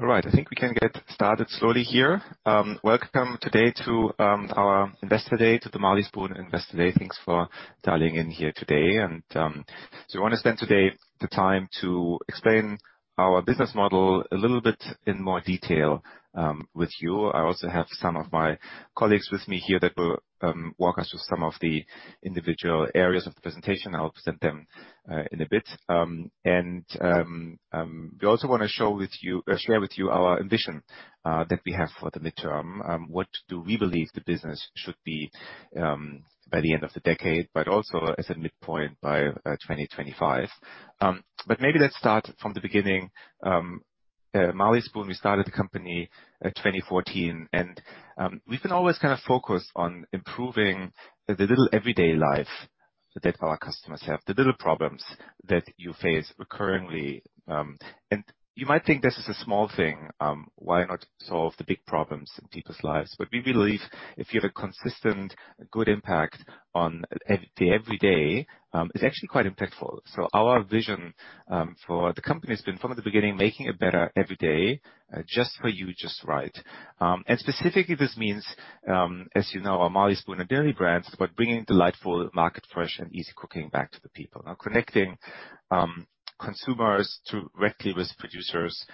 All right. I think we can get started slowly here. Welcome today to our Investor Day, to the Marley Spoon Investor Day. Thanks for dialing in here today. We want to spend today the time to explain our business model a little bit in more detail with you. I also have some of my colleagues with me here that will walk us through some of the individual areas of the presentation. I'll present them in a bit. We also want to share with you our vision that we have for the mid-term, what do we believe the business should be by the end of the decade, but also as a midpoint by 2025. Maybe let's start from the beginning. Marley Spoon, we started the company in 2014, we've been always kind of focused on improving the little everyday life that our customers have, the little problems that you face currently. You might think this is a small thing, why not solve the big problems in people's lives? We believe if you have a consistent, good impact on the everyday, it's actually quite impactful. Our vision for the company has been from the beginning, making a better everyday just for you, just right. Specifically, this means, as you know, our Marley Spoon and Dinnerly brands, but bringing delightful market fresh and easy cooking back to the people. Now connecting consumers directly with producers,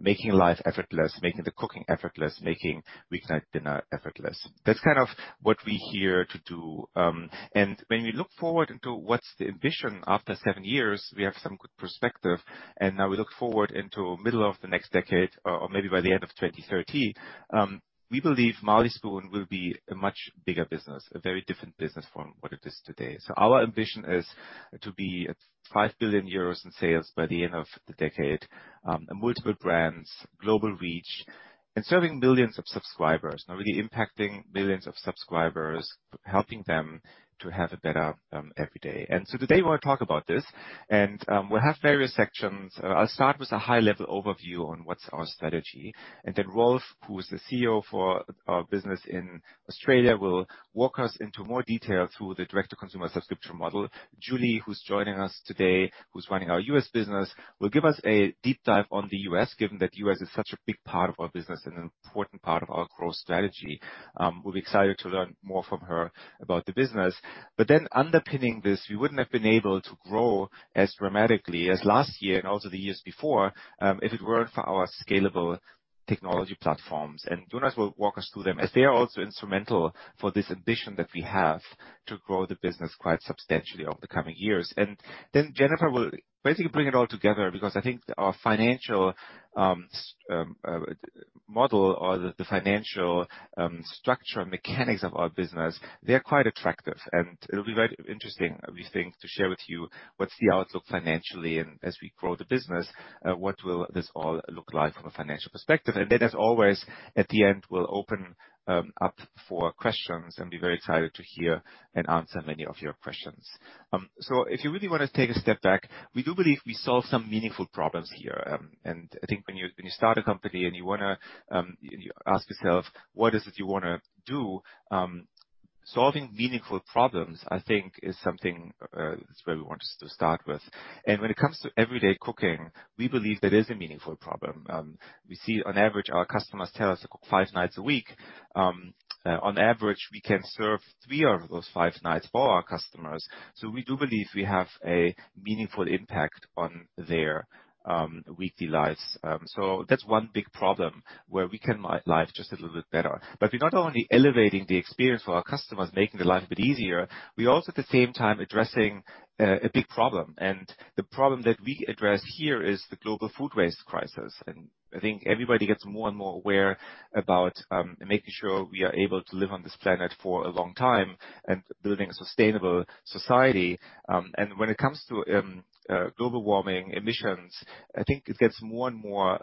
making life effortless, making the cooking effortless, making weeknight dinner effortless. That's kind of what we're here to do. When we look forward into what's the ambition after seven years, we have some good perspective, now we look forward into the middle of the next decade or maybe by the end of 2030. We believe Marley Spoon will be a much bigger business, a very different business from what it is today. Our ambition is to be at 5 billion euros in sales by the end of the decade, and multiple brands, global reach, and serving millions of subscribers. Really impacting millions of subscribers, helping them to have a better everyday. Today we'll talk about this, and we'll have various sections. I'll start with a high-level overview on what's our strategy. Rolf, who is the CEO for our business in Australia, will walk us into more detail through the direct-to-consumer subscription model. Julie, who's joining us today, who's running our U.S. business, will give us a deep dive on the U.S., given that U.S. is such a big part of our business and an important part of our growth strategy. We'll be excited to learn more from her about the business. Underpinning this, we wouldn't have been able to grow as dramatically as last year and also the years before, if it weren't for our scalable technology platforms. Jonas will walk us through them as they are also instrumental for this ambition that we have to grow the business quite substantially over the coming years. Then Jennifer will basically bring it all together because I think our financial model or the financial structure and mechanics of our business, they're quite attractive, and it'll be very interesting, I think, to share with you what's the outlook financially and as we grow the business, what will this all look like from a financial perspective? Then as always, at the end, we'll open up for questions and be very excited to hear and answer many of your questions. If you really want to take a step back, we do believe we solve some meaningful problems here. I think when you start a company and you want to ask yourself, what is it you want to do? Solving meaningful problems, I think is something that's where we wanted to start with. When it comes to everyday cooking, we believe that is a meaningful problem. We see on average, our customers tell us five nights a week. On average, we can serve three of those five nights for our customers. We do believe we have a meaningful impact on their weekly lives. That's one big problem where we can make life just a little bit better. We're not only elevating the experience for our customers, making their life a bit easier, we're also at the same time addressing a big problem. The problem that we address here is the global food waste crisis. I think everybody gets more and more aware about making sure we are able to live on this planet for a long time and building a sustainable society. When it comes to global warming emissions, I think it gets more and more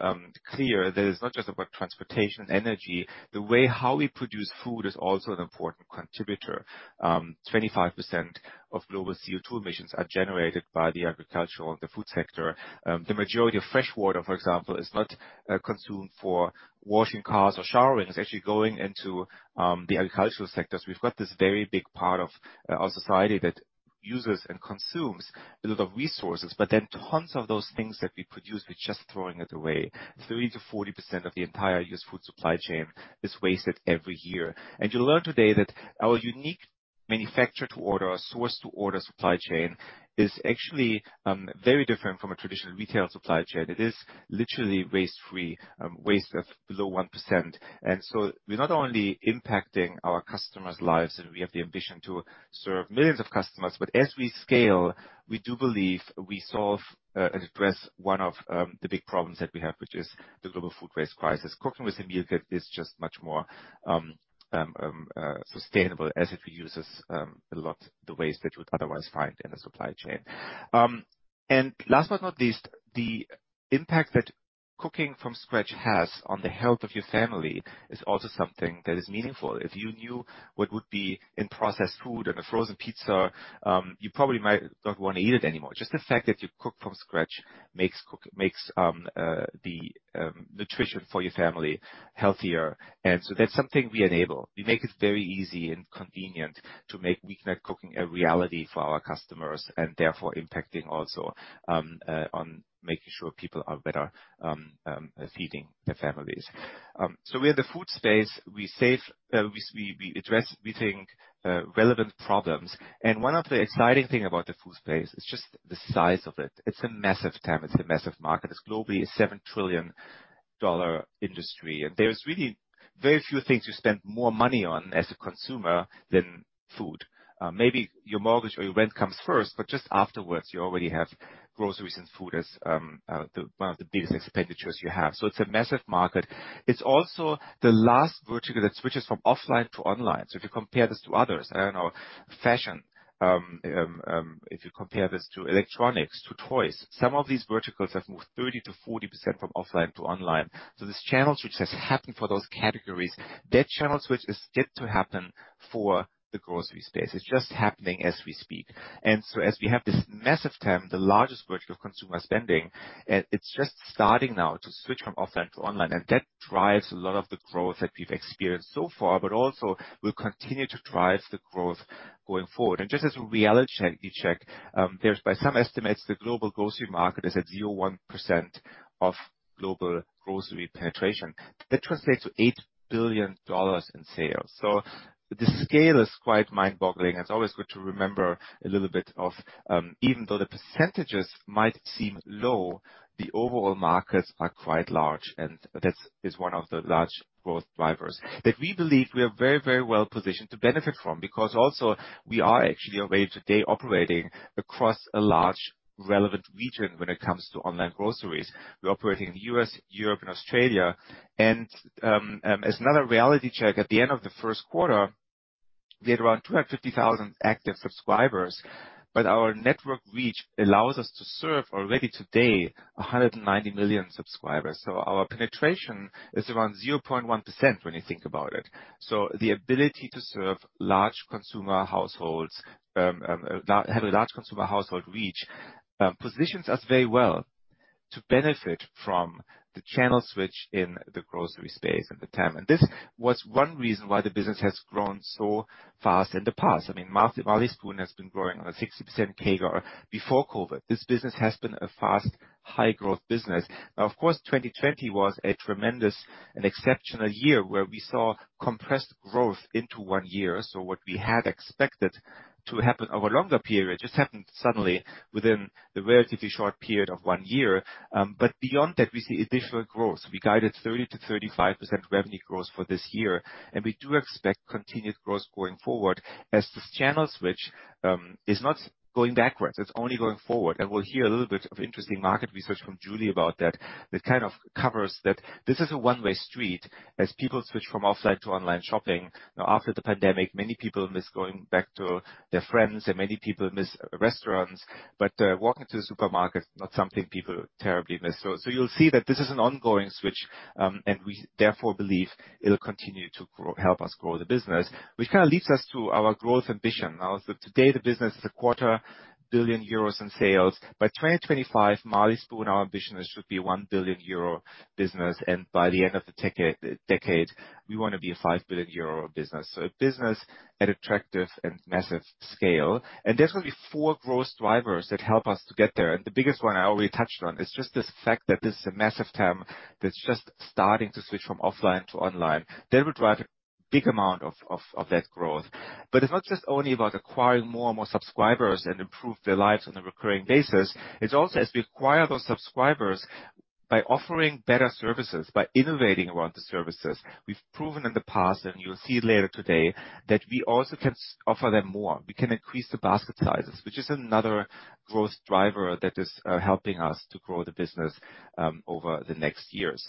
clear that it's not just about transportation energy. The way how we produce food is also an important contributor. 25% of global CO2 emissions are generated by the agricultural and the food sector. The majority of fresh water, for example, is not consumed for washing cars or showering. It's actually going into the agricultural sectors. We've got this very big part of our society that uses and consumes a lot of resources, but then tons of those things that we produce, we're just throwing it away. 30%-40% of the entire U.S. food supply chain is wasted every year. You'll learn today that our unique manufacture-to-order or source-to-order supply chain is actually very different from a traditional retail supply chain. It is literally waste-free, waste of below 1%. We're not only impacting our customers' lives, and we have the ambition to serve millions of customers, but as we scale, we do believe we solve and address one of the big problems that we have, which is the global food waste crisis. Cooking with meal kit is just much more sustainable as it reduces a lot the waste that we otherwise find in a supply chain. Last but not least, the impact that cooking from scratch has on the health of your family is also something that is meaningful. If you knew what would be in processed food and a frozen pizza, you probably might not want to eat it anymore. Just the fact that you cook from scratch makes the nutrition for your family healthier. That's something we enable. We make it very easy and convenient to make weeknight cooking a reality for our customers, and therefore impacting also on making sure people are better feeding their families. We're in the food space. We think relevant problems. One of the exciting thing about the food space is just the size of it. It's a massive TAM, it's a massive market. It's globally a EUR 7 trillion industry. There's really very few things you spend more money on as a consumer than food. Maybe your mortgage or your rent comes first, but just afterwards, you already have groceries and food as one of the biggest expenditures you have. It's a massive market. It's also the last vertical that switches from offline to online. If you compare this to others, I don't know, fashion, if you compare this to electronics, to toys, some of these verticals have moved 30%-40% from offline to online. This channel switch has happened for those categories. That channel switch is yet to happen for the grocery space. It's just happening as we speak. As we have this massive TAM, the largest vertical consumer spending, it's just starting now to switch from offline to online. That drives a lot of the growth that we've experienced so far, but also will continue to drive the growth going forward. Just as a reality check, there's by some estimates, the global grocery market is at 0.1% of global grocery penetration. That translates to $8 billion in sales. The scale is quite mind-boggling, and it's always good to remember a little bit of, even though the percentages might seem low, the overall markets are quite large. That is one of the large growth drivers that we believe we are very well positioned to benefit from. Also we are actually already today operating across a large relevant region when it comes to online groceries. We're operating in the U.S., Europe, and Australia. As another reality check, at the end of the first quarter, we had around 250,000 active subscribers, but our network reach allows us to serve already today 190 million subscribers. Our penetration is around 0.1% when you think about it. The ability to have a large consumer household reach, positions us very well to benefit from the channel switch in the grocery space and the TAM. This was one reason why the business has grown so fast in the past. Marley Spoon has been growing on a 60% CAGR before COVID. This business has been a fast, high growth business. Of course, 2020 was a tremendous and exceptional year where we saw compressed growth into one year. What we had expected to happen over a longer period just happened suddenly within the relatively short period of one year. Beyond that, we see additional growth. We guided 30%-35% revenue growth for this year, and we do expect continued growth going forward as this channel switch is not going backwards, it's only going forward. We'll hear a little bit of interesting market research from Julie about that kind of covers that this is a one-way street as people switch from offline to online shopping. After the pandemic, many people miss going back to their friends and many people miss restaurants, but walking to the supermarket, not something people terribly miss. You'll see that this is an ongoing switch, and we therefore believe it'll continue to help us grow the business. Which kind of leads us to our growth ambition. Today, the business is a quarter million euro in sales. By 2025, Marley Spoon, our ambition, should be a 1 billion euro business, and by the end of the decade, we want to be a 5 billion euro business. A business at attractive and massive scale. There's going to be four growth drivers that help us to get there. The biggest one I already touched on is just this fact that this is a massive TAM that's just starting to switch from offline to online. That will drive a big amount of that growth. It's not just only about acquiring more and more subscribers and improve their lives on a recurring basis. It's also as we acquire those subscribers by offering better services, by innovating around the services. We've proven in the past, and you'll see later today, that we also can offer them more. We can increase the basket sizes, which is another growth driver that is helping us to grow the business over the next years.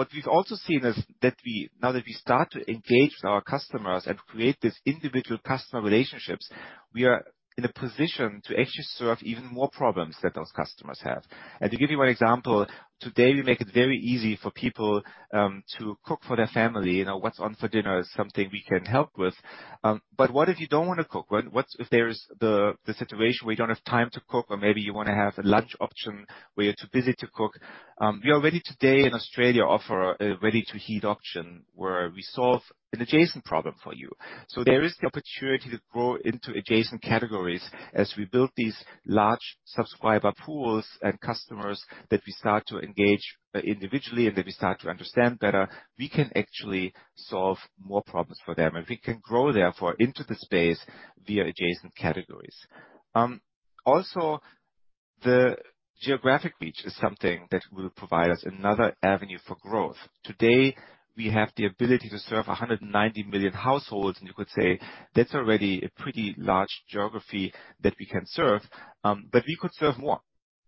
What we've also seen is that now that we start to engage with our customers and create these individual customer relationships, we are in a position to actually serve even more problems that those customers have. To give you one example, today, we make it very easy for people to cook for their family. What's on for dinner is something we can help with. What if you don't want to cook? What if there's the situation where you don't have time to cook, or maybe you want to have a lunch option where you're too busy to cook? We already today in Australia offer a ready-to-heat option where we solve an adjacent problem for you. There is the opportunity to grow into adjacent categories as we build these large subscriber pools and customers that we start to engage individually and that we start to understand better. We can actually solve more problems for them, and we can grow therefore into the space via adjacent categories. The geographic reach is something that will provide us another avenue for growth. Today, we have the ability to serve 190 million households, and you could say that's already a pretty large geography that we can serve. We could serve more.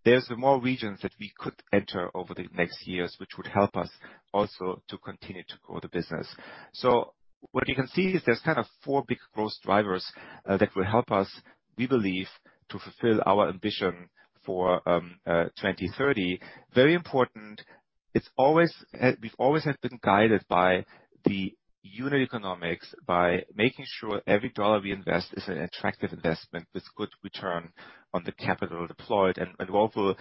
There's more regions that we could enter over the next years, which would help us also to continue to grow the business. What you can see is there's kind of four big growth drivers that will help us, we believe, to fulfill our ambition for 2030. Very important, we always have been guided by the unit economics, by making sure every dollar we invest is an attractive investment with good return on the capital deployed. Rolf will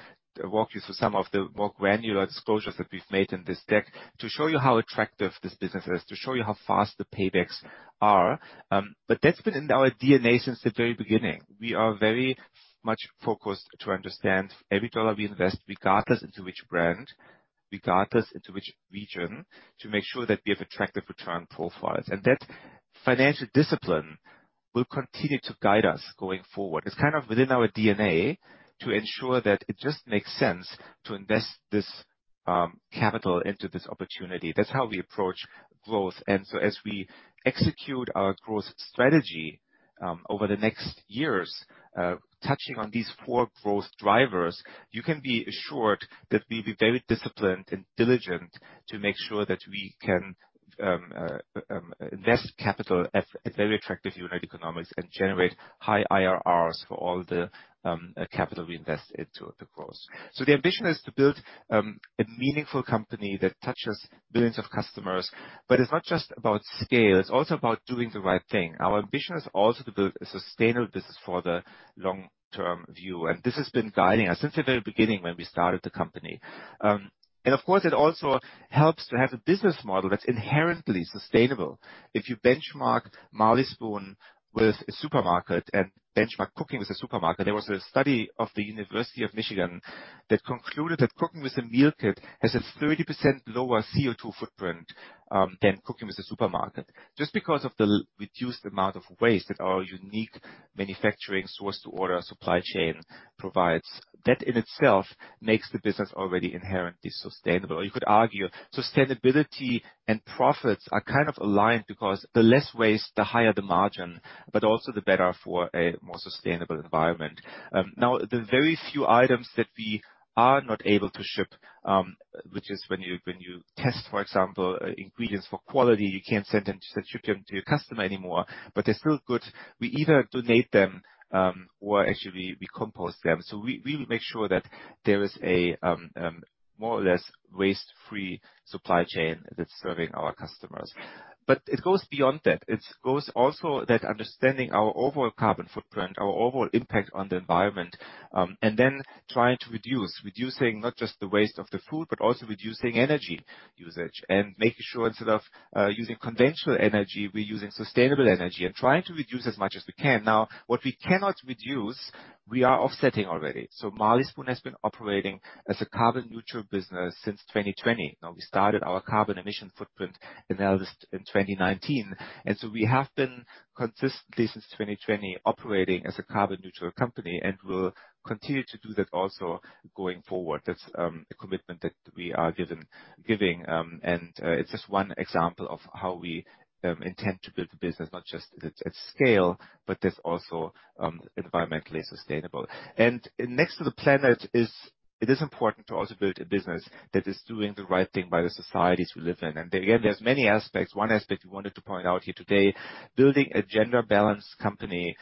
walk you through some of the more granular disclosures that we've made in this deck to show you how attractive this business is, to show you how fast the paybacks are. That's been in our DNA since the very beginning. We are very much focused to understand every dollar we invest, regardless into which brand, regardless into which region, to make sure that we have attractive return profiles. That financial discipline will continue to guide us going forward. It's kind of within our DNA to ensure that it just makes sense to invest this capital into this opportunity. That's how we approach growth. As we execute our growth strategy, over the next years, touching on these four growth drivers, you can be assured that we'll be very disciplined and diligent to make sure that we can invest capital at very attractive unit economics and generate high IRRs for all the capital we invest into the growth. The ambition is to build a meaningful company that touches billions of customers. It's not just about scale, it's also about doing the right thing. Our ambition is also to build a sustainable business for the long-term view. This has been guiding us since the very beginning when we started the company. Of course, it also helps to have a business model that's inherently sustainable. If you benchmark Marley Spoon with a supermarket, and benchmark cooking with a supermarket, there was a study of the University of Michigan that concluded that cooking with a meal kit has a 30% lower CO2 footprint than cooking with a supermarket, just because of the reduced amount of waste that our unique manufacturing source to order supply chain provides. That in itself makes the business already inherently sustainable. You could argue sustainability and profits are kind of aligned because the less waste, the higher the margin, but also the better for a more sustainable environment. The very few items that we are not able to ship, which is when you test, for example, ingredients for quality, you can't send them to your customer anymore, but they're still good, we either donate them, or actually we compost them. We make sure that there is a more or less waste-free supply chain that's serving our customers. It goes beyond that. It goes also that understanding our overall carbon footprint, our overall impact on the environment, trying to reduce, reducing not just the waste of the food, but also reducing energy usage and making sure instead of using conventional energy, we're using sustainable energy and trying to reduce as much as we can. What we cannot reduce, we are offsetting already. Marley Spoon has been operating as a carbon neutral business since 2020. Now we started our carbon emission footprint analysis in 2019, and so we have been consistently since 2020 operating as a carbon neutral company. We'll continue to do that also going forward. That's a commitment that we are giving. It's just one example of how we intend to build the business, not just at scale, but that's also environmentally sustainable. Next to the planet, it is important to also build a business that is doing the right thing by the societies we live in. Again, there's many aspects. One aspect we wanted to point out here today, building a gender-balanced company,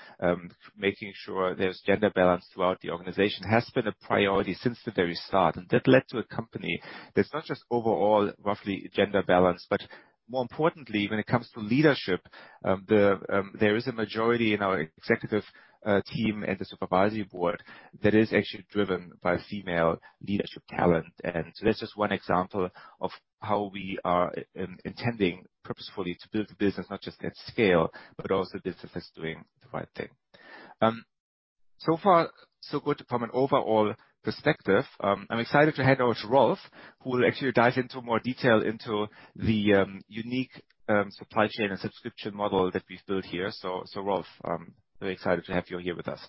making sure there's gender balance throughout the organization has been a priority since the very start, and that led to a company that's not just overall roughly gender balanced, but more importantly, when it comes to leadership, there is a majority in our executive team and the supervisory board that is actually driven by female leadership talent. That's just one example of how we are intending purposefully to build the business, not just at scale, but also a business that's doing the right thing. So far so good from an overall perspective. I'm excited to hand over to Rolf, who will actually dive into more detail into the unique supply chain and subscription model that we've built here. Rolf, very excited to have you here with us.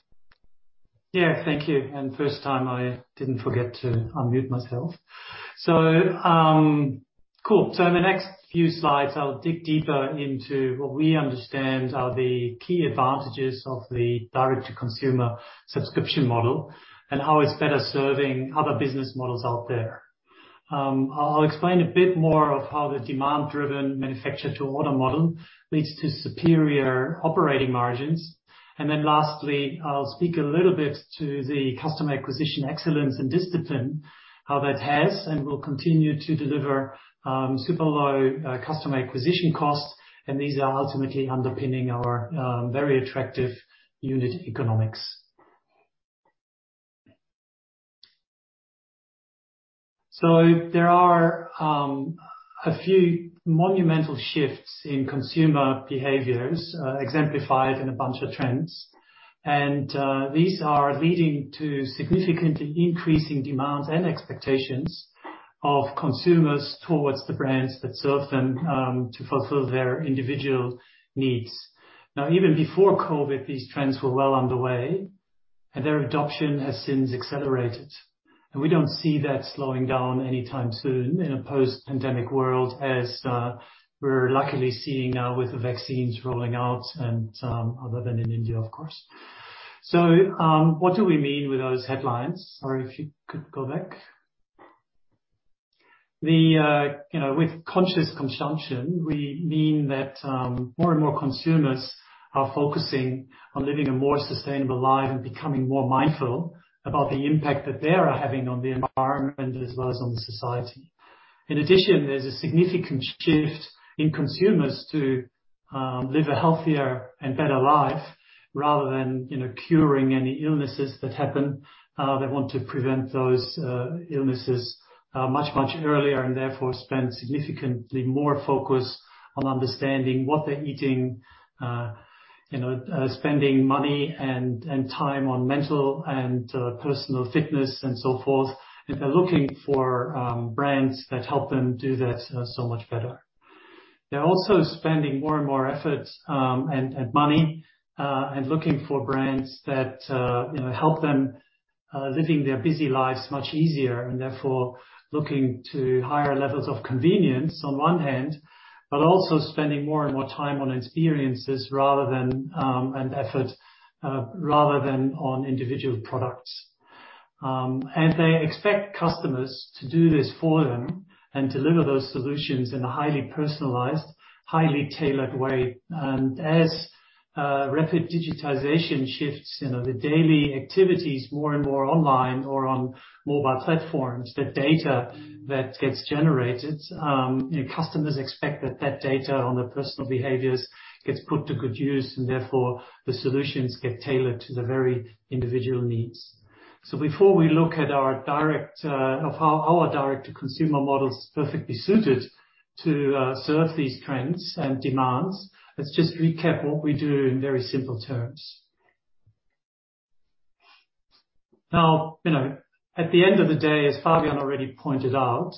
Yeah. Thank you. First time, I didn't forget to unmute myself. Cool. In the next few slides, I'll dig deeper into what we understand are the key advantages of the direct-to-consumer subscription model and how it's better serving other business models out there. I'll explain a bit more of how the demand-driven manufacture-to-order model leads to superior operating margins. Lastly, I'll speak a little bit to the customer acquisition excellence and discipline, how that has and will continue to deliver super low customer acquisition costs. These are ultimately underpinning our very attractive unit economics. There are a few monumental shifts in consumer behaviors exemplified in a bunch of trends. These are leading to significantly increasing demands and expectations of consumers towards the brands that serve them, to fulfill their individual needs. Even before COVID, these trends were well underway, and their adoption has since accelerated. We don't see that slowing down anytime soon in a post-pandemic world as we're luckily seeing now with the vaccines rolling out and other than in India, of course. What do we mean with those headlines? Sorry, if you could go back. With conscious consumption, we mean that more and more consumers are focusing on living a more sustainable life and becoming more mindful about the impact that they are having on the environment, as well as on the society. In addition, there's a significant shift in consumers to live a healthier and better life rather than curing any illnesses that happen. They want to prevent those illnesses much, much earlier and therefore spend significantly more focus on understanding what they're eating, spending money and time on mental and personal fitness and so forth. They're looking for brands that help them do that so much better. They're also spending more and more efforts and money and looking for brands that help them living their busy lives much easier, and therefore looking to higher levels of convenience on one hand, but also spending more and more time on experiences and effort, rather than on individual products. They expect customers to do this for them and deliver those solutions in a highly personalized, highly tailored way. As rapid digitization shifts the daily activities more and more online or on mobile platforms, the data that gets generated, customers expect that that data on their personal behaviors gets put to good use, and therefore the solutions get tailored to the very individual needs. Before we look at how our direct-to-consumer model is perfectly suited to serve these trends and demands, let's just recap what we do in very simple terms. At the end of the day, as Fabian already pointed out,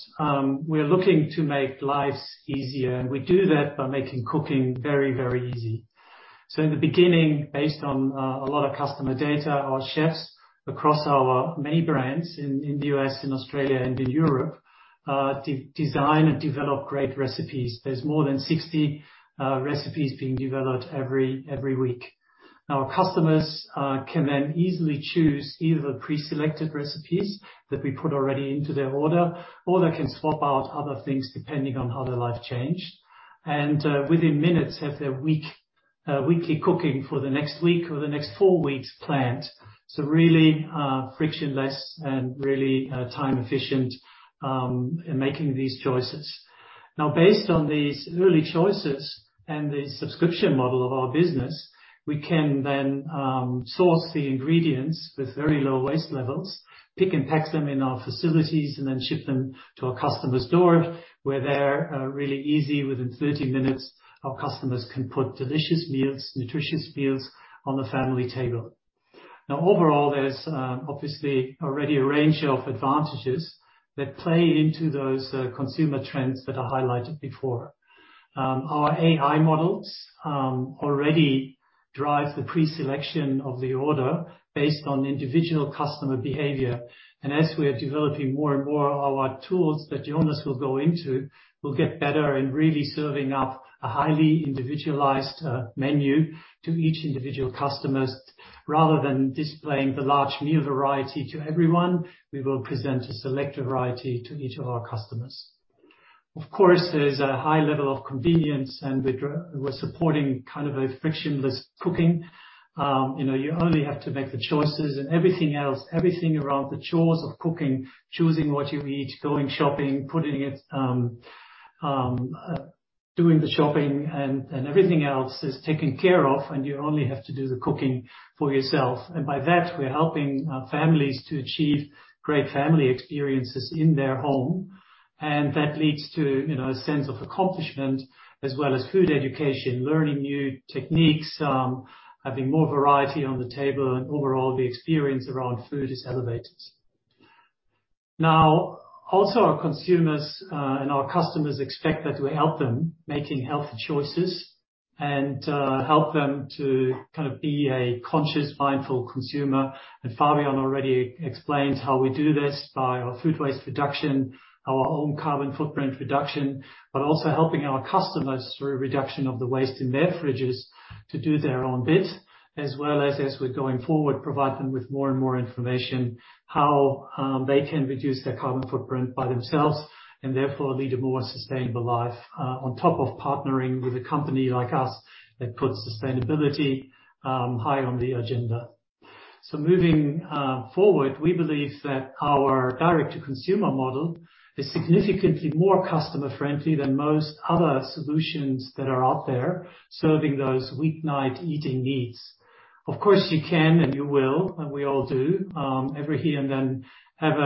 we're looking to make lives easier, and we do that by making cooking very, very easy. In the beginning, based on a lot of customer data, our chefs across our many brands in the U.S. and Australia and in Europe, design and develop great recipes. There's more than 60 recipes being developed every week. Customers can then easily choose either preselected recipes that we put already into their order, or they can swap out other things depending on how their life changed, and within minutes have their weekly cooking for the next week or the next four weeks planned. Really, frictionless and really time efficient in making these choices. Based on these early choices and the subscription model of our business, we can then source the ingredients with very low waste levels, pick and pack them in our facilities, and then ship them to a customer's door where they're really easy, within 30 minutes, our customers can put delicious meals, nutritious meals on the family table. Overall, there's obviously already a range of advantages that play into those consumer trends that are highlighted before. Our AI models already drive the pre-selection of the order based on individual customer behavior. As we are developing more and more our tools that Jonas will go into, will get better in really serving up a highly individualized menu to each individual customers. Rather than displaying the large meal variety to everyone, we will present a selected variety to each of our customers. Of course, there's a high level of convenience, and we're supporting kind of a frictionless cooking. You only have to make the choices and everything else, everything around the chores of cooking, choosing what you eat, going shopping, Doing the shopping and everything else is taken care of, and you only have to do the cooking for yourself. By that, we're helping families to achieve great family experiences in their home. That leads to a sense of accomplishment as well as food education, learning new techniques, having more variety on the table, and overall, the experience around food is elevated. Now also, our consumers and our customers expect that we help them making healthy choices and help them to kind of be a conscious, mindful consumer. Fabian already explained how we do this by our food waste reduction, our own carbon footprint reduction, but also helping our customers through reduction of the waste in their fridges to do their own bit, as well as we're going forward, provide them with more and more information how they can reduce their carbon footprint by themselves, and therefore lead a more sustainable life, on top of partnering with a company like us that puts sustainability high on the agenda. Moving forward, we believe that our direct-to-consumer model is significantly more customer friendly than most other solutions that are out there serving those weeknight eating needs. Of course, you can and you will, and we all do, every here and then have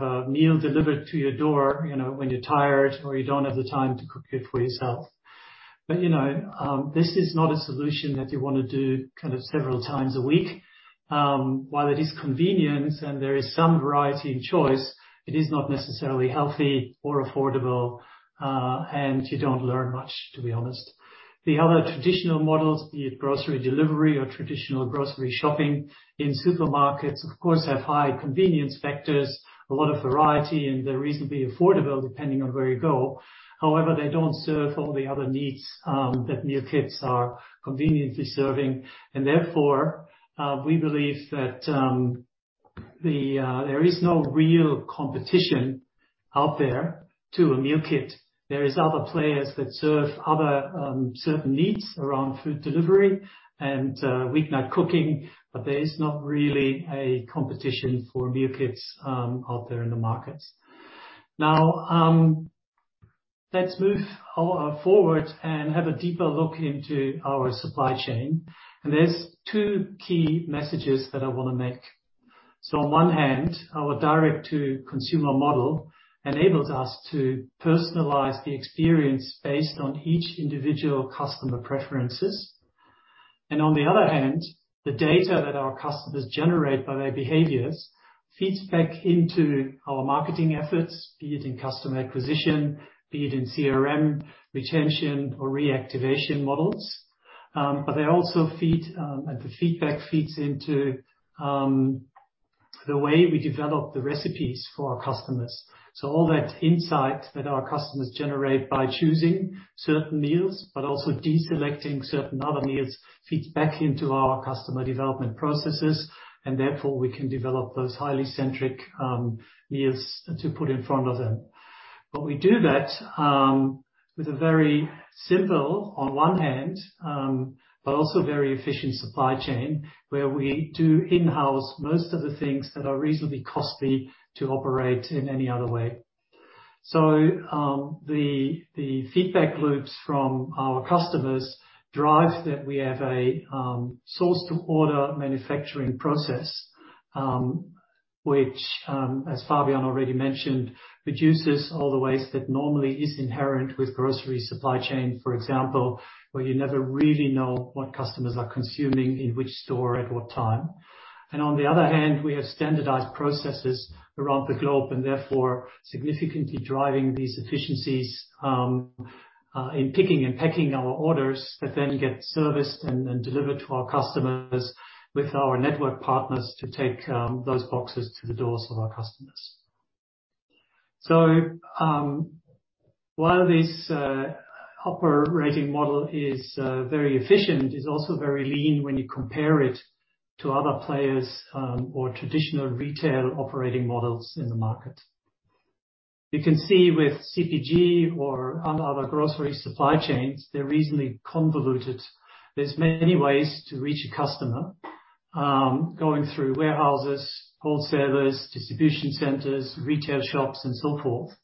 a meal delivered to your door when you're tired or you don't have the time to cook it for yourself. This is not a solution that you want to do kind of several times a week. While it is convenient and there is some variety and choice. It is not necessarily healthy or affordable, and you don't learn much, to be honest. The other traditional models, be it grocery delivery or traditional grocery shopping in supermarkets, of course, have high convenience factors, a lot of variety, and they're reasonably affordable depending on where you go. However, they don't serve all the other needs that meal kits are conveniently serving. Therefore, we believe that there is no real competition out there to a meal kit. There is other players that serve other certain needs around food delivery and weeknight cooking, but there is not really a competition for meal kits out there in the market. Let's move forward and have a deeper look into our supply chain, there's two key messages that I want to make. On one hand, our direct-to-consumer model enables us to personalize the experience based on each individual customer preferences. On the other hand, the data that our customers generate by their behaviors feeds back into our marketing efforts, be it in customer acquisition, be it in CRM, retention or reactivation models. The feedback feeds into the way we develop the recipes for our customers. All that insight that our customers generate by choosing certain meals, but also deselecting certain other meals, feeds back into our customer development processes, therefore, we can develop those highly centric meals to put in front of them. We do that with a very simple on one hand, but also very efficient supply chain, where we do in-house most of the things that are reasonably costly to operate in any other way. The feedback loops from our customers drive that we have a source to order manufacturing process, which, as Fabian already mentioned, reduces all the waste that normally is inherent with grocery supply chain, for example, where you never really know what customers are consuming in which store at what time. On the other hand, we have standardized processes around the globe, and therefore significantly driving these efficiencies in picking and packing our orders that then get serviced and delivered to our customers with our network partners to take those boxes to the doors of our customers. While this operating model is very efficient, it's also very lean when you compare it to other players or traditional retail operating models in the market. You can see with CPG or other grocery supply chains, they're reasonably convoluted. There's many ways to reach a customer, going through warehouses, wholesalers, distribution centers, retail shops, and so forth.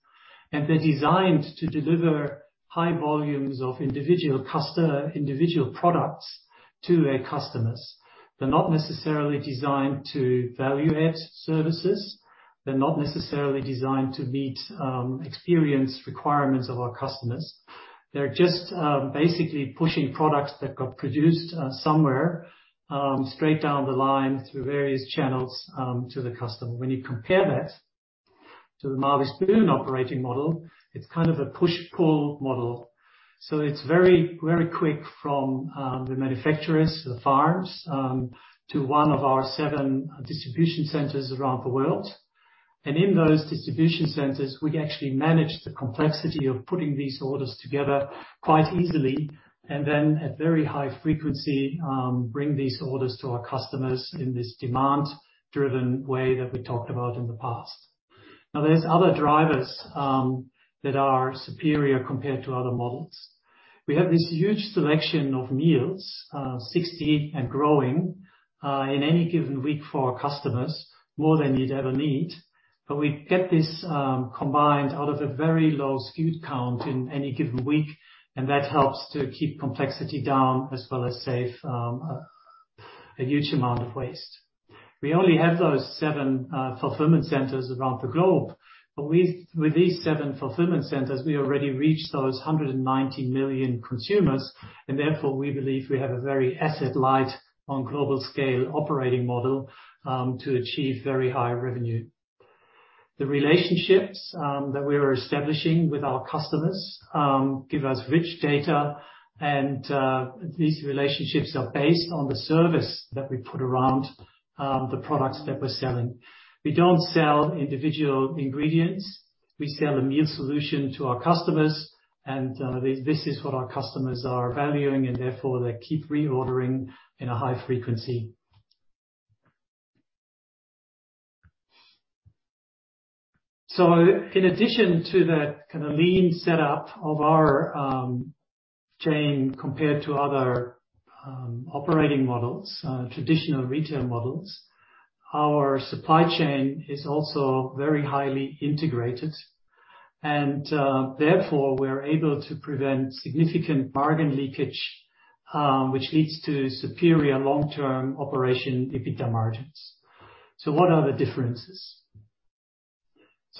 They're designed to deliver high volumes of individual products to their customers. They're not necessarily designed to value add services. They're not necessarily designed to meet experience requirements of our customers. They're just basically pushing products that got produced somewhere, straight down the line through various channels to the customer. When you compare that to the Marley Spoon operating model, it's kind of a push-pull model. It's very, very quick from the manufacturers, the farms, to one of our seven distribution centers around the world. In those distribution centers, we actually manage the complexity of putting these orders together quite easily, then at very high frequency, bring these orders to our customers in this demand-driven way that we talked about in the past. There's other drivers that are superior compared to other models. We have this huge selection of meals, 60 and growing, in any given week for our customers, more than you'd ever need. We get this combined out of a very low SKU count in any given week, and that helps to keep complexity down as well as save a huge amount of waste. We only have those seven fulfillment centers around the globe, but with these seven fulfillment centers, we already reached those 190 million consumers. Therefore, we believe we have a very asset light on global scale operating model to achieve very high revenue. The relationships that we are establishing with our customers give us rich data, and these relationships are based on the service that we put around the products that we're selling. We don't sell individual ingredients. We sell a meal solution to our customers, and this is what our customers are valuing, and therefore they keep reordering in a high frequency. In addition to that kind of lean setup of our chain compared to other operating models, traditional retail models, our supply chain is also very highly integrated. Therefore, we're able to prevent significant margin leakage, which leads to superior long-term operation EBITDA margins. What are the differences?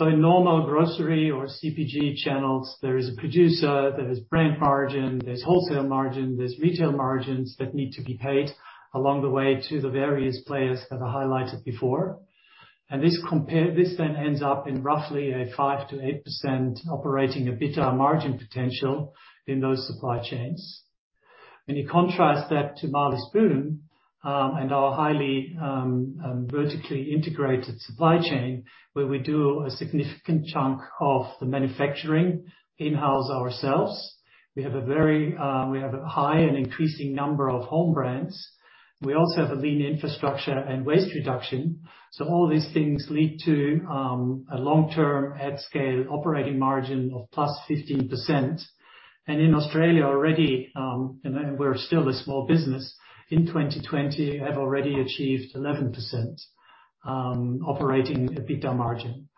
In normal grocery or CPG channels, there is a producer, there is brand margin, there's wholesale margin, there's retail margins that need to be paid along the way to the various players as I highlighted before. This then ends up in roughly a 5%-8% operating EBITDA margin potential in those supply chains. When you contrast that to Marley Spoon and our highly vertically integrated supply chain, where we do a significant chunk of the manufacturing in-house ourselves, we have a high and increasing number of home brands. We also have a lean infrastructure and waste reduction. All these things lead to a long-term at-scale operating margin of +15%. In Australia already, and we're still a small business, in 2020 have already achieved 11% operating EBITDA margin.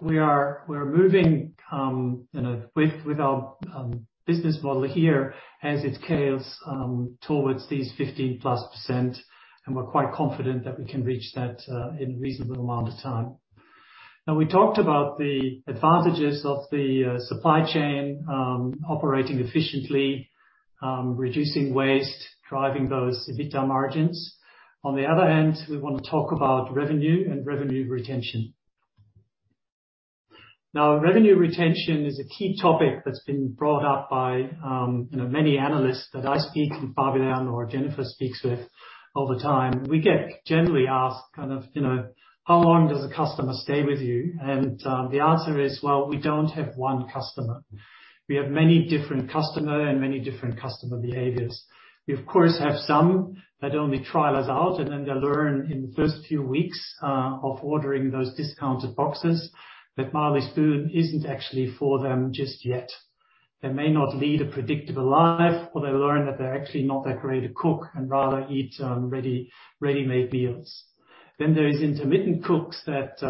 We're moving with our business model here as it scales towards these 15%+, and we're quite confident that we can reach that in a reasonable amount of time. We talked about the advantages of the supply chain operating efficiently, reducing waste, driving those EBITDA margins. On the other hand, we want to talk about revenue and revenue retention. Revenue retention is a key topic that's been brought up by many analysts that I speak with Fabian or Jennifer speaks with all the time. We get generally asked kind of, how long does a customer stay with you? The answer is, well, we don't have one customer. We have many different customers and many different customer behaviors. We, of course, have some that only trial us out, and then they learn in the first few weeks of ordering those discounted boxes that Marley Spoon isn't actually for them just yet. They may not lead a predictable life, or they learn that they're actually not that great a cook and rather eat ready-made meals. There is intermittent cooks that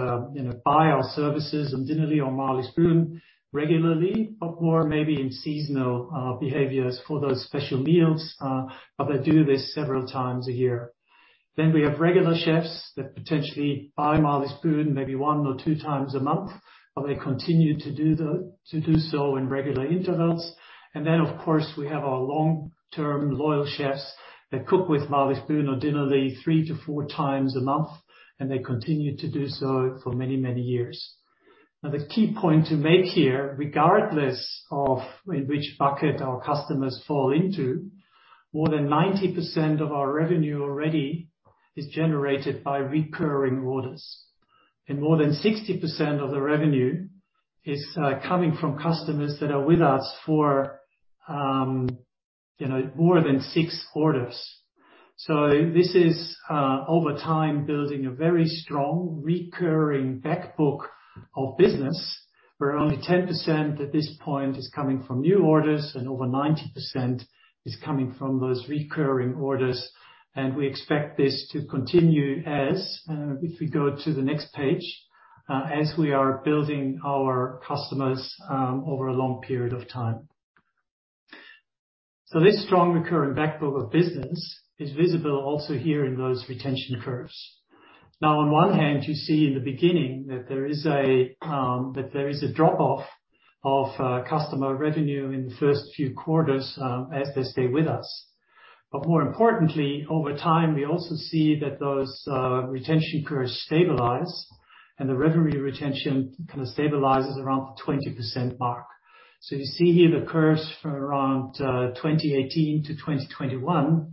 buy our services on Dinnerly or Marley Spoon regularly, but more maybe in seasonal behaviors for those special meals, but they do this several times a year. We have regular chefs that potentially buy Marley Spoon maybe one or two times a month, but they continue to do so in regular intervals. Of course, we have our long-term loyal chefs that cook with Marley Spoon or Dinnerly three to four times a month, and they continue to do so for many, many years. The key point to make here, regardless of in which bucket our customers fall into, more than 90% of our revenue already is generated by recurring orders. More than 60% of the revenue is coming from customers that are with us for more than six orders. This is over time building a very strong recurring back book of business, where only 10% at this point is coming from new orders and over 90% is coming from those recurring orders. We expect this to continue as, if we go to the next page, as we are building our customers over a long period of time. This strong recurring back book of business is visible also here in those retention curves. On one hand, you see in the beginning that there is a drop off of customer revenue in the first few quarters as they stay with us. More importantly, over time, we also see that those retention curves stabilize and the revenue retention kind of stabilizes around the 20% mark. You see here the curves for around 2018-2021,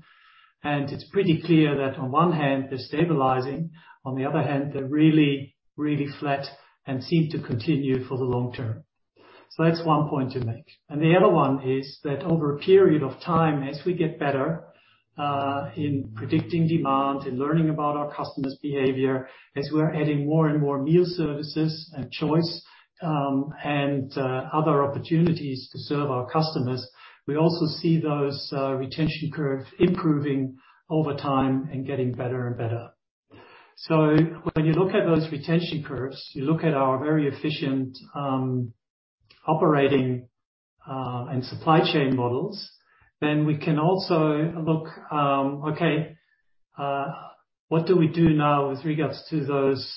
and it's pretty clear that on one hand, they're stabilizing. On the other hand, they're really, really flat and seem to continue for the long term. That's one point to make. The other one is that over a period of time, as we get better in predicting demand and learning about our customer's behavior, as we're adding more and more meal services and choice, and other opportunities to serve our customers, we also see those retention curve improving over time and getting better and better. When you look at those retention curves, you look at our very efficient operating and supply chain models, then we can also look, okay, what do we do now with regards to those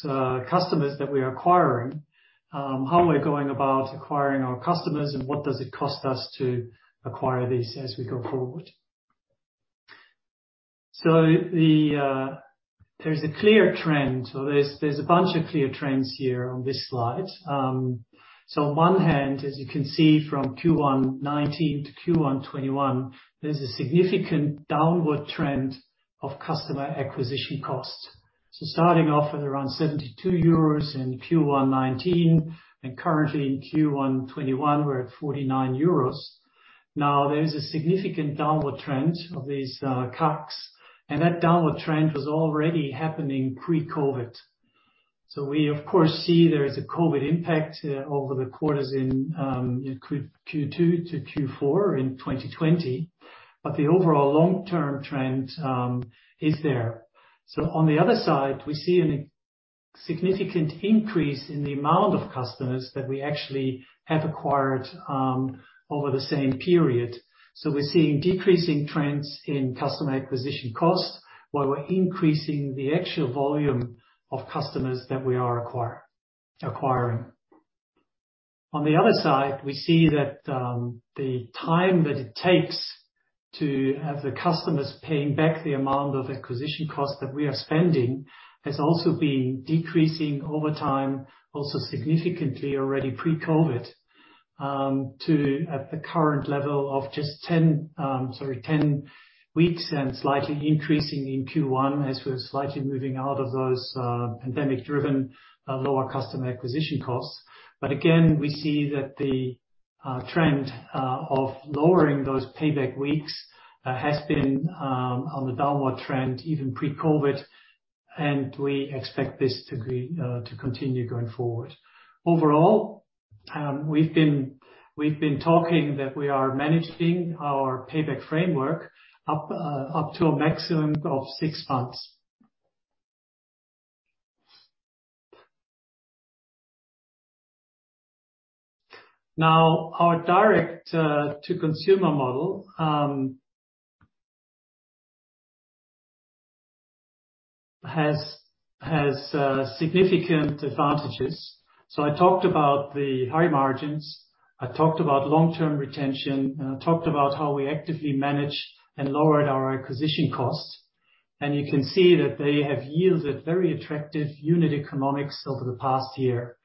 customers that we are acquiring? How are we going about acquiring our customers, and what does it cost us to acquire these as we go forward? There's a clear trend. There's a bunch of clear trends here on this slide. On one hand, as you can see from Q1 2019 to Q1 2021, there's a significant downward trend of customer acquisition costs. Starting off at around 72 euros in Q1 2019, and currently in Q1 2021, we're at 49 euros. There's a significant downward trend of these CACs, and that downward trend was already happening pre-COVID. We of course, see there is a COVID impact over the quarters in Q2 to Q4 in 2020, but the overall long-term trend is there. On the other side, we see a significant increase in the amount of customers that we actually have acquired over the same period. We're seeing decreasing trends in customer acquisition costs while we're increasing the actual volume of customers that we are acquiring. On the other side, we see that the time that it takes to have the customers paying back the amount of acquisition costs that we are spending has also been decreasing over time, also significantly already pre-COVID, to at the current level of just 10 weeks and slightly increasing in Q1 as we're slightly moving out of those pandemic-driven lower customer acquisition costs. Again, we see that the trend of lowering those payback weeks has been on the downward trend, even pre-COVID, and we expect this to continue going forward. Overall, we've been talking that we are managing our payback framework up to a maximum of six months. Our direct-to-consumer model has significant advantages. I talked about the high margins, I talked about long-term retention, I talked about how we actively managed and lowered our acquisition costs. You can see that they have yielded very attractive unit economics over the past year.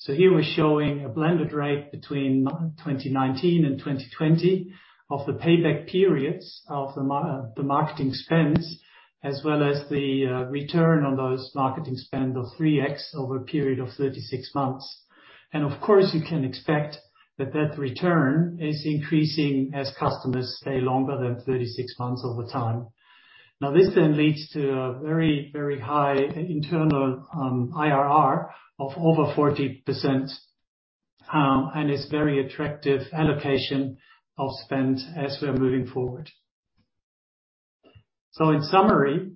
Here we're showing a blended rate between 2019 and 2020 of the payback periods of the marketing spends, as well as the return on those marketing spend of 3x over a period of 36 months. Of course, you can expect that that return is increasing as customers stay longer than 36 months over time. This leads to a very high internal IRR of over 40%, and it's very attractive allocation of spend as we're moving forward. In summary,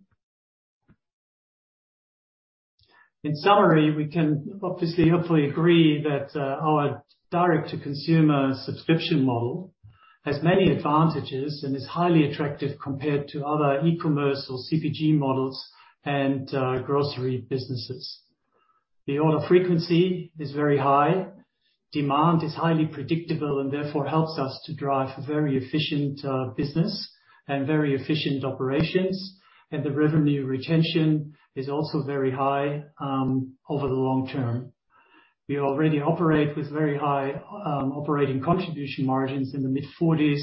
we can obviously, hopefully agree that our direct-to-consumer subscription model has many advantages and is highly attractive compared to other e-commerce or CPG models and grocery businesses. The order frequency is very high. Demand is highly predictable and therefore helps us to drive a very efficient business and very efficient operations. The revenue retention is also very high over the long term. We already operate with very high operating contribution margins in the mid-40s,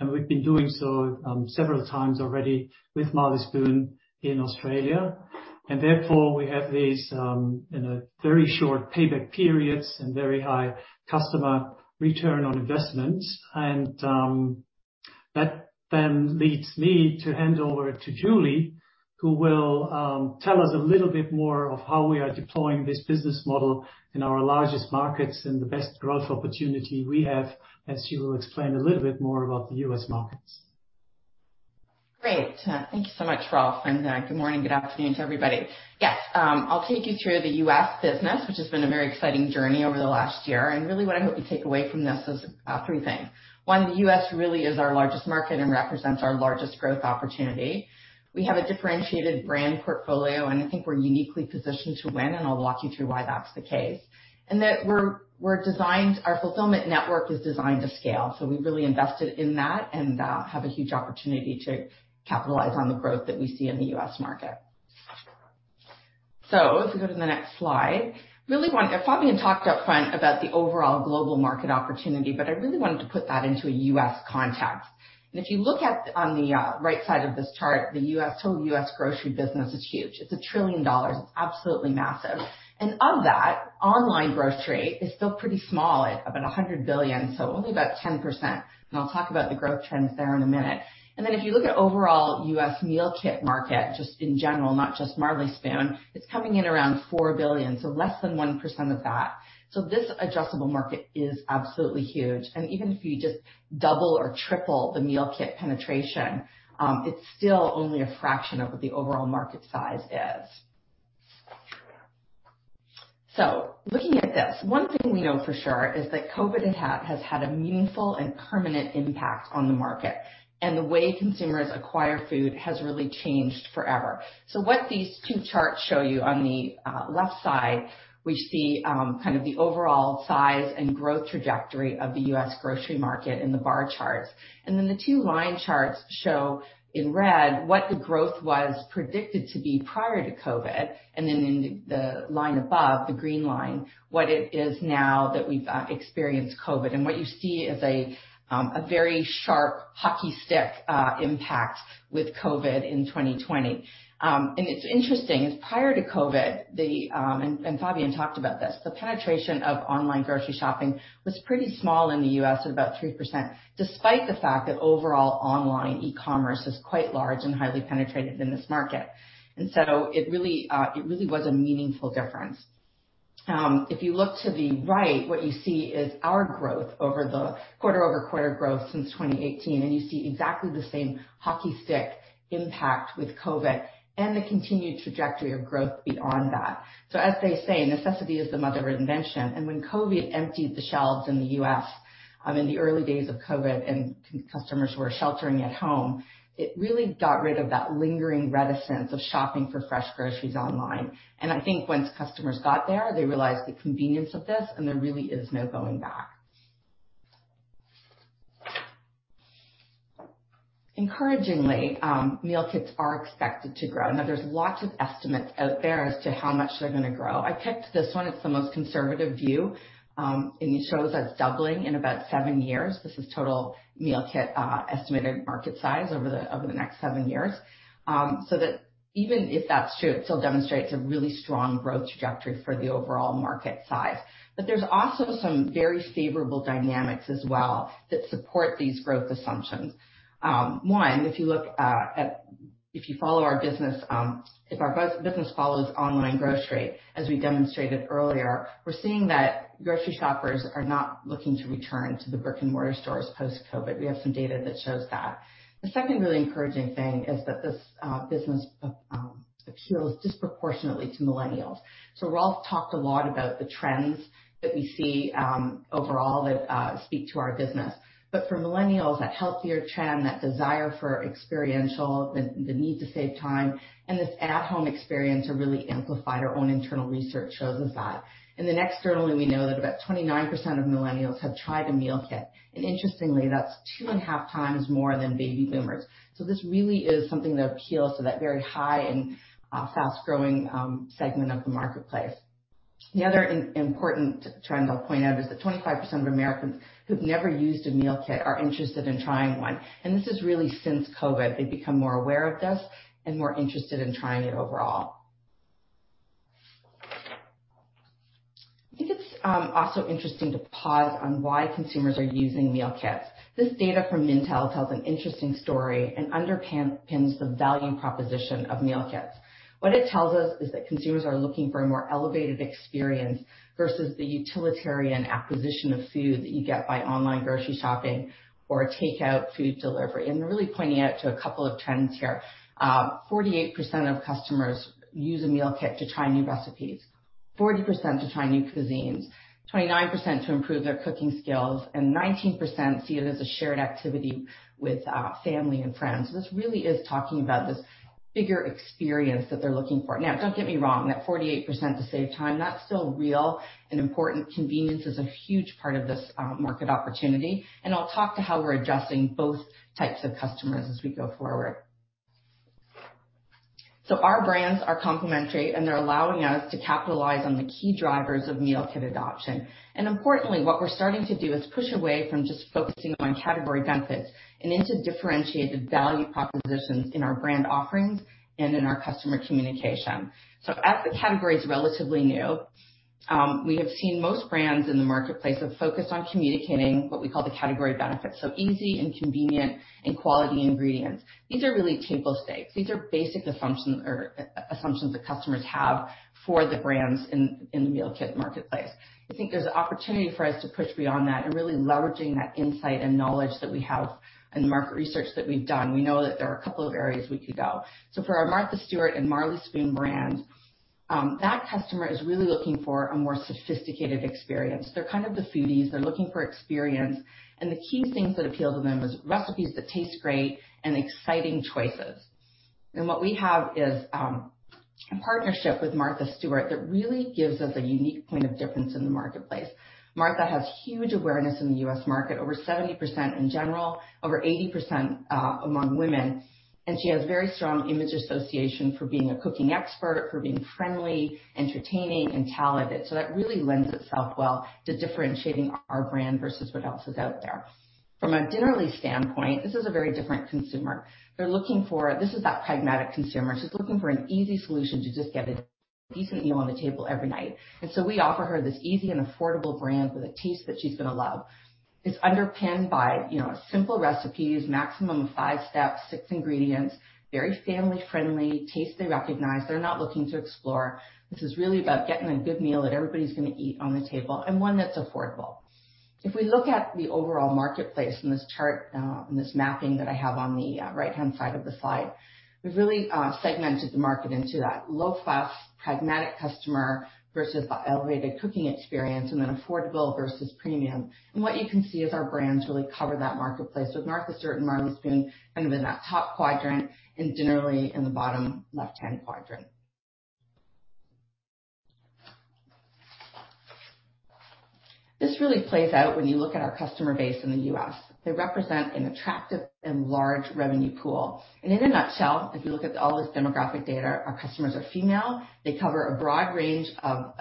and we've been doing so several times already with Marley Spoon in Australia. Therefore, we have these very short payback periods and very high customer return on investments. That then leads me to hand over to Julie, who will tell us a little bit more of how we are deploying this business model in our largest markets and the best growth opportunity we have, as she will explain a little bit more about the U.S. markets. Great. Thank you so much, Rolf. Good morning, good afternoon to everybody. Yes, I'll take you through the U.S. business, which has been a very exciting journey over the last year. Really what I hope you take away from this is three things. One, the U.S. really is our largest market and represents our largest growth opportunity. We have a differentiated brand portfolio, and I think we're uniquely positioned to win, and I'll walk you through why that's the case. That our fulfillment network is designed to scale. We've really invested in that and have a huge opportunity to capitalize on the growth that we see in the U.S. market. Let's go to the next slide. Fabian talked up front about the overall global market opportunity, but I really wanted to put that into a U.S. context. If you look on the right side of this chart, the total U.S. grocery business is huge. It's a $1 trillion. It's absolutely massive. Of that, online grocery is still pretty small at about $100 billion, so only about 10%. I'll talk about the growth trends there in a minute. If you look at overall U.S. meal kit market, just in general, not just Marley Spoon, it's coming in around $4 billion, so less than 1% of that. This addressable market is absolutely huge. Even if you just double or triple the meal kit penetration, it's still only a fraction of what the overall market size is. Looking at this, one thing we know for sure is that COVID has had a meaningful and permanent impact on the market, and the way consumers acquire food has really changed forever. What these two charts show you on the left side, we see kind of the overall size and growth trajectory of the U.S. grocery market in the bar charts. The two line charts show in red what the growth was predicted to be prior to COVID, and in the line above, the green line, what it is now that we've experienced COVID. What you see is a very sharp hockey stick impact with COVID in 2020. It's interesting, is prior to COVID, Fabian talked about this, the penetration of online grocery shopping was pretty small in the U.S. at about 3%, despite the fact that overall online e-commerce is quite large and highly penetrated in this market. It really was a meaningful difference. If you look to the right, what you see is our growth, the quarter-over-quarter growth since 2018, and you see exactly the same hockey stick impact with COVID and the continued trajectory of growth beyond that. As they say, necessity is the mother of invention, and when COVID emptied the shelves in the U.S. in the early days of COVID and customers were sheltering at home, it really got rid of that lingering reticence of shopping for fresh groceries online. I think once customers got there, they realized the convenience of this, and there really is no going back. Encouragingly, meal kits are expected to grow. There's lots of estimates out there as to how much they're going to grow. I picked this one. It's the most conservative view, and it shows us doubling in about seven years. This is total meal kit estimated market size over the next seven years. Even if that's true, it still demonstrates a really strong growth trajectory for the overall market size. There's also some very favorable dynamics as well that support these growth assumptions. One, if our business follows online grocery, as we demonstrated earlier, we're seeing that grocery shoppers are not looking to return to the brick-and-mortar stores post-COVID. We have some data that shows that. The second really encouraging thing is that this business appeals disproportionately to Millennials. Rolf talked a lot about the trends that we see overall that speak to our business. For Millennials, that healthier trend, that desire for experiential, the need to save time, and this at-home experience are really amplified. Our own internal research shows us that. Externally, we know that about 29% of Millennials have tried a meal kit. Interestingly, that's 2.5x more than Baby Boomers. This really is something that appeals to that very high and fast-growing segment of the marketplace. The other important trend I'll point out is that 25% of Americans who've never used a meal kit are interested in trying one. This is really since COVID. They've become more aware of this and more interested in trying it overall. I think it's also interesting to pause on why consumers are using meal kits. This data from Mintel tells an interesting story and underpins the value proposition of meal kits. What it tells us is that consumers are looking for a more elevated experience versus the utilitarian acquisition of food that you get by online grocery shopping or takeout food delivery. They're really pointing out to a couple of trends here. 48% of customers use a meal kit to try new recipes, 40% to try new cuisines, 29% to improve their cooking skills, and 19% see it as a shared activity with family and friends. This really is talking about this bigger experience that they're looking for. Now, don't get me wrong, that 48% to save time, that's still real and important. Convenience is a huge part of this market opportunity. I'll talk to how we're adjusting both types of customers as we go forward. Our brands are complementary, and they're allowing us to capitalize on the key drivers of meal-kit adoption. Importantly, what we're starting to do is push away from just focusing on category benefits and into differentiated value propositions in our brand offerings and in our customer communication. As the category is relatively new, we have seen most brands in the marketplace have focused on communicating what we call the category benefits. Easy and convenient and quality ingredients. These are really table stakes. These are basic assumptions that customers have for the brands in the meal kit marketplace. I think there's an opportunity for us to push beyond that and really leveraging that insight and knowledge that we have and the market research that we've done. We know that there are a couple of areas we could go. For our Martha Stewart and Marley Spoon brands, that customer is really looking for a more sophisticated experience. They're kind of the foodies. They're looking for experience, and the key things that appeal to them is recipes that taste great and exciting choices. What we have is a partnership with Martha Stewart that really gives us a unique point of difference in the marketplace. Martha has huge awareness in the U.S. market, over 70% in general, over 80% among women, and she has very strong image association for being a cooking expert, for being friendly, entertaining and talented. That really lends itself well to differentiating our brand versus what else is out there. From a Dinnerly standpoint, this is a very different consumer. This is that pragmatic consumer. She's looking for an easy solution to just get a decent meal on the table every night. We offer her this easy and affordable brand with a taste that she's going to love. It's underpinned by simple recipes, maximum of five steps, six ingredients, very family-friendly, tastes they recognize. They're not looking to explore. This is really about getting a good meal that everybody's going to eat on the table, and one that's affordable. If we look at the overall marketplace in this chart and this mapping that I have on the right-hand side of the slide, we've really segmented the market into that low fuss, pragmatic customer versus the elevated cooking experience, and then affordable versus premium. What you can see is our brands really cover that marketplace. Martha Stewart and Marley Spoon kind of in that top quadrant, and Dinnerly in the bottom left-hand quadrant. This really plays out when you look at our customer base in the U.S. They represent an attractive and large revenue pool. In a nutshell, if you look at all this demographic data, our customers are female. They cover a broad range of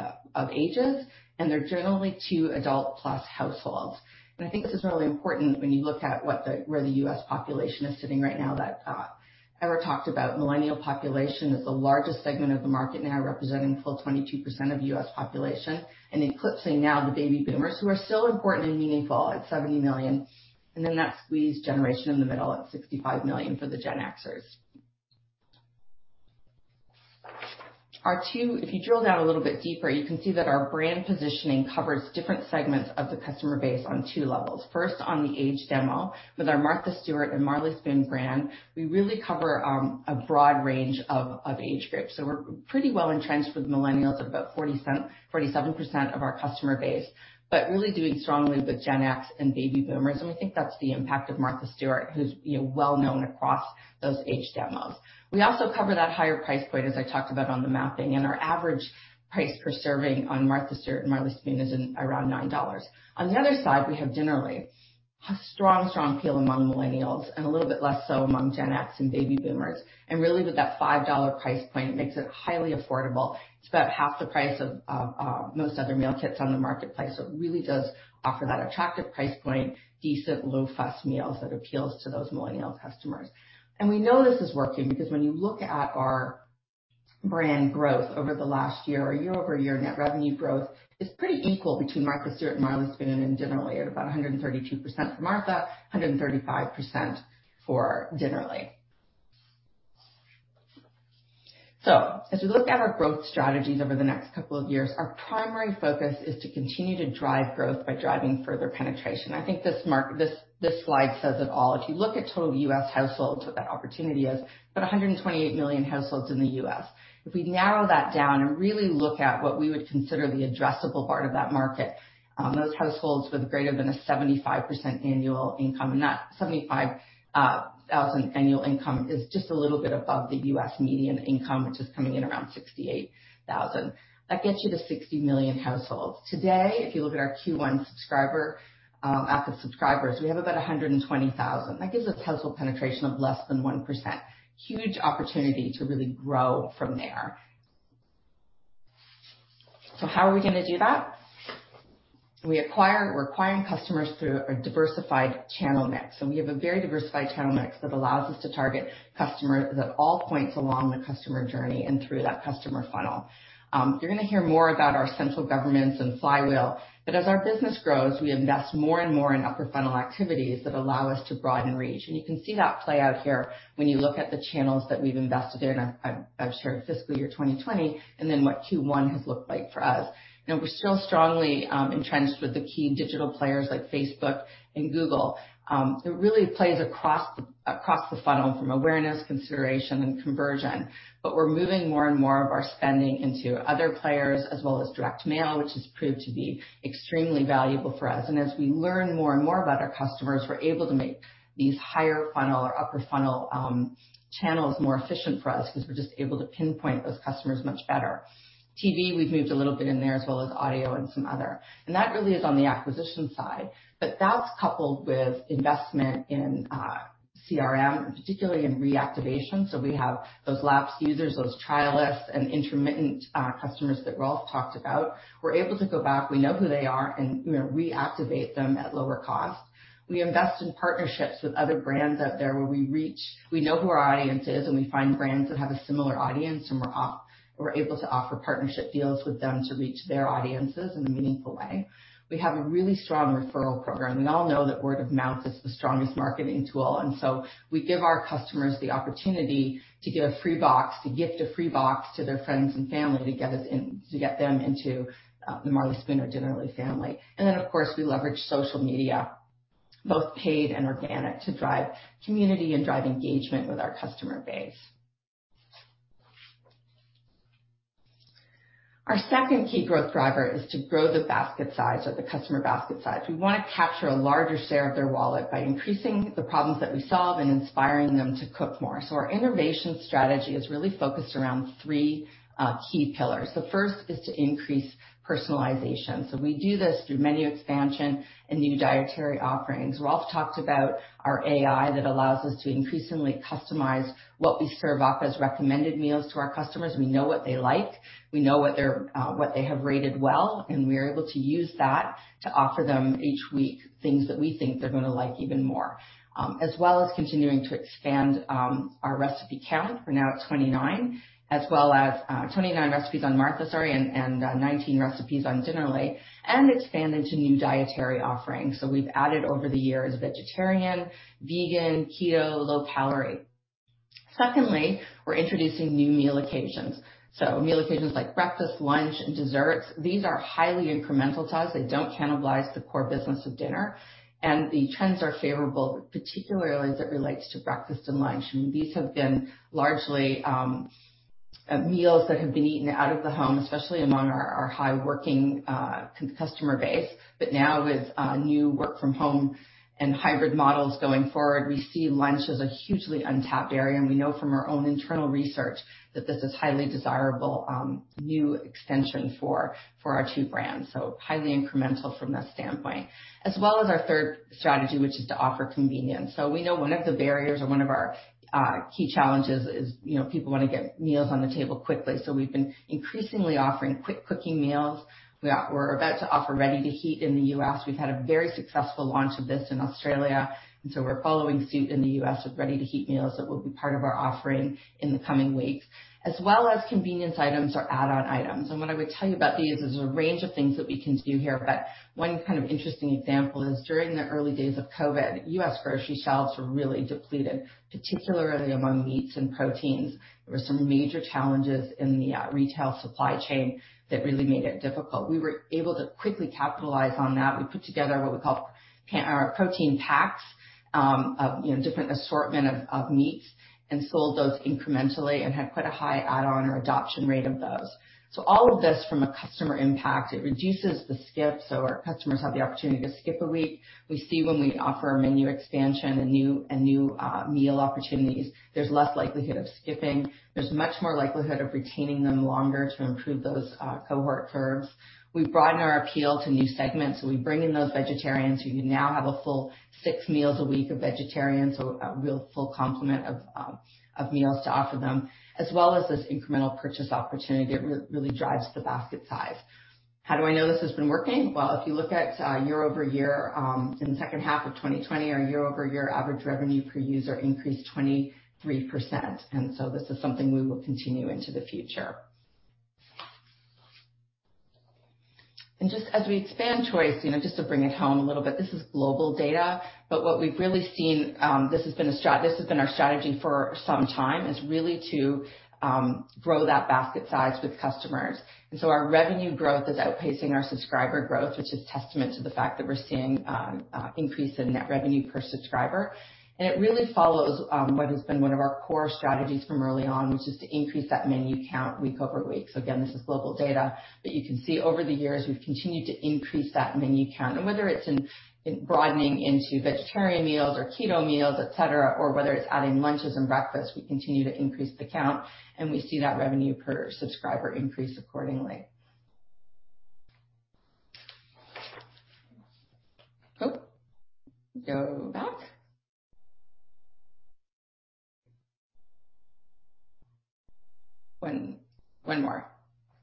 ages, and they're generally two adult plus households. I think this is really important when you look at where the U.S. population is sitting right now that I already talked about Millennial population is the largest segment of the market now representing a full 22% of U.S. population and eclipsing now the Baby Boomers who are still important and meaningful at 70 million. That squeeze generation in the middle at 65 million for the Gen Xers. If you drill down a little bit deeper, you can see that our brand positioning covers different segments of the customer base on two levels. First, on the age demo with our Martha & Marley Spoon brand, we really cover a broad range of age groups. We're pretty well entrenched with Millennials at about 47% of our customer base, but really doing strongly with Gen X and Baby Boomers. We think that's the impact of Martha Stewart, who's well known across those age demos. We also cover that higher price point, as I talked about on the mapping, and our average price per serving on Martha Stewart and Marley Spoon is around EUR 9. On the other side, we have Dinnerly. A strong appeal among Millennials and a little bit less so among Gen X and Baby Boomers. Really with that EUR 5 price point makes it highly affordable. It's about half the price of most other meal kits on the marketplace, so it really does offer that attractive price point, decent low-fuss meals that appeals to those Millennial customers. We know this is working because when you look at our brand growth over the last year or year-over-year net revenue growth, it's pretty equal between Martha Stewart and Marley Spoon and Dinnerly at about 132% for Martha, 135% for Dinnerly. As we look at our growth strategies over the next couple of years, our primary focus is to continue to drive growth by driving further penetration. I think this slide says it all. If you look at total U.S. households, what that opportunity is, about 128 million households in the U.S. If we narrow that down and really look at what we would consider the addressable part of that market, those households with greater than a 75% annual income, not, $75,000 annual income is just a little bit above the U.S. median income, which is coming in around $68,000. That gets you to 60 million households. Today, if you look at our Q1 active subscribers, we have about 120,000. That gives us household penetration of less than 1%. Huge opportunity to really grow from there. How are we going to do that? We're acquiring customers through a diversified channel mix, and we have a very diversified channel mix that allows us to target customers at all points along the customer journey and through that customer funnel. You're going to hear more about our central governments and flywheel, but as our business grows, we invest more and more in upper funnel activities that allow us to broaden reach. You can see that play out here when you look at the channels that we've invested in. I've shared fiscal year 2020 and then what Q1 has looked like for us. We're still strongly entrenched with the key digital players like Facebook and Google. It really plays across the funnel from awareness, consideration, and conversion. We're moving more and more of our spending into other players as well as direct mail, which has proved to be extremely valuable for us. As we learn more and more about our customers, we're able to make these higher funnel or upper funnel channels more efficient for us because we're just able to pinpoint those customers much better. TV, we've moved a little bit in there, as well as audio and some other. That really is on the acquisition side. That's coupled with investment in CRM, particularly in reactivation. We have those lapsed users, those trialists, and intermittent customers that Rolf talked about. We're able to go back. We know who they are and reactivate them at lower cost. We invest in partnerships with other brands out there where we know who our audience is, and we find brands that have a similar audience, and we're able to offer partnership deals with them to reach their audiences in a meaningful way. We have a really strong referral program. We all know that word of mouth is the strongest marketing tool, and so we give our customers the opportunity to give a free box, to gift a free box to their friends and family to get them into the Marley Spoon or Dinnerly family. Of course, we leverage social media, both paid and organic, to drive community and drive engagement with our customer base. Our second key growth driver is to grow the basket size or the customer basket size. We want to capture a larger share of their wallet by increasing the problems that we solve and inspiring them to cook more. Our innovation strategy is really focused around three key pillars. The first is to increase personalization. We do this through menu expansion and new dietary offerings. Rolf talked about our AI that allows us to increasingly customize what we serve up as recommended meals to our customers. We know what they like, we know what they have rated well, and we are able to use that to offer them each week things that we think they're going to like even more. As well as continuing to expand our recipe count. We're now at 29 recipes on Martha and 19 recipes on Dinnerly and expand into new dietary offerings. We've added over the years vegetarian, vegan, keto, low calorie. Secondly, we're introducing new meal occasions. Meal occasions like breakfast, lunch, and desserts. These are highly incremental to us. They don't cannibalize the core business of dinner, and the trends are favorable, particularly as it relates to breakfast and lunch. These have been largely meals that have been eaten out of the home, especially among our high working customer base. Now with new work-from-home and hybrid models going forward, we see lunch as a hugely untapped area, and we know from our own internal research that this is highly desirable new extension for our two brands. Highly incremental from that standpoint. As well as our third strategy, which is to offer convenience. We know one of the barriers or one of our key challenges is people want to get meals on the table quickly. We've been increasingly offering quick cooking meals. We're about to offer ready-to-heat in the U.S. We've had a very successful launch of this in Australia, we're following suit in the U.S. with ready-to-heat meals that will be part of our offering in the coming weeks. As well as convenience items or add-on items. What I would tell you about these is a range of things that we can do here. One kind of interesting example is during the early days of COVID, U.S. grocery shelves were really depleted, particularly among meats and proteins. There were some major challenges in the retail supply chain that really made it difficult. We were able to quickly capitalize on that. We put together what we call our protein packs of different assortment of meats and sold those incrementally and had quite a high add-on or adoption rate of those. All of this from a customer impact, it reduces the skip so our customers have the opportunity to skip a week. We see when we offer a menu expansion and new meal opportunities, there's less likelihood of skipping. There's much more likelihood of retaining them longer to improve those cohort curves. We broaden our appeal to new segments. We bring in those vegetarians who now have a full six meals a week of vegetarian, so a real full complement of meals to offer them, as well as this incremental purchase opportunity. It really drives the basket size. How do I know this has been working? Well, if you look at year-over-year in the second half of 2020, our year-over-year average revenue per user increased 23%. This is something we will continue into the future. Just as we expand choice, just to bring it home a little bit, this is global data, but what we've really seen, this has been our strategy for some time, is really to grow that basket size with customers. Our revenue growth is outpacing our subscriber growth, which is testament to the fact that we're seeing increase in net revenue per subscriber. It really follows what has been one of our core strategies from early on, which is to increase that menu count week-over-week. Again, this is global data, but you can see over the years we've continued to increase that menu count. Whether it's in broadening into vegetarian meals or keto meals, et cetera, or whether it's adding lunches and breakfast, we continue to increase the count, and we see that revenue per subscriber increase accordingly. Oh, go back. One more.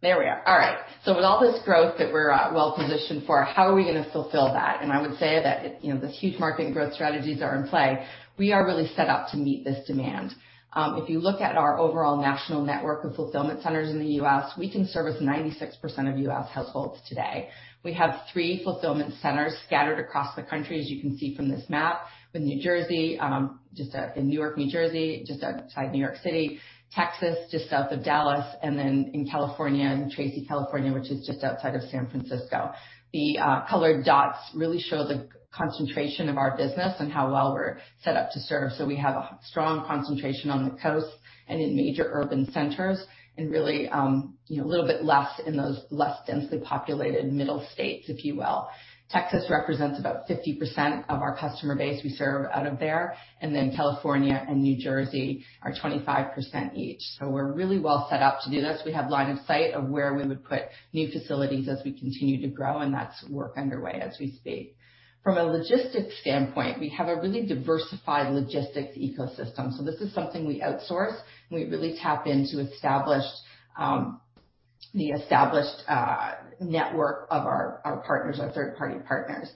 There we are. All right. With all this growth that we're well-positioned for, how are we going to fulfill that? I would say that the huge market and growth strategies are in play. We are really set up to meet this demand. If you look at our overall national network of fulfillment centers in the U.S., we can service 96% of U.S. households today. We have three fulfillment centers scattered across the country, as you can see from this map, in New Jersey, in Newark, New Jersey, just outside New York City, Texas, just south of Dallas, and then in California, in Tracy, California, which is just outside of San Francisco. The colored dots really show the concentration of our business and how well we're set up to serve. We have a strong concentration on the coast and in major urban centers and really, a little bit less in those less densely populated middle states, if you will. Texas represents about 50% of our customer base we serve out of there, and then California and New Jersey are 25% each. We're really well set up to do this. We have line of sight of where we would put new facilities as we continue to grow, and that's work underway as we speak. From a logistics standpoint, we have a really diversified logistics ecosystem. This is something we outsource, and we really tap into the established network of our partners, our third-party partners.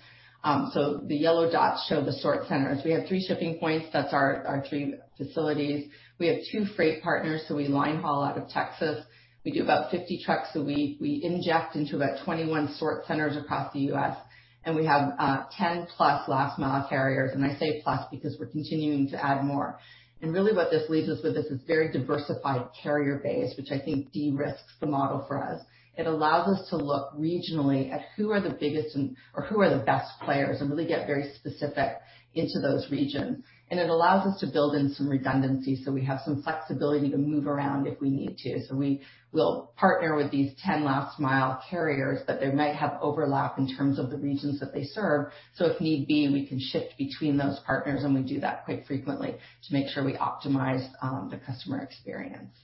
The yellow dots show the sort centers. We have three shipping points. That's our three facilities. We have two freight partners, so we line haul out of Texas. We do about 50 trucks a week. We inject into about 21 sort centers across the U.S., and we have 10+ last mile carriers, and I say plus because we're continuing to add more. Really what this leaves us with is this very diversified carrier base, which I think de-risks the model for us. It allows us to look regionally at who are the biggest and/or who are the best players and really get very specific into those regions. It allows us to build in some redundancy so we have some flexibility to move around if we need to. We will partner with these 10 last mile carriers, but they might have overlap in terms of the regions that they serve. If need be, we can shift between those partners, and we do that quite frequently to make sure we optimize the customer experience.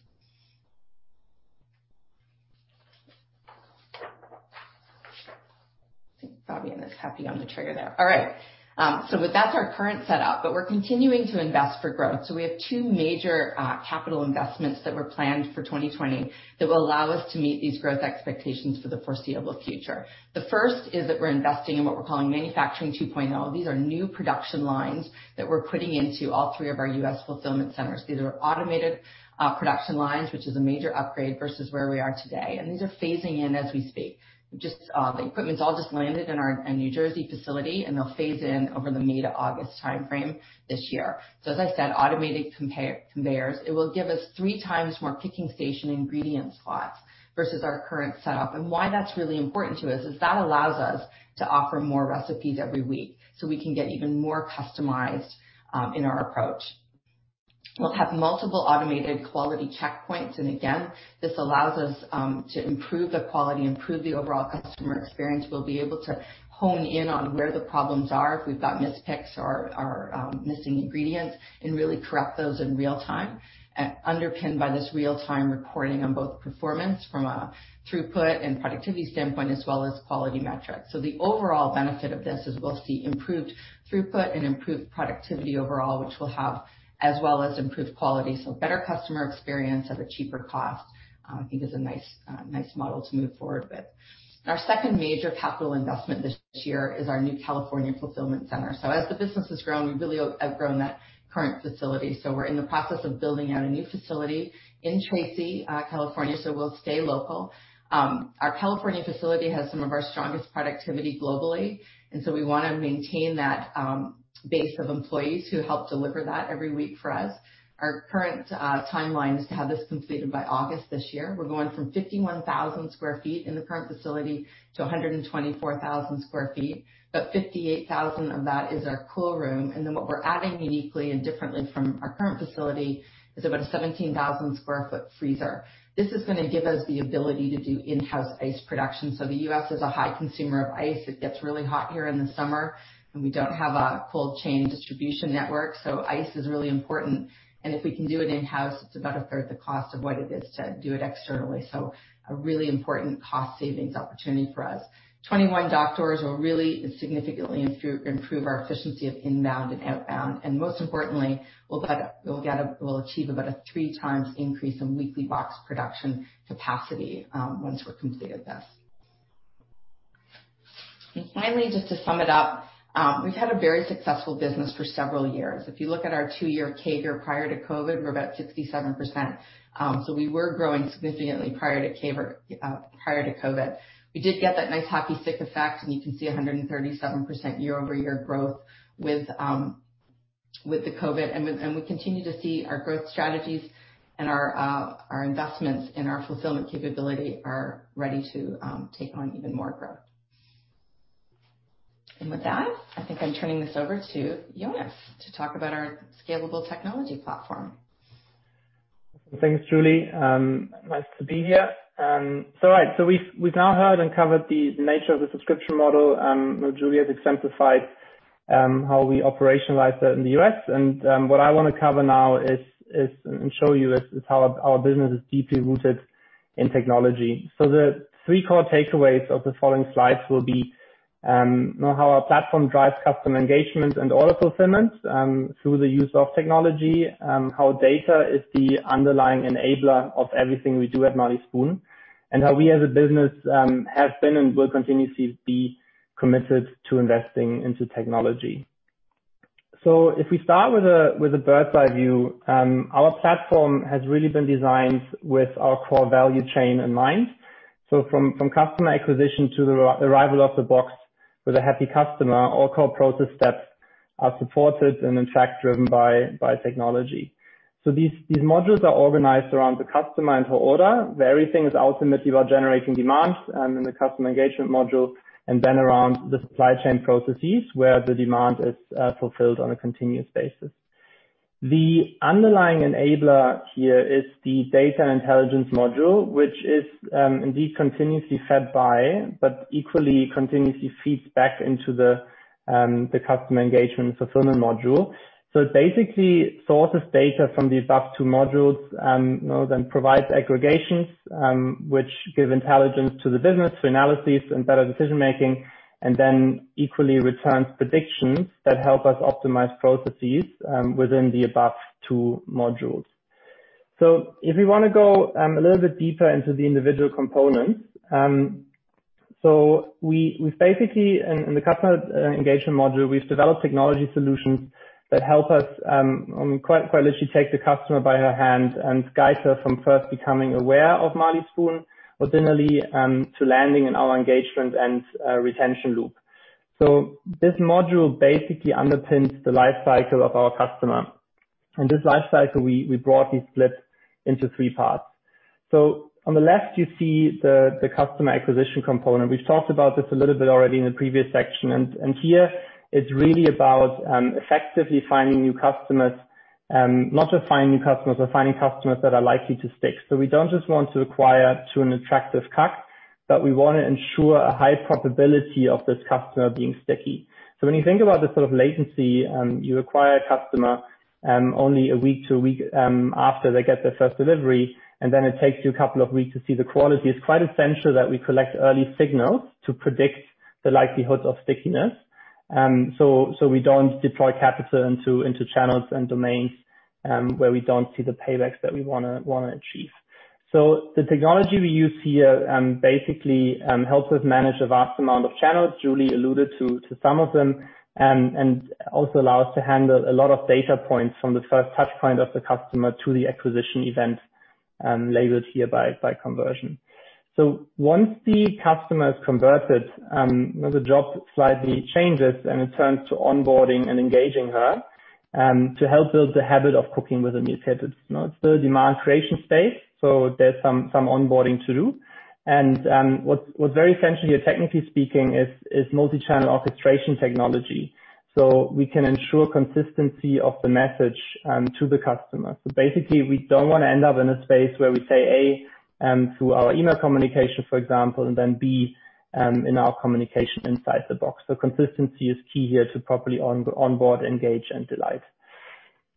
I think Fabian is happy on the trigger there. All right. With that, our current setup, but we're continuing to invest for growth. We have two major capital investments that were planned for 2020 that will allow us to meet these growth expectations for the foreseeable future. The first is that we're investing in what we're calling Manufacturing 2.0. These are new production lines that we're putting into all three of our U.S. fulfillment centers. These are automated production lines, which is a major upgrade versus where we are today. These are phasing in as we speak. The equipment's all just landed in our New Jersey facility, and they'll phase in over the May to August timeframe this year. As I said, automated conveyors. It will give us 3x more picking station ingredient slots versus our current setup. Why that's really important to us is that allows us to offer more recipes every week so we can get even more customized, in our approach. We'll have multiple automated quality checkpoints, and again, this allows us to improve the quality, improve the overall customer experience. We'll be able to hone in on where the problems are if we've got mispicks or missing ingredients and really correct those in real time. Underpinned by this real-time reporting on both performance from a throughput and productivity standpoint, as well as quality metrics. The overall benefit of this is we'll see improved throughput and improved productivity overall, which we'll have as well as improved quality. Better customer experience at a cheaper cost, I think is a nice model to move forward with. Our second major capital investment this year is our new California fulfillment center. As the business has grown, we really outgrown that current facility. We're in the process of building out a new facility in Tracy, California. We'll stay local. Our California facility has some of our strongest productivity globally, we want to maintain that base of employees who help deliver that every week for us. Our current timeline is to have this completed by August this year. We're going from 51,000 sq ft in the current facility to 124,000 sq ft. 58,000 sq ft of that is our cool room. What we're adding uniquely and differently from our current facility is about a 17,000 sq ft freezer. This is going to give us the ability to do in-house ice production. The U.S. is a high consumer of ice. It gets really hot here in the summer, and we don't have a cold chain distribution network. Ice is really important, and if we can do it in-house, it's about 1/3 the cost of what it is to do it externally. A really important cost savings opportunity for us. 21 dock doors will really significantly improve our efficiency of inbound and outbound. Most importantly, we'll achieve about a 3x increase in weekly box production capacity once we've completed this. Finally, just to sum it up, we've had a very successful business for several years. If you look at our two-year CAGR prior to COVID, we're about 67%. We were growing significantly prior to COVID. We did get that nice hockey stick effect, and you can see 137% year-over-year growth with the COVID. We continue to see our growth strategies and our investments in our fulfillment capability are ready to take on even more growth. With that, I think I'm turning this over to Jonas to talk about our scalable technology platform. Thanks, Julie. Nice to be here. We've now heard and covered the nature of the subscription model. Julie has exemplified how we operationalize that in the U.S., what I want to cover now and show you is how our business is deeply rooted in technology. The three core takeaways of the following slides will be how our platform drives customer engagement and order fulfillment through the use of technology, how data is the underlying enabler of everything we do at Marley Spoon, how we as a business have been and will continue to be committed to investing into technology. If we start with a bird's-eye view, our platform has really been designed with our core value chain in mind. From customer acquisition to the arrival of the box with a happy customer, all core process steps are supported and in fact driven by technology. These modules are organized around the customer and her order, where everything is ultimately about generating demand in the customer engagement module, and then around the supply chain processes where the demand is fulfilled on a continuous basis. The underlying enabler here is the data intelligence module, which is indeed continuously fed by, but equally continuously feeds back into the customer engagement fulfillment module. It basically sources data from the above two modules, then provides aggregations, which give intelligence to the business for analysis and better decision-making, and then equally returns predictions that help us optimize processes within the above two modules. If we want to go a little bit deeper into the individual components. We've basically, in the customer engagement module, we've developed technology solutions that help us quite literally take the customer by her hand and guide her from first becoming aware of Marley Spoon, but then to landing in our engagement and retention loop. This module basically underpins the life cycle of our customer. This life cycle, we broadly split into three parts. On the left, you see the customer acquisition component. We've talked about this a little bit already in the previous section, and here it's really about effectively finding new customers. Not just finding new customers, but finding customers that are likely to stick. We don't just want to acquire to an attractive CAC, but we want to ensure a high probability of this customer being sticky. When you think about the sort of latency, you acquire a customer, only a week to a week after they get their first delivery, and then it takes you a couple of weeks to see the quality. It's quite essential that we collect early signals to predict the likelihood of stickiness. We don't deploy capital into channels and domains, where we don't see the paybacks that we want to achieve. The technology we use here basically helps us manage a vast amount of channels. Julie alluded to some of them, and also allow us to handle a lot of data points from the first touch point of the customer to the acquisition event, labeled here by conversion. Once the customer is converted, the job slightly changes, and it turns to onboarding and engaging her, to help build the habit of cooking with a meal kit. It's the demand creation space, so there's some onboarding to do. What's very essential here, technically speaking, is multi-channel orchestration technology. We can ensure consistency of the message to the customer. Basically, we don't want to end up in a space where we say A, through our email communication, for example, and then B, in our communication inside the box. Consistency is key here to properly onboard, engage, and delight.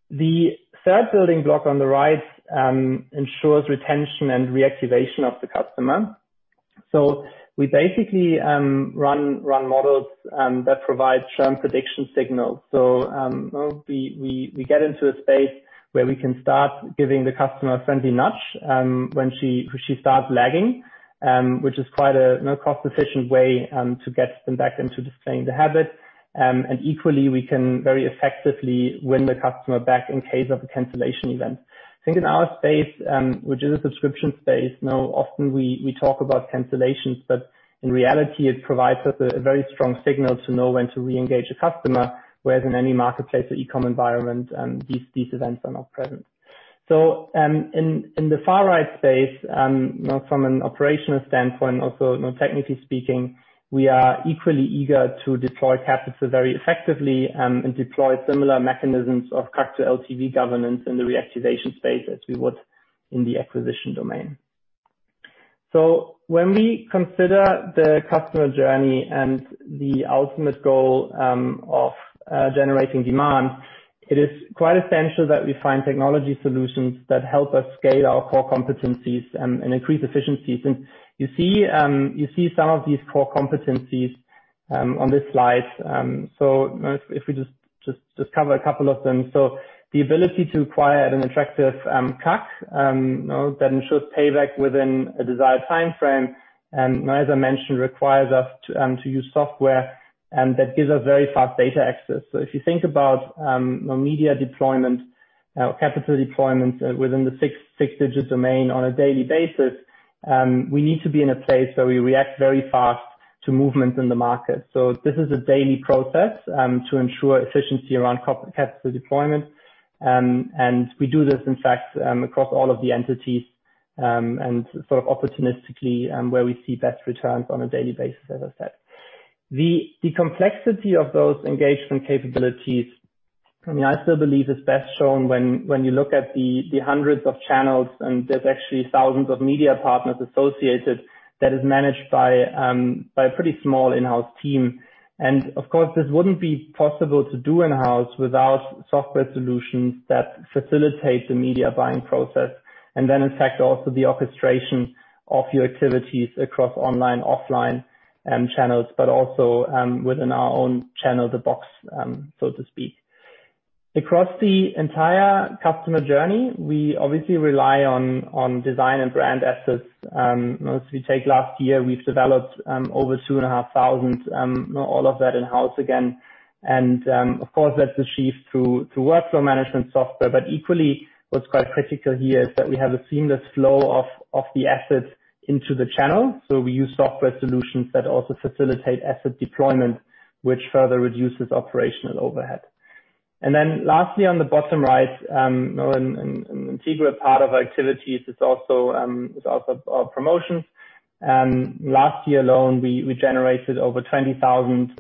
The third building block on the right ensures retention and reactivation of the customer. We basically run models that provide churn prediction signals. We get into a space where we can start giving the customer a friendly nudge, when she starts lagging, which is quite a cost-efficient way to get them back into displaying the habit. Equally, we can very effectively win the customer back in case of a cancellation event. I think in our space, which is a subscription space, now often we talk about cancellations, but in reality, it provides us a very strong signal to know when to reengage a customer, whereas in any marketplace or e-com environment, these events are not present. In that space, from an operational standpoint, also technically speaking, we are equally eager to deploy capital very effectively, and deploy similar mechanisms of CAC to LTV governance in the reactivation space as we would in the acquisition domain. When we consider the customer journey and the ultimate goal of generating demand, it is quite essential that we find technology solutions that help us scale our core competencies and increase efficiencies. You see some of these core competencies on this slide. If we just cover a couple of them. The ability to acquire at an attractive CAC that ensures payback within a desired timeframe. As I mentioned, requires us to use software that gives us very fast data access. If you think about media deployment, capital deployment within the six-digit domain on a daily basis, we need to be in a place where we react very fast to movements in the market. This is a daily process to ensure efficiency around capital deployment. We do this, in fact, across all of the entities and sort of opportunistically where we see best returns on a daily basis as I said. The complexity of those engagement capabilities, I still believe is best shown when you look at the hundreds of channels, and there's actually thousands of media partners associated that is managed by a pretty small in-house team. Of course, this wouldn't be possible to do in-house without software solutions that facilitate the media buying process. Then in fact, also the orchestration of your activities across online, offline channels, but also within our own channel, the box, so to speak. Across the entire customer journey, we obviously rely on design and brand assets. If you take last year, we've developed over 2,500, all of that in-house again. Of course, that's achieved through workflow management software. Equally what's quite critical here is that we have a seamless flow of the assets into the channel. We use software solutions that also facilitate asset deployment, which further reduces operational overhead. Lastly, on the bottom right, an integral part of our activities is also our promotions. Last year alone, we generated over 20,000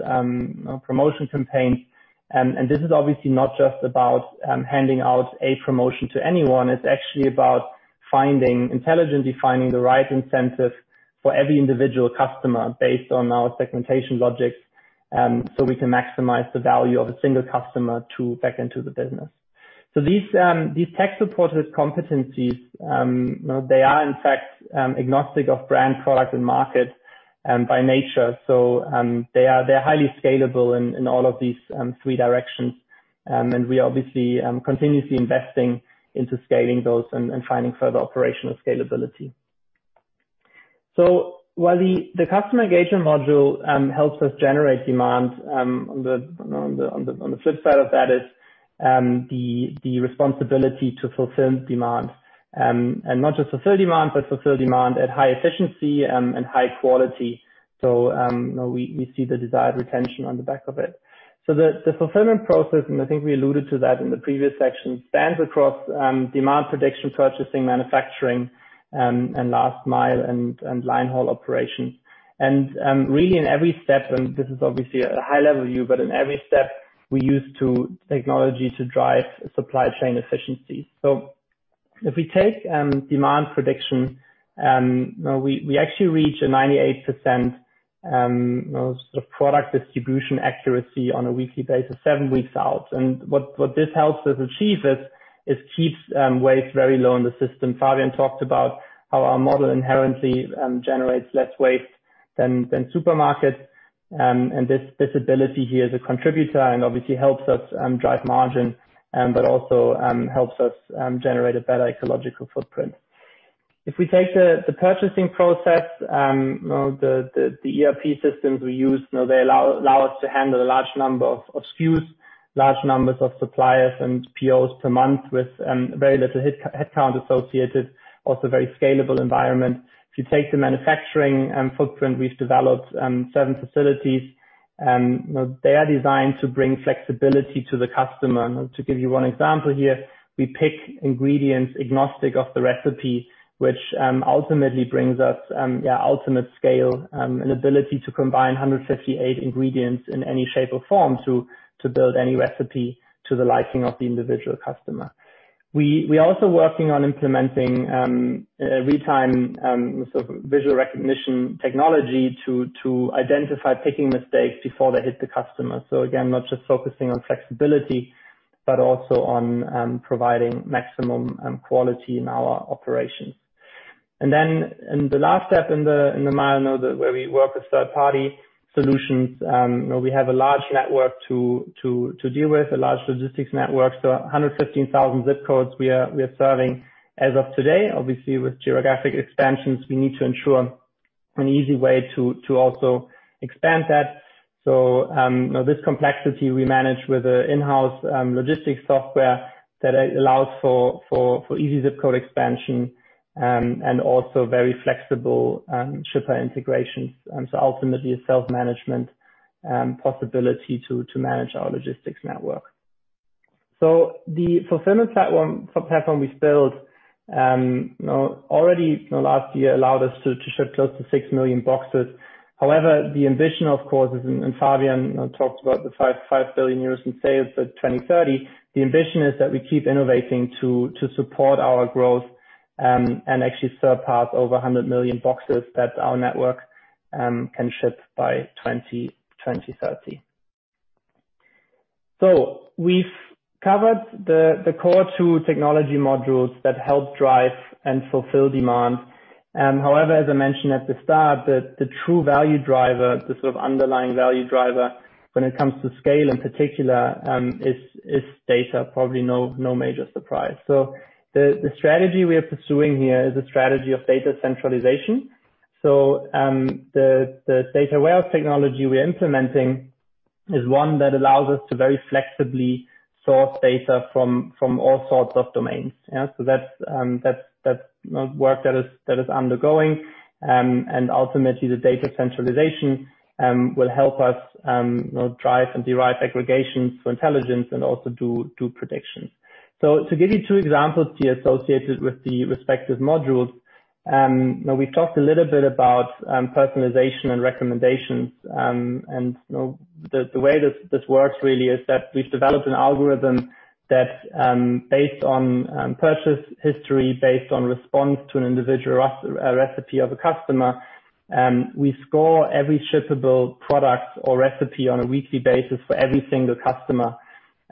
promotion campaigns. This is obviously not just about handing out a promotion to anyone. It's actually about intelligently finding the right incentives for every individual customer based on our segmentation logics, so we can maximize the value of a single customer back into the business. These tech-supported competencies, they are in fact agnostic of brand, product, and market by nature. They're highly scalable in all of these three directions. We obviously continuously investing into scaling those and finding further operational scalability. While the customer engagement module helps us generate demand, on the flip side of that is the responsibility to fulfill demand. Not just fulfill demand, but fulfill demand at high efficiency and high quality. We see the desired retention on the back of it. The fulfillment process, and I think we alluded to that in the previous section, spans across demand prediction, purchasing, manufacturing, and last mile and line haul operations. Really in every step, and this is obviously a high level view, but in every step, we use technology to drive supply chain efficiency. If we take demand prediction, we actually reach a 98% product distribution accuracy on a weekly basis, seven weeks out. What this helps us achieve is, it keeps waste very low in the system. Fabian talked about how our model inherently generates less waste than supermarkets. This visibility here is a contributor and obviously helps us drive margin, but also helps us generate a better ecological footprint. If we take the purchasing process, the ERP systems we use, they allow us to handle a large number of SKUs, large numbers of suppliers and POs per month with very little headcount associated, also very scalable environment. If you take the manufacturing footprint, we've developed seven facilities. They are designed to bring flexibility to the customer. To give you one example here, we pick ingredients agnostic of the recipe, which ultimately brings us ultimate scale and ability to combine 158 ingredients in any shape or form to build any recipe to the liking of the individual customer. We're also working on implementing real-time visual recognition technology to identify picking mistakes before they hit the customer. Again, not just focusing on flexibility, but also on providing maximum quality in our operations. In the last step in the mile, where we work with third-party solutions. We have a large network to deal with, a large logistics network. 115,000 zip codes we are serving as of today. Obviously, with geographic expansions, we need to ensure an easy way to also expand that. This complexity we manage with a in-house logistics software that allows for easy zip code expansion and also very flexible shipper integrations. Ultimately self-management possibility to manage our logistics network. The fulfillment platform we've built already last year allowed us to ship close to 6 million boxes. However, the ambition, of course, and Fabian talked about the 5 billion euros in sales by 2030. The ambition is that we keep innovating to support our growth, and actually surpass over 100 million boxes that our network can ship by 2030. We've covered the core two technology modules that help drive and fulfill demand. However, as I mentioned at the start, that the true value driver, the sort of underlying value driver when it comes to scale in particular, is data. Probably no major surprise. The strategy we are pursuing here is a strategy of data centralization. The data warehouse technology we're implementing is one that allows us to very flexibly source data from all sorts of domains. That work that is undergoing, and ultimately the data centralization will help us drive and derive aggregations for intelligence and also do predictions. To give you two examples here associated with the respective modules, we talked a little bit about personalization and recommendations. The way this works really is that we've developed an algorithm that based on purchase history, based on response to an individual recipe of a customer, we score every shippable product or recipe on a weekly basis for every single customer.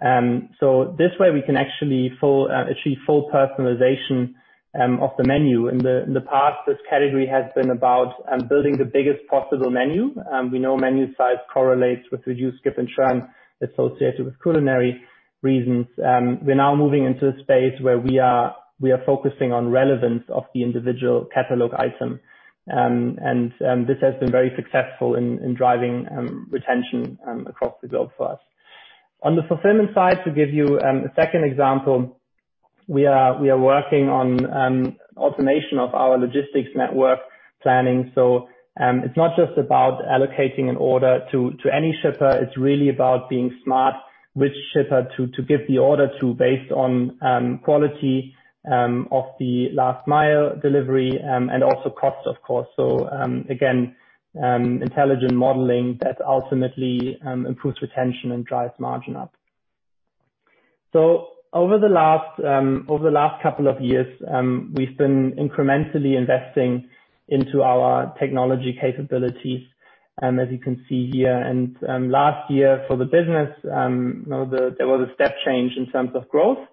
This way we can actually achieve full personalization of the menu. In the past, this category has been about building the biggest possible menu. We know menu size correlates with reduced skip and churn associated with culinary reasons. We're now moving into a space where we are focusing on relevance of the individual catalog item. This has been very successful in driving retention across the globe for us. On the fulfillment side, to give you a second example, we are working on automation of our logistics network planning. It's not just about allocating an order to any shipper, it's really about being smart which shipper to give the order to based on quality of the last mile delivery, and also cost, of course. Again, intelligent modeling that ultimately improves retention and drives margin up. Over the last couple of years, we've been incrementally investing into our technology capabilities as you can see here. Last year for the business there was a step change in terms of growth,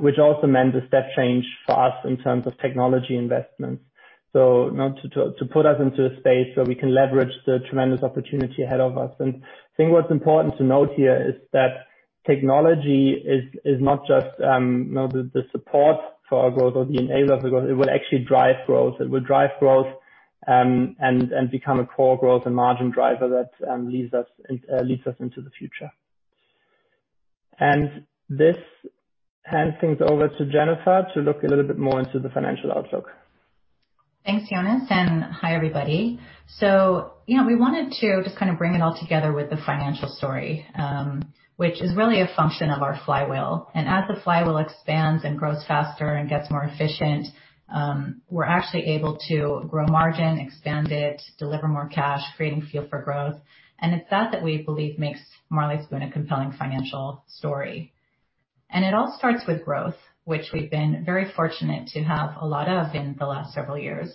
which also meant a step change for us in terms of technology investments. To put us into a space where we can leverage the tremendous opportunity ahead of us. I think what's important to note here is that technology is not just the support for our growth or the enabler for growth, it will actually drive growth. It will drive growth, and become a core growth and margin driver that leads us into the future. This hands things over to Jennifer to look a little bit more into the financial outlook. Thanks, Jonas, and hi, everybody. We wanted to just kind of bring it all together with the financial story, which is really a function of our flywheel. As the flywheel expands and grows faster and gets more efficient, we're actually able to grow margin, expand it, deliver more cash, creating fuel for growth. It's that we believe makes Marley Spoon a compelling financial story. It all starts with growth, which we've been very fortunate to have a lot of in the last several years.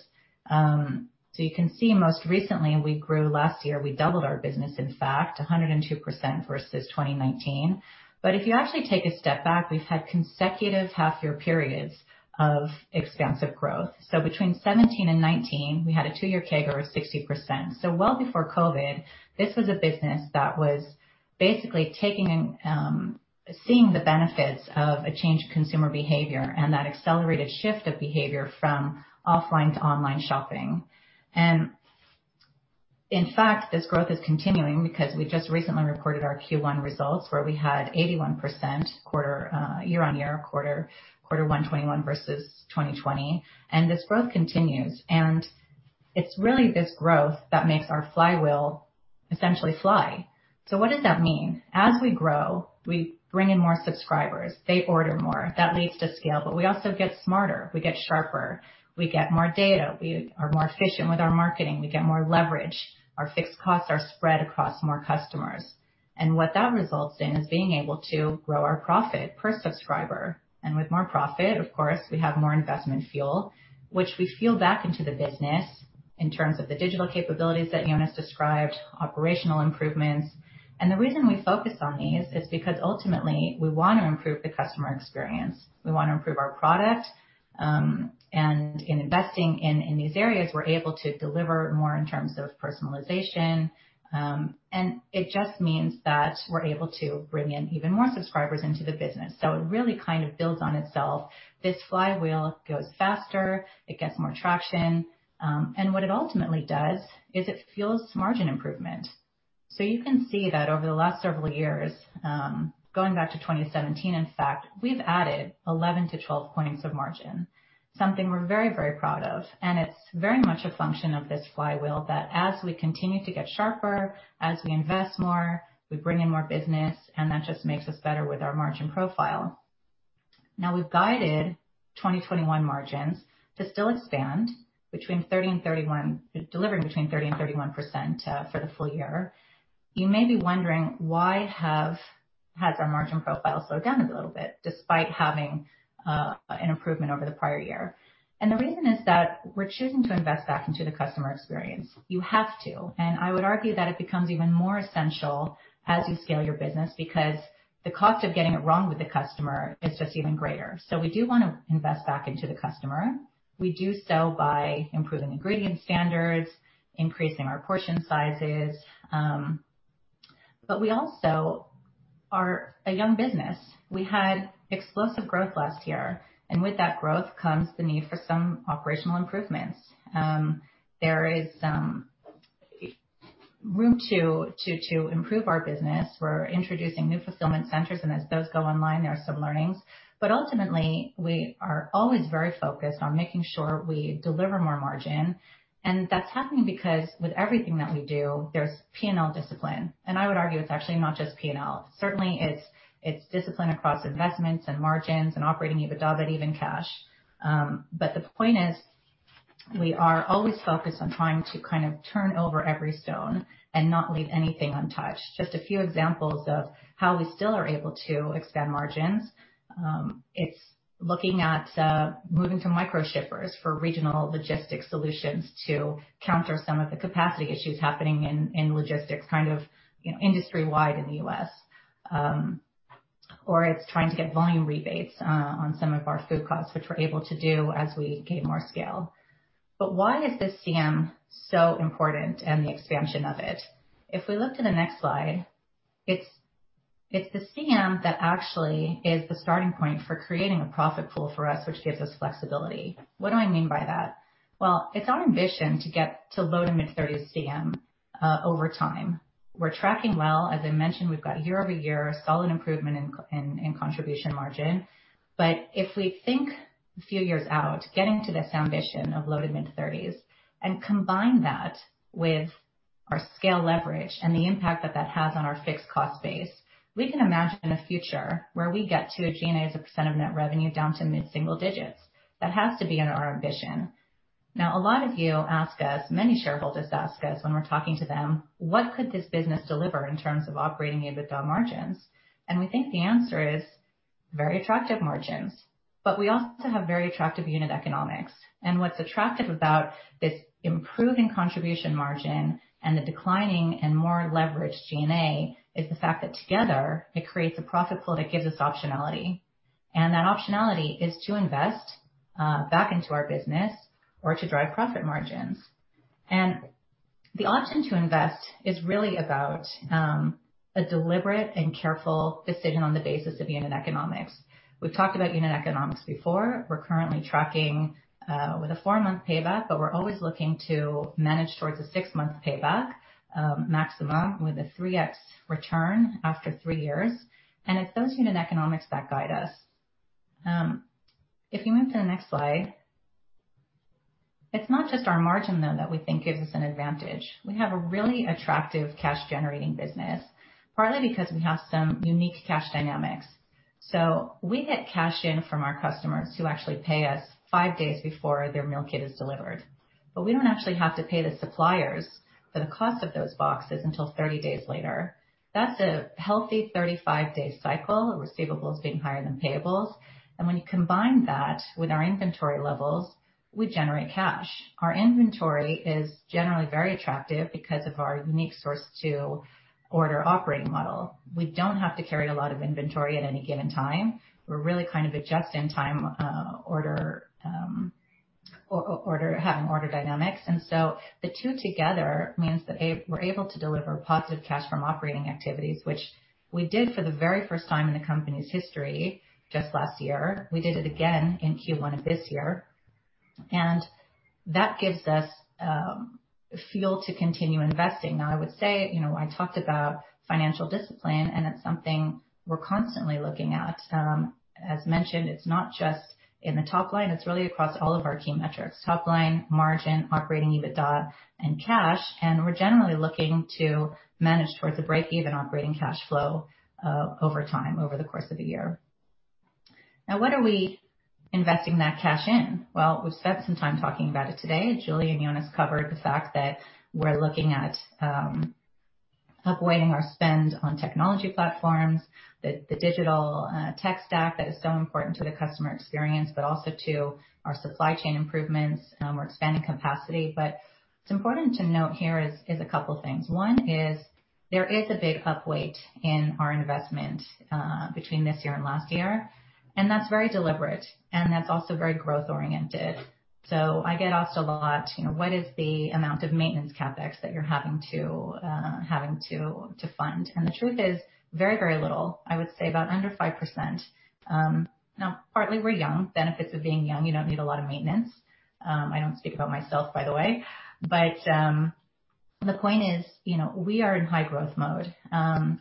You can see most recently we grew last year, we doubled our business, in fact, 102% versus 2019. If you actually take a step back, we've had consecutive half year periods of expansive growth. Between 2017 and 2019, we had a two-year CAGR of 60%. Well before COVID, this was a business that was basically seeing the benefits of a change in consumer behavior, and that accelerated shift of behavior from offline to online shopping. In fact, this growth is continuing because we just recently reported our Q1 results where we had 81% year-over-year, Q1 2021 versus 2020. This growth continues. It's really this growth that makes our flywheel essentially fly. What does that mean? As we grow, we bring in more subscribers. They order more. That leads to scale. We also get smarter. We get sharper. We get more data. We are more efficient with our marketing. We get more leverage. Our fixed costs are spread across more customers. What that results in is being able to grow our profit per subscriber. With more profit, of course, we have more investment fuel, which we fuel back into the business in terms of the digital capabilities that Jonas described, operational improvements. The reason we focus on these is because ultimately we want to improve the customer experience. We want to improve our product. In investing in these areas, we're able to deliver more in terms of personalization. It just means that we're able to bring in even more subscribers into the business. It really kind of builds on itself. This flywheel goes faster, it gets more traction. What it ultimately does is it fuels margin improvement. You can see that over the last several years, going back to 2017, in fact, we've added 11-12 points of margin. Something we're very, very proud of. It's very much a function of this flywheel that as we continue to get sharper, as we invest more, we bring in more business, and that just makes us better with our margin profile. Now, we've guided 2021 margins to still expand, delivering between 30% and 31% for the full year. You may be wondering why has our margin profile slowed down a little bit despite having an improvement over the prior year. The reason is that we're choosing to invest back into the customer experience. You have to. I would argue that it becomes even more essential as you scale your business because the cost of getting it wrong with the customer is just even greater. We do want to invest back into the customer. We do so by improving ingredient standards, increasing our portion sizes. We also are a young business. We had explosive growth last year, and with that growth comes the need for some operational improvements. There is some room to improve our business. We're introducing new Fulfillment Centers, and as those go online, there are some learnings. Ultimately, we are always very focused on making sure we deliver more margin. That's happening because with everything that we do, there's P&L discipline. I would argue it's actually not just P&L. Certainly, it's discipline across investments and margins and operating EBITDA and even cash. The point is, we are always focused on trying to turn over every stone and not leave anything untouched. Just a few examples of how we still are able to expand margins. It's looking at moving to micro-shippers for regional logistics solutions to counter some of the capacity issues happening in logistics, kind of industry-wide in the U.S. It's trying to get volume rebates on some of our food costs, which we're able to do as we gain more scale. Why is this CM so important and the expansion of it? If we look to the next slide, it's the CM that actually is the starting point for creating a profit pool for us, which gives us flexibility. What do I mean by that? Well, it's our ambition to get to low to mid-30s CM over time. We're tracking well. As I mentioned, we've got year-over-year solid improvement in contribution margin. If we think a few years out, getting to this ambition of low to mid-30s, and combine that with our scale leverage and the impact that that has on our fixed cost base, we can imagine a future where we get to a G&A as a percentage of net revenue down to mid-single digits. That has to be in our ambition. A lot of you ask us, many shareholders ask us when we're talking to them, "What could this business deliver in terms of operating EBITDA margins?" We think the answer is very attractive margins. We also have very attractive unit economics. What's attractive about this improving contribution margin and the declining and more leveraged G&A is the fact that together, it creates a profit pool that gives us optionality. That optionality is to invest back into our business or to drive profit margins. The option to invest is really about a deliberate and careful decision on the basis of unit economics. We've talked about unit economics before. We're currently tracking with a four-month payback, but we're always looking to manage towards a six-month payback maximum with a 3x return after three years. It's those unit economics that guide us. If you move to the next slide. It's not just our margin, though, that we think gives us an advantage. We have a really attractive cash-generating business, partly because we have some unique cash dynamics. We get cash in from our customers who actually pay us five days before their meal kit is delivered. We don't actually have to pay the suppliers for the cost of those boxes until 30 days later. That's a healthy 35-day cycle of receivables being higher than payables. When you combine that with our inventory levels, we generate cash. Our inventory is generally very attractive because of our unique source-to-order operating model. We don't have to carry a lot of inventory at any given time. We're really kind of a just-in-time order dynamics. The two together means that we're able to deliver positive cash from operating activities, which we did for the very first time in the company's history just last year. We did it again in Q1 of this year, and that gives us fuel to continue investing. I would say, I talked about financial discipline, and it's something we're constantly looking at. As mentioned, it's not just in the top line, it's really across all of our key metrics, top line, margin, operating EBITDA, and cash. We're generally looking to manage towards a breakeven operating cash flow over time over the course of a year. What are we investing that cash in? Well, we've spent some time talking about it today. Julie and Jonas covered the fact that we're looking at upweighting our spend on technology platforms, the digital tech stack that is so important to the customer experience, but also to our supply chain improvements. We're expanding capacity. It's important to note here is a couple things. One is there is a big upweight in our investment between this year and last year, and that's very deliberate, and that's also very growth-oriented. I get asked a lot, "What is the amount of maintenance CapEx that you're having to fund?" The truth is very, very little. I would say about under 5%. Partly, we're young. Benefits of being young, you don't need a lot of maintenance. I don't speak about myself, by the way. The point is, we are in high growth mode.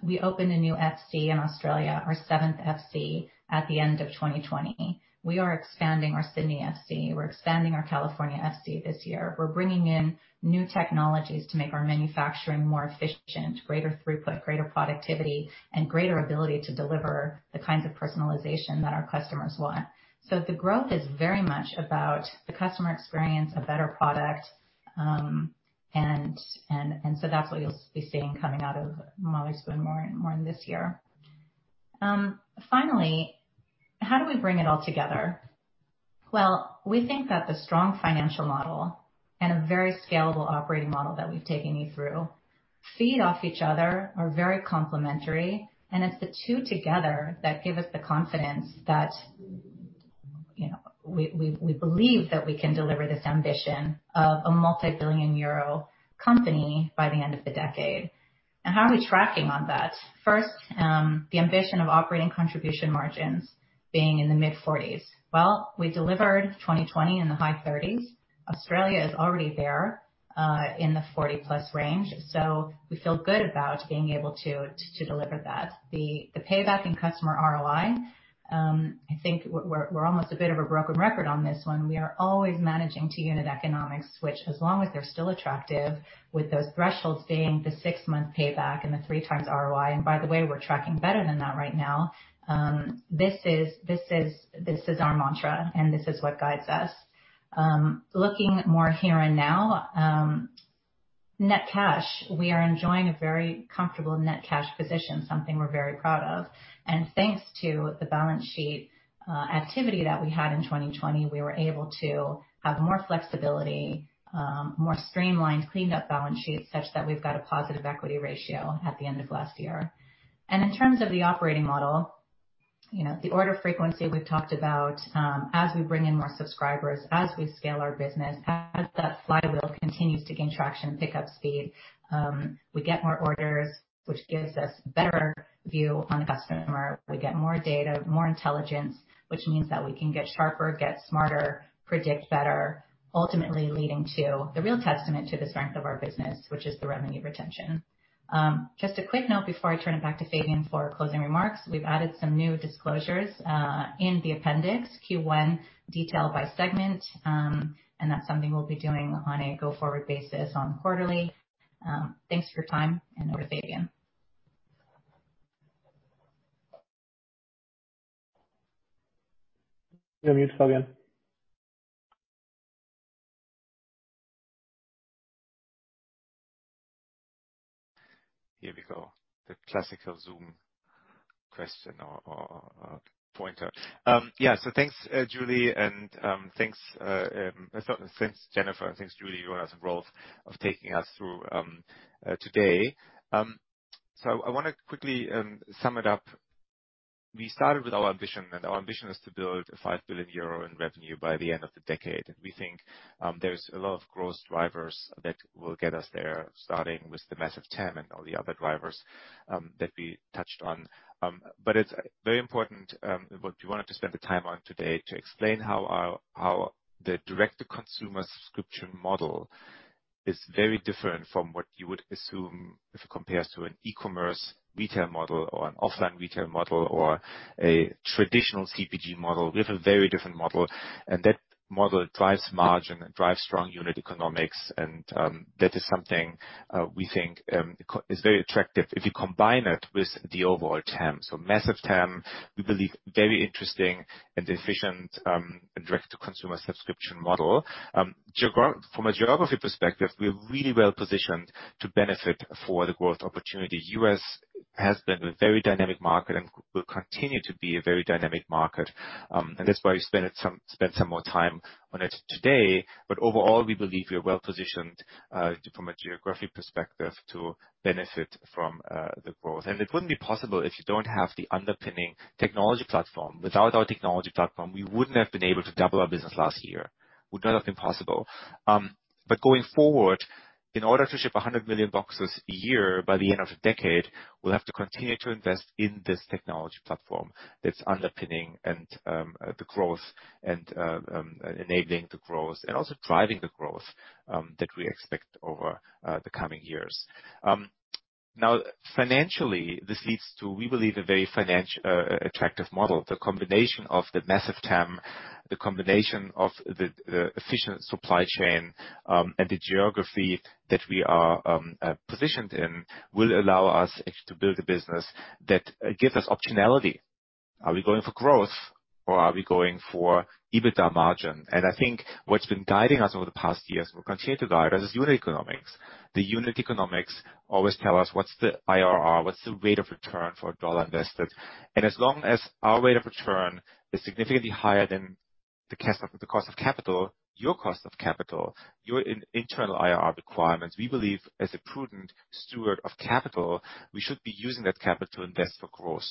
We opened a new FC in Australia, our seventh FC, at the end of 2020. We are expanding our Sydney FC. We're expanding our California FC this year. We're bringing in new technologies to make our manufacturing more efficient, greater throughput, greater productivity, and greater ability to deliver the kinds of personalization that our customers want. The growth is very much about the customer experience, a better product, and so that's what you'll be seeing coming out of Marley Spoon more this year. Finally, how do we bring it all together? We think that the strong financial model and a very scalable operating model that we've taken you through feed off each other, are very complementary, and it's the two together that give us the confidence that we can deliver this ambition of a multi-billion euro company by the end of the decade. How are we tracking on that? First, the ambition of operating contribution margins being in the mid-40s. We delivered 2020 in the high-30s. Australia is already there, in the 40%+ range. We feel good about being able to deliver that. The payback in customer ROI, I think we're almost a bit of a broken record on this one. We are always managing to unit economics, which, as long as they're still attractive, with those thresholds being the six-month payback and the 3x ROI. By the way, we're tracking better than that right now. This is our mantra, and this is what guides us. Looking more here and now, net cash. We are enjoying a very comfortable net cash position, something we're very proud of. Thanks to the balance sheet activity that we had in 2020, we were able to have more flexibility, more streamlined, cleaned up balance sheets, such that we've got a positive equity ratio at the end of last year. In terms of the operating model, the order frequency we've talked about, as we bring in more subscribers, as we scale our business, as that flywheel continues to gain traction, pick up speed, we get more orders, which gives us better view on the customer. We get more data, more intelligence, which means that we can get sharper, get smarter, predict better, ultimately leading to the real testament to the strength of our business, which is the revenue retention. Just a quick note before I turn it back to Fabian for closing remarks. We've added some new disclosures in the appendix Q1 detail by segment, and that's something we'll be doing on a go-forward basis on quarterly. Thanks for your time, over to Fabian. You're on mute, Fabian. Here we go. The classical Zoom question or pointer. Yeah. Thanks, Jennifer, and thanks, Julie, Jonas, and Rolf for taking us through today. I want to quickly sum it up. We started with our ambition, and our ambition was to build a 5 billion euro in revenue by the end of the decade. We think there's a lot of growth drivers that will get us there, starting with the massive TAM and all the other drivers that we touched on. It's very important, what we wanted to spend the time on today, to explain how the direct-to-consumer subscription model is very different from what you would assume if you compare to an e-commerce retail model or an offline retail model or a traditional CPG model. We have a very different model, and that model drives margin and drives strong unit economics. That is something we think is very attractive if you combine it with the overall TAM. Massive TAM, we believe very interesting and efficient, direct-to-consumer subscription model. From a geography perspective, we are really well positioned to benefit for the growth opportunity. U.S. has been a very dynamic market and will continue to be a very dynamic market. That's why we spent some more time on it today. Overall, we believe we are well-positioned, from a geography perspective, to benefit from the growth. It wouldn't be possible if you don't have the underpinning technology platform. Without our technology platform, we wouldn't have been able to double our business last year. Would not have been possible. Going forward, in order to ship 100 million boxes a year by the end of the decade, we'll have to continue to invest in this technology platform that's underpinning the growth and enabling the growth, and also driving the growth that we expect over the coming years. Financially, this leads to, we believe, a very attractive model. The combination of the massive TAM, the combination of the efficient supply chain, and the geography that we are positioned in will allow us to build a business that gives us optionality. Are we going for growth or are we going for EBITDA margin? I think what's been guiding us over the past years, will continue to guide us, is unit economics. The unit economics always tell us what's the IRR, what's the rate of return for a dollar invested. As long as our rate of return is significantly higher than the cost of capital, your cost of capital, your internal IRR requirements, we believe as a prudent steward of capital, we should be using that capital to invest for growth.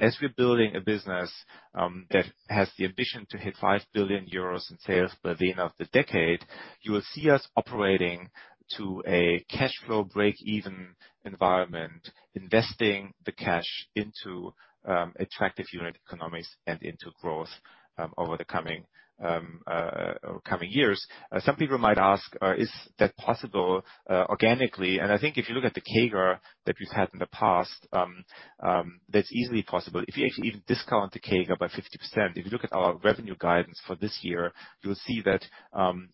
As we're building a business that has the ambition to hit 5 billion euros in sales by the end of the decade, you will see us operating to a cash flow break-even environment, investing the cash into attractive unit economics and into growth over the coming years. Some people might ask, is that possible organically? I think if you look at the CAGR that we've had in the past, that's easily possible. If you actually even discount the CAGR by 50%, if you look at our revenue guidance for this year, you'll see that from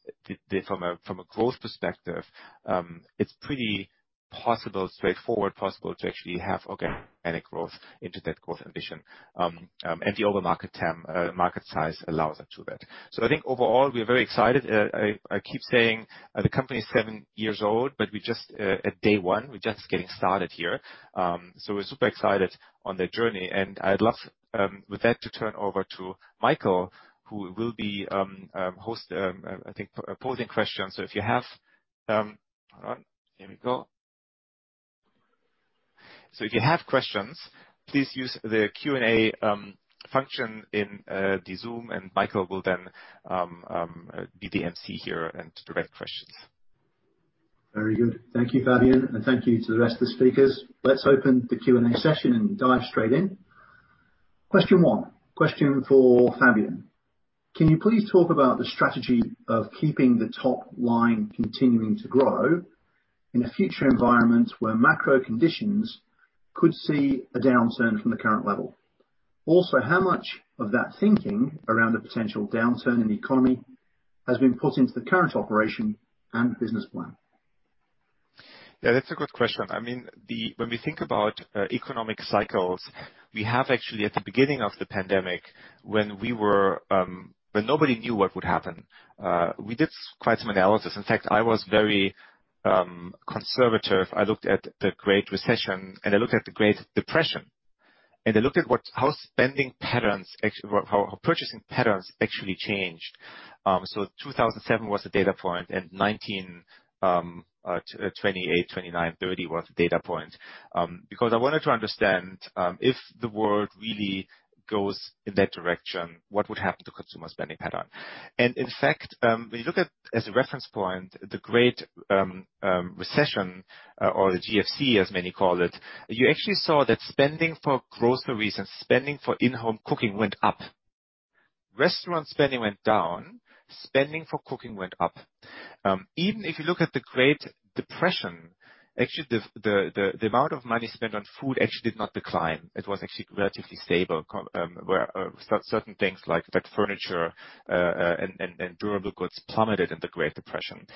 a growth perspective, it's pretty possible, straightforward possible to actually have organic growth into that growth ambition. The overall market TAM, market size allows us to do that. I think overall, we are very excited. I keep saying the company is seven years old, but we're just at day one. We're just getting started here. We're super excited on the journey, and I'd love with that to turn over to Michael, who will be host, I think, posing questions. Hold on. Here we go. If you have questions, please use the Q&A function in the Zoom and Michael will then be the emcee here and direct questions. Very good. Thank you, Fabian, thank you to the rest of the speakers. Let's open the Q&A session and dive straight in. Question one, question for Fabian. Can you please talk about the strategy of keeping the top line continuing to grow in a future environment where macro conditions could see a downturn from the current level? How much of that thinking around the potential downturn in the economy has been put into the current operation and business plan? Yeah, that's a good question. When we think about economic cycles, we have actually at the beginning of the pandemic, when nobody knew what would happen, we did quite some analysis. In fact, I was very conservative. I looked at the Great Recession. I looked at the Great Depression. I looked at how spending patterns, how purchasing patterns actually changed. 2007 was the data point. 1928, 1929, 1930 was the data point. I wanted to understand, if the world really goes in that direction, what would happen to consumer spending pattern? In fact, when you look at, as a reference point, the Great Recession or the GFC, as many call it, you actually saw that spending for grocery reasons, spending for in-home cooking went up. Restaurant spending went down, spending for cooking went up. Even if you look at the Great Depression, actually, the amount of money spent on food actually did not decline. It was actually relatively stable, where certain things like furniture and durable goods plummeted in the Great Depression.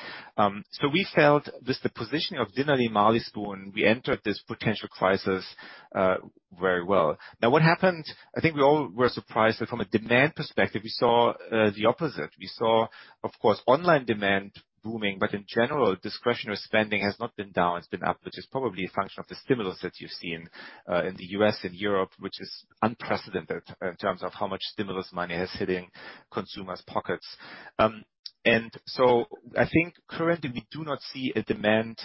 We felt with the positioning of Dinnerly and Marley Spoon, we entered this potential crisis very well. What happened, I think we all were surprised that from a demand perspective, we saw the opposite. We saw, of course, online demand booming, but in general, discretionary spending has not been down, it's been up, which is probably a function of the stimulus that you've seen in the U.S. and Europe, which is unprecedented in terms of how much stimulus money has hitting consumers' pockets. I think currently we do not see a demand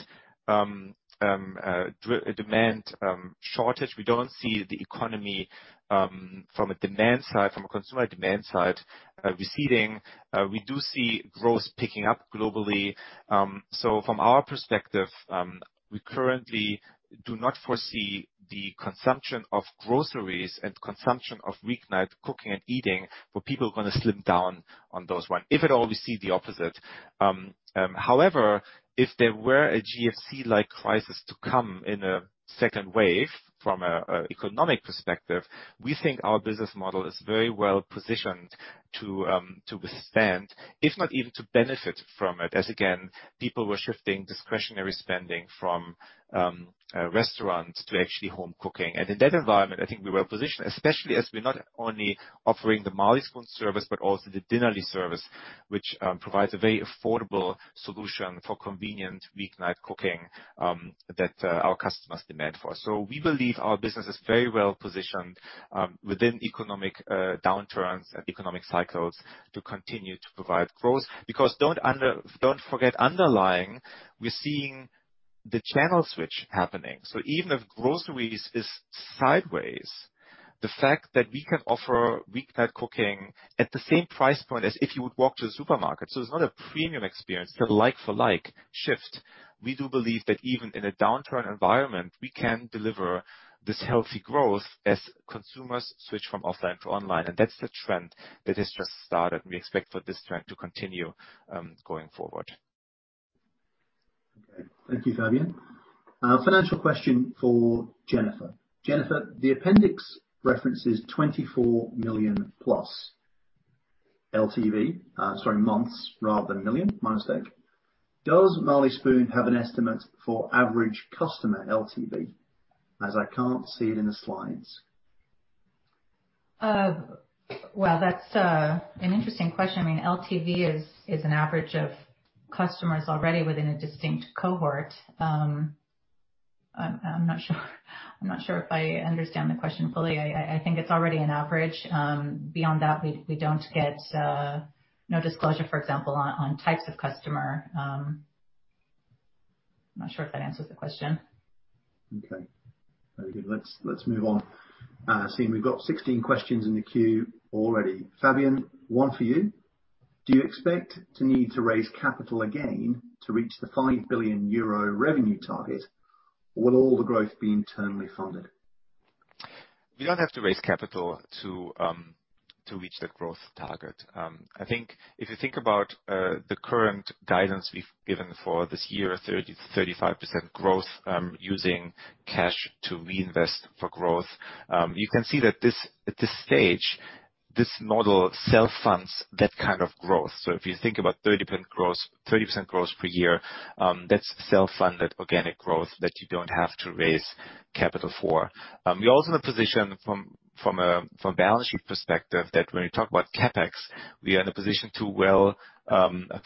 shortage. We don't see the economy from a demand side, from a consumer demand side, receding. We do see growth picking up globally. From our perspective, we currently do not foresee the consumption of groceries and consumption of weeknight cooking and eating, where people are going to slim down on those one. If at all, we see the opposite. However, if there were a GFC-like crisis to come in a second wave from an economic perspective, we think our business model is very well positioned to withstand, if not even to benefit from it, as again, people were shifting discretionary spending from restaurants to actually home cooking. In that environment, I think we're well positioned, especially as we're not only offering the Marley Spoon service, but also the Dinnerly service, which provides a very affordable solution for convenient weeknight cooking that our customers demand for. We believe our business is very well positioned within economic downturns and economic cycles to continue to provide growth. Don't forget, underlying, we're seeing the channel switch happening. Even if groceries is sideways, the fact that we can offer week night cooking at the same price point as if you would walk to a supermarket. It's not a premium experience. It's a like-for-like shift. We do believe that even in a downturn environment, we can deliver this healthy growth as consumers switch from offline to online. That's the trend that has just started, and we expect for this trend to continue going forward. Okay. Thank you, Fabian. Financial question for Jennifer. Jennifer, the appendix references 24+ million LTV. Sorry, months rather than million. My mistake. Does Marley Spoon have an estimate for average customer LTV, as I can't see it in the slides? Well, that's an interesting question. LTV is an average of customers already within a distinct cohort. I'm not sure if I understand the question fully. I think it's already an average. Beyond that, we don't get no disclosure, for example, on types of customer. I'm not sure if that answers the question. Okay. Very good. Let's move on. Seeing we've got 16 questions in the queue already. Fabian, one for you. Do you expect to need to raise capital again to reach the 5 billion euro revenue target, or will all the growth be internally funded? We don't have to raise capital to reach that growth target. I think if you think about the current guidance we've given for this year, 35% growth using cash to reinvest for growth, you can see that at this stage, this model self-funds that kind of growth. If you think about 30% growth per year, that's self-funded organic growth that you don't have to raise capital for. We're also in a position from a balance sheet perspective, that when we talk about CapEx, we are in a position to well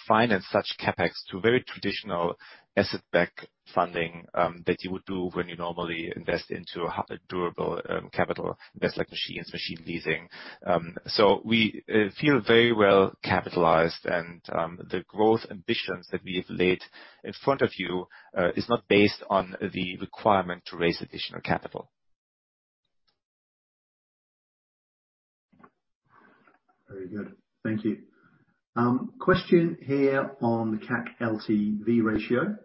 finance such CapEx to very traditional asset-backed funding that you would do when you normally invest into a durable capital invest like machines, machine leasing. We feel very well capitalized and the growth ambitions that we have laid in front of you is not based on the requirement to raise additional capital. Very good. Thank you. Question here on the CAC LTV ratio.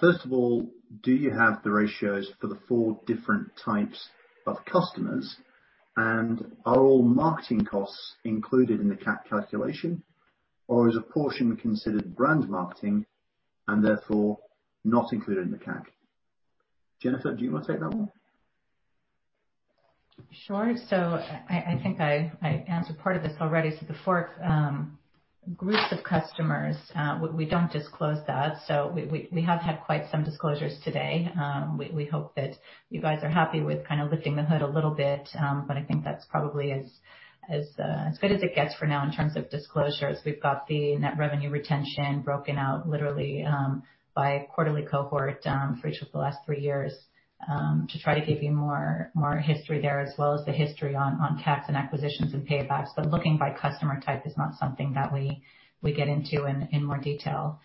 First of all, do you have the ratios for the four different types of customers? Are all marketing costs included in the CAC calculation, or is a portion considered brand marketing and therefore not included in the CAC? Jennifer, do you want to take that one? Sure. I think I answered part of this already. The fourth group of customers, we don't disclose that. We have had quite some disclosures today. We hope that you guys are happy with kind of lifting the hood a little bit, but I think that's probably as good as it gets for now in terms of disclosures. We've got the net revenue retention broken out literally by quarterly cohort for each of the last three years, to try to give you more history there, as well as the history on CACs and acquisitions and paybacks. Looking by customer type is not something that we get into in more detail.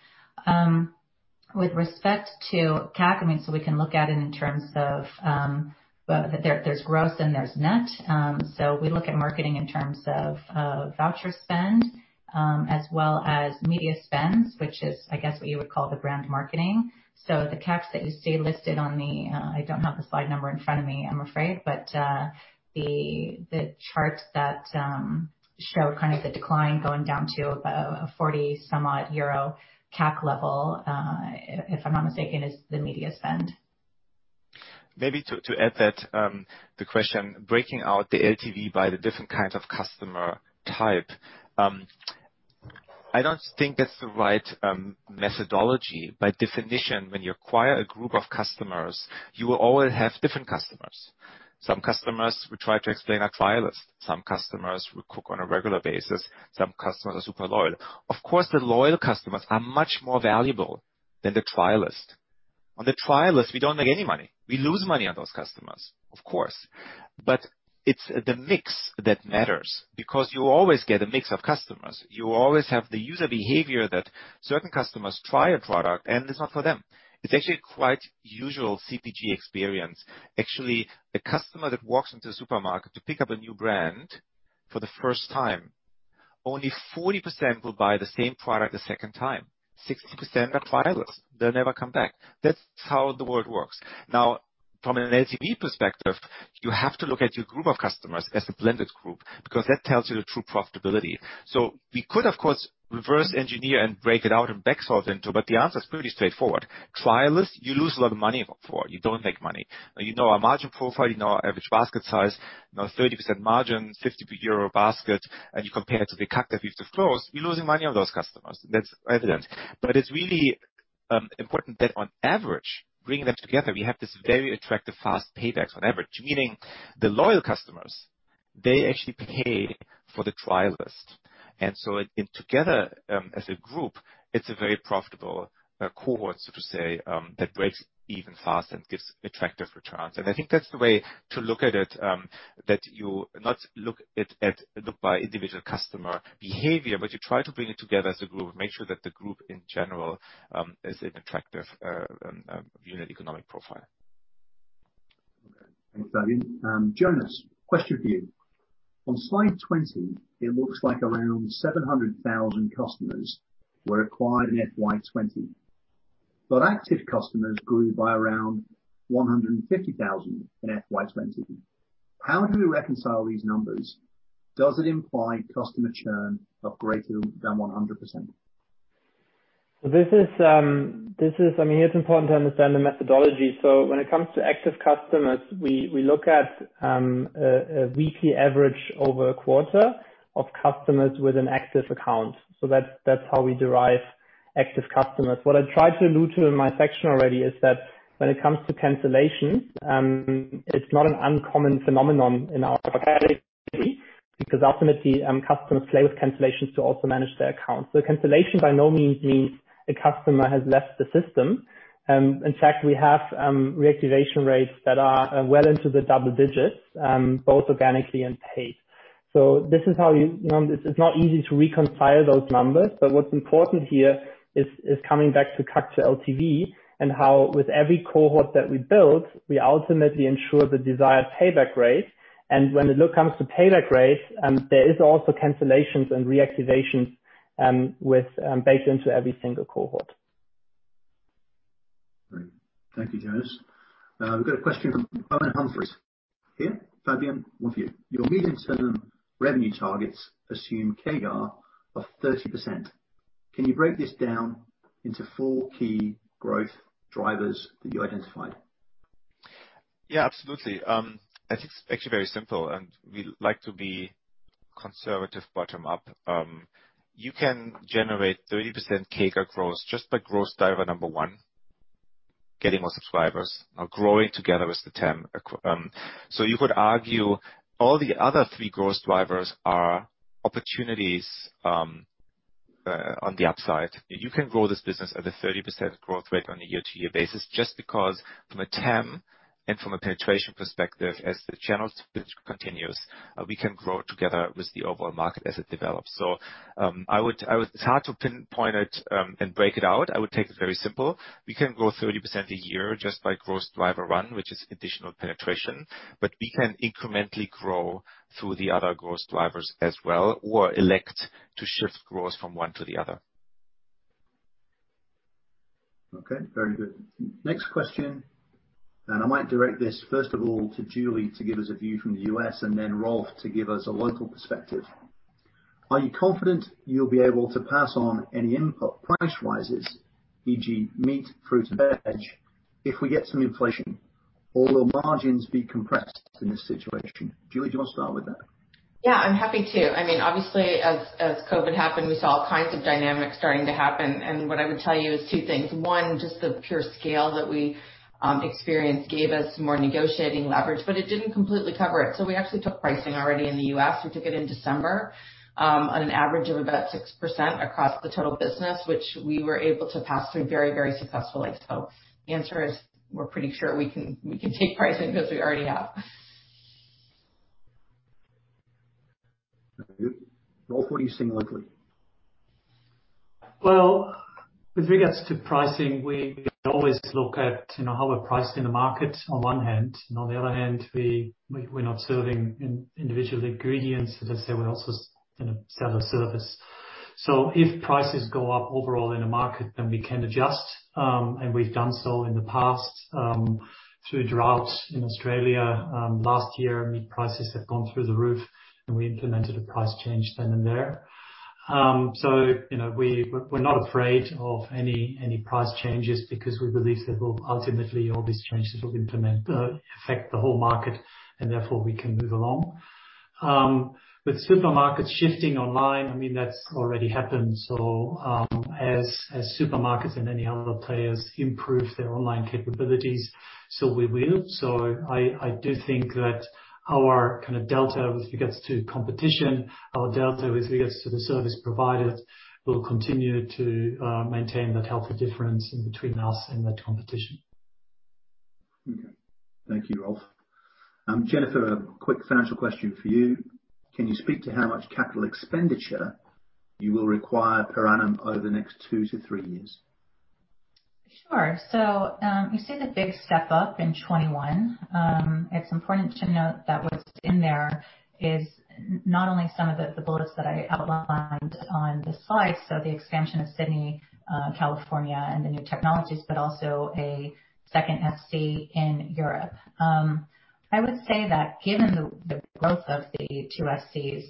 With respect to CAC, I mean, we can look at it in terms of, there's gross and there's net. We look at marketing in terms of voucher spend, as well as media spends, which is, I guess, what you would call the brand marketing. The CACs that you see listed on the, I don't have the slide number in front of me, I'm afraid, but the charts that show kind of the decline going down to about a 40 some odd CAC level, if I'm not mistaken, is the media spend. Maybe to add that, the question, breaking out the LTV by the different kinds of customer type. I don't think that's the right methodology. By definition, when you acquire a group of customers, you will always have different customers. Some customers will try to explain our trialists. Some customers will cook on a regular basis. Some customers are super loyal. Of course, the loyal customers are much more valuable than the trialists. On the trialists, we don't make any money. We lose money on those customers, of course. It's the mix that matters, because you always get a mix of customers. You always have the user behavior that certain customers try a product, and it's not for them. It's actually quite usual CPG experience. Actually, a customer that walks into a supermarket to pick up a new brand for the first time, only 40% will buy the same product a second time. 60% are trialists, they'll never come back. That's how the world works. From an LTV perspective, you have to look at your group of customers as a blended group, because that tells you the true profitability. We could, of course, reverse engineer and break it out and back solve into, but the answer is pretty straightforward. Trialists, you lose a lot of money for. You don't make money. You know our margin profile, you know our average basket size, you know 30% margin, 50 euro basket, you compare it to the CAC that we've disclosed, you're losing money on those customers. That's evident. It's really important that on average, bringing them together, we have this very attractive fast paybacks on average, meaning the loyal customers, they actually pay for the trialists. In together, as a group, it's a very profitable cohort, so to say, that breaks even fast and gives attractive returns. I think that's the way to look at it, that you not look by individual customer behavior, but you try to bring it together as a group, make sure that the group in general is an attractive unit economic profile. Okay. Thanks, Fabian. Jonas, question for you. On slide 20, it looks like around 700,000 customers were acquired in FY 2020, but active customers grew by around 150,000 in FY 2020. How do we reconcile these numbers? Does it imply customer churn of greater than 100%? This is, I mean, here it's important to understand the methodology. When it comes to active customers, we look at a weekly average over a quarter of customers with an active account. That's how we derive active customers. What I tried to allude to in my section already is that when it comes to cancellations, it's not an uncommon phenomenon in our category because ultimately, customers play with cancellations to also manage their accounts. Cancellation by no means means a customer has left the system. In fact, we have reactivation rates that are well into the double digits, both organically and paid. It's not easy to reconcile those numbers, but what's important here is coming back to CAC to LTV and how with every cohort that we build, we ultimately ensure the desired payback rate. When the look comes to payback rates, there is also cancellations and reactivations baked into every single cohort. Great. Thank you, Jonas. We've got a question from Owen Humphries here. Fabian, one for you. Your medium term revenue targets assume CAGR of 30%. Can you break this down into four key growth drivers that you identified? Yeah, absolutely. I think it's actually very simple, and we like to be conservative bottom up. You can generate 30% CAGR growth just by growth driver number one, getting more subscribers or growing together with the TAM. You could argue all the other three growth drivers are opportunities on the upside. You can grow this business at a 30% growth rate on a year-to-year basis just because from a TAM and from a penetration perspective, as the channels continues, we can grow together with the overall market as it develops. It's hard to pinpoint it and break it out. I would take it very simple. We can grow 30% a year just by growth driver one, which is additional penetration, but we can incrementally grow through the other growth drivers as well, or elect to shift growth from one to the other. Okay, very good. Next question. I might direct this first of all to Julie to give us a view from the U.S. and then Rolf to give us a local perspective. Are you confident you'll be able to pass on any input price rises, e.g., meat, fruit, and veg, if we get some inflation? Or will margins be compressed in this situation? Julie, do you want to start with that? Yeah, I'm happy to. Obviously, as COVID happened, we saw all kinds of dynamics starting to happen. What I would tell you is two things. One, just the pure scale that we experienced gave us more negotiating leverage, but it didn't completely cover it. We actually took pricing already in the U.S. We took it in December, on an average of about 6% across the total business, which we were able to pass through very, very successfully. The answer is, we're pretty sure we can take pricing because we already have. Very good. Rolf, what are you seeing locally? Well, with regards to pricing, we always look at how we're priced in the market on one hand, and on the other hand, we're not serving individual ingredients. As I say, we're also in a seller service. If prices go up overall in a market, then we can adjust. We've done so in the past, through droughts in Australia. Last year, meat prices have gone through the roof, and we implemented a price change then and there. We're not afraid of any price changes because we believe that ultimately all these changes will implement affect the whole market, and therefore we can move along. With supermarkets shifting online, that's already happened. As supermarkets and any other players improve their online capabilities, so we will. I do think that our delta with regards to competition, our delta with regards to the service providers, will continue to maintain that healthy difference in between us and the competition. Okay. Thank you, Rolf. Jennifer, a quick financial question for you. Can you speak to how much capital expenditure you will require per annum over the next two to three years? Sure. You see the big step up in 2021. It's important to note that what's in there is not only some of the bullets that I outlined on the slide, so the expansion of Sydney, California, and the new technologies, but also a second FC in Europe. I would say that given the growth of the two FCs,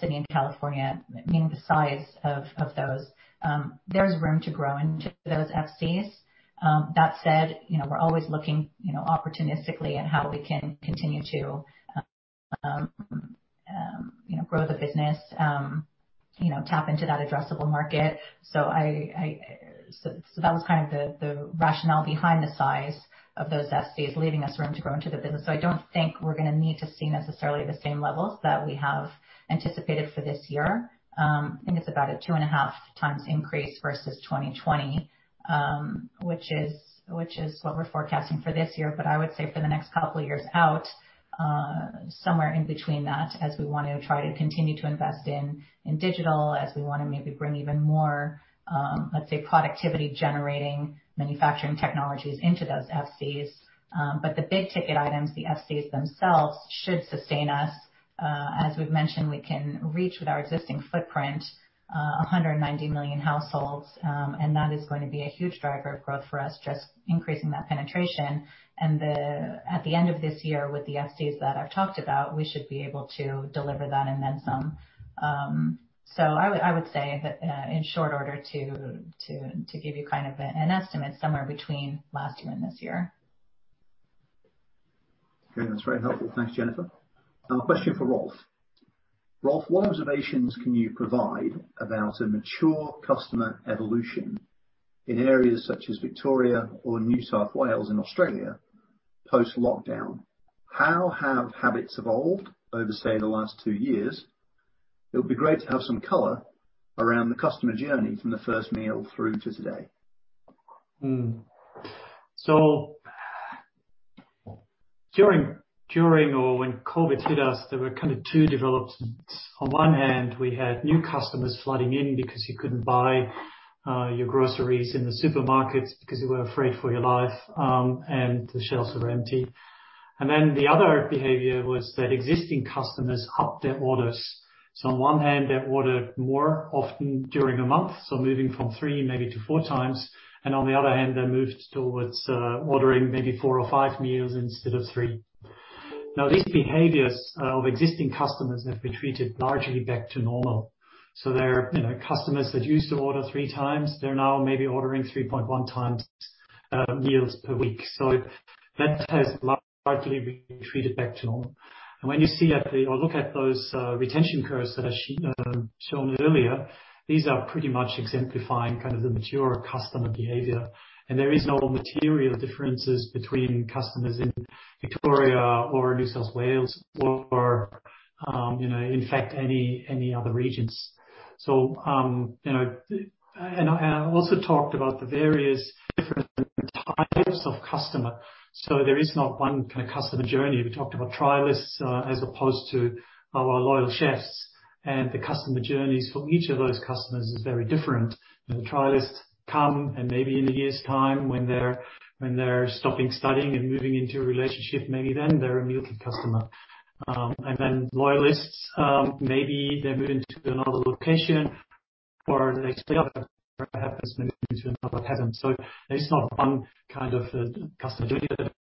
Sydney and California, meaning the size of those, there's room to grow into those FCs. That said, we're always looking opportunistically at how we can continue to grow the business, tap into that addressable market. That was kind of the rationale behind the size of those FCs, leaving us room to grow into the business. I don't think we're going to need to see necessarily the same levels that we have anticipated for this year. I think it's about a 2.5x increase versus 2020, which is what we're forecasting for this year. I would say for the next couple of years out, somewhere in between that as we want to try to continue to invest in digital, as we want to maybe bring even more, let's say, productivity generating manufacturing technologies into those FCs. The big ticket items, the FCs themselves, should sustain us. As we've mentioned, we can reach with our existing footprint, 190 million households. That is going to be a huge driver of growth for us, just increasing that penetration. At the end of this year, with the FCs that I've talked about, we should be able to deliver that and then some. I would say that in short order to give you kind of an estimate, somewhere between last year and this year. Okay, that's very helpful. Thanks, Jennifer. A question for Rolf. Rolf, what observations can you provide about a mature customer evolution in areas such as Victoria or New South Wales in Australia post-lockdown? How have habits evolved over, say, the last two years? It would be great to have some color around the customer journey from the first meal through to today. During or when COVID hit us, there were kind of two developments. On one hand, we had new customers flooding in because you couldn't buy your groceries in the supermarkets because you were afraid for your life, and the shelves were empty. The other behavior was that existing customers upped their orders. On one hand, they ordered more often during the month, moving from three maybe to four times. On the other hand, they moved towards ordering maybe four or five meals instead of three. Now, these behaviors of existing customers have retreated largely back to normal. Customers that used to order three times, they're now maybe ordering 3.1x meals per week. That has largely retreated back to normal. When you see at the or look at those retention curves that I shown earlier, these are pretty much exemplifying kind of the mature customer behavior. There is no material differences between customers in Victoria or New South Wales or, in fact any other regions. I also talked about the various different types of customer. There is not one kind of customer journey. We talked about trialists as opposed to our loyal chefs, and the customer journeys for each of those customers is very different. The trialists come and maybe in a year's time when they're stopping studying and moving into a relationship, maybe then they're a meal kit customer. Then loyalists, maybe they're moving to another location or they split up, perhaps moving into another pattern. There's not one kind of customer journey that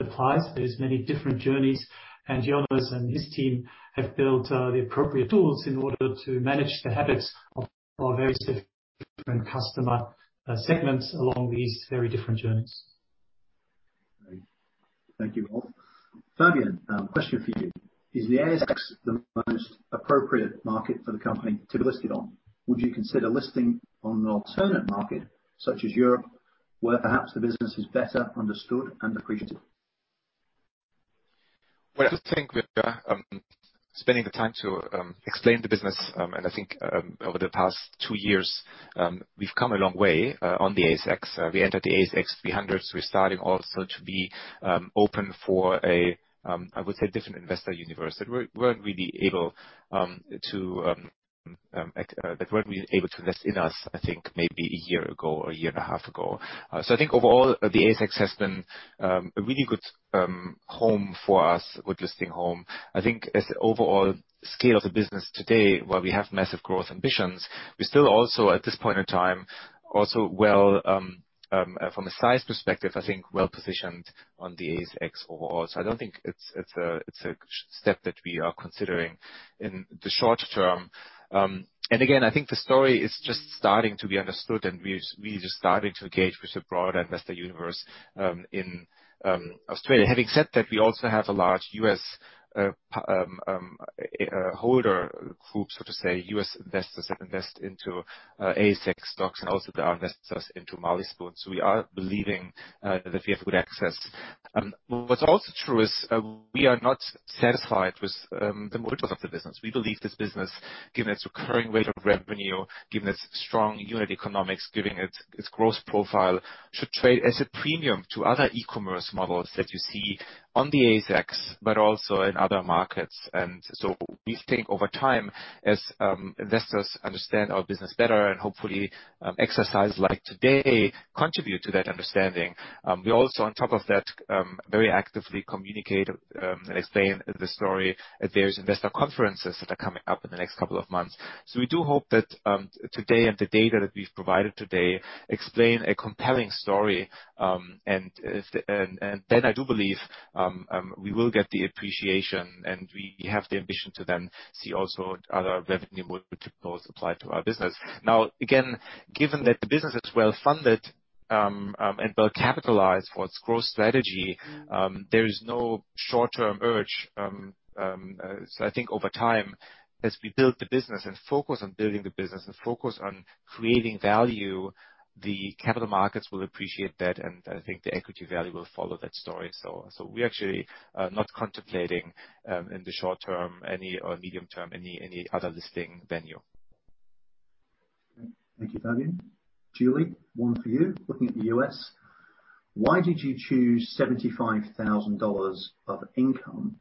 applies. There's many different journeys, and Jonas and his team have built the appropriate tools in order to manage the habits of our very different customer segments along these very different journeys. Great. Thank you, Rolf. Fabian, question for you: Is the ASX the most appropriate market for the company to be listed on? Would you consider listing on an alternate market such as Europe, where perhaps the business is better understood and appreciated? I think we are spending the time to explain the business, and I think over the past two years, we've come a long way on the ASX. We entered the ASX 300, so we're starting also to be open for a, I would say, different investor universe that weren't really able to invest in us, I think maybe one year ago or one year and a half ago. I think overall, the ASX has been a really good home for us, good listing home. I think as the overall scale of the business today, while we have massive growth ambitions, we still also, at this point in time, also, from a size perspective, I think well-positioned on the ASX overall. I don't think it's a step that we are considering in the short term. Again, I think the story is just starting to be understood and we're just starting to engage with the broader investor universe, in Australia. Having said that, we also have a large U.S. holder group, so to say, U.S. investors that invest into ASX stocks and also now invest us into Marley Spoon. We are believing that we have good access. What's also true is we are not satisfied with the multiples of the business. We believe this business, given its recurring rate of revenue, given its strong unit economics, given its growth profile, should trade as a premium to other e-commerce models that you see on the ASX, but also in other markets. We think over time as investors understand our business better and hopefully exercises like today contribute to that understanding. We also, on top of that, very actively communicate and explain the story at various investor conferences that are coming up in the next couple of months. We do hope that today and the data that we've provided today explain a compelling story, and then I do believe we will get the appreciation, and we have the ambition to then see also other revenue multiples apply to our business. Again, given that the business is well-funded and well-capitalized for its growth strategy, there is no short-term urge. I think over time, as we build the business and focus on building the business and focus on creating value, the capital markets will appreciate that, and I think the equity value will follow that story. We actually are not contemplating, in the short term or medium term, any other listing venue. Okay. Thank you, Fabian. Julie, one for you. Looking at the U.S., why did you choose $75,000 of income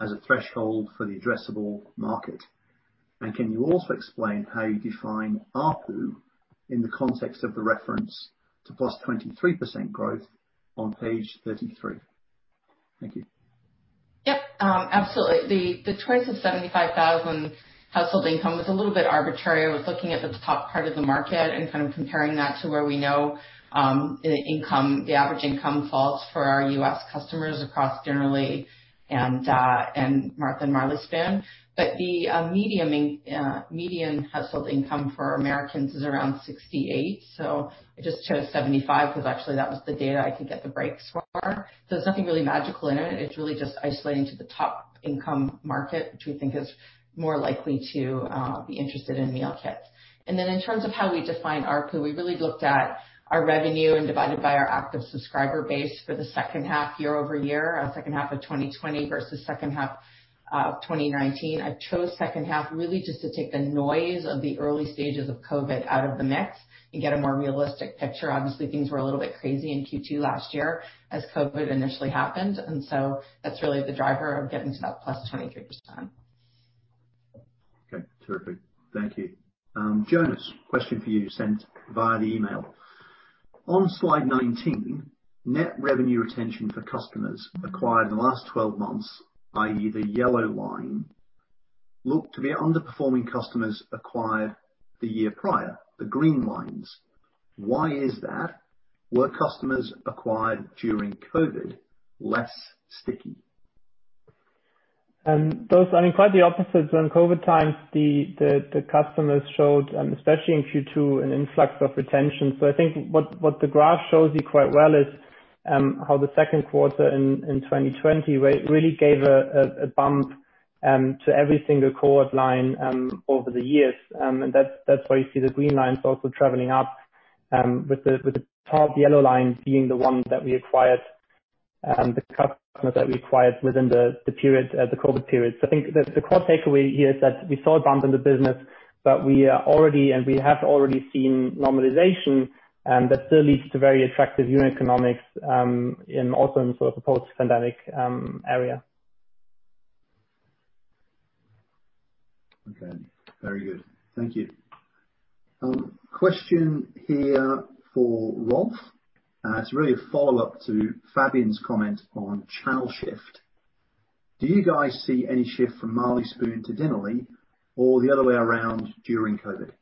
as a threshold for the addressable market? Can you also explain how you define ARPU in the context of the reference to +23% growth on page 33? Thank you. Yep. Absolutely. The choice of $75,000 household income was a little bit arbitrary. I was looking at the top part of the market and kind of comparing that to where we know the average income falls for our U.S. customers across Dinnerly and Marley Spoon. The median household income for Americans is around $68,000, I just chose $75,000 because actually that was the data I could get the breaks for. There's nothing really magical in it. It's really just isolating to the top income market, which we think is more likely to be interested in meal kits. In terms of how we define ARPU, we really looked at our revenue and divided by our active subscriber base for the second half year-over-year, second half of 2020 versus second half of 2019. I chose second half really just to take the noise of the early stages of COVID out of the mix and get a more realistic picture. Obviously, things were a little bit crazy in Q2 last year as COVID initially happened, and so that's really the driver of getting to that +23%. Okay. Terrific. Thank you. Jonas, question for you sent via the email. On slide 19, net revenue retention for customers acquired in the last 12 months, i.e., the yellow line, look to be underperforming customers acquired the year prior, the green lines. Why is that? Were customers acquired during COVID less sticky? Those are quite the opposite. During COVID times, the customers showed, especially in Q2, an influx of retention. I think what the graph shows you quite well is how the second quarter in 2020 really gave a bump to every single cohort line over the years. That's why you see the green lines also traveling up with the top yellow line being the ones that we acquired, the customers that we acquired within the COVID period. I think the core takeaway here is that we saw a bump in the business, but we are already, and we have already seen normalization, and that still leads to very attractive unit economics in also sort of a post-pandemic area. Okay. Very good. Thank you. Question here for Rolf. It's really a follow-up to Fabian's comment on channel shift. Do you guys see any shift from Marley Spoon to Dinnerly or the other way around during COVID?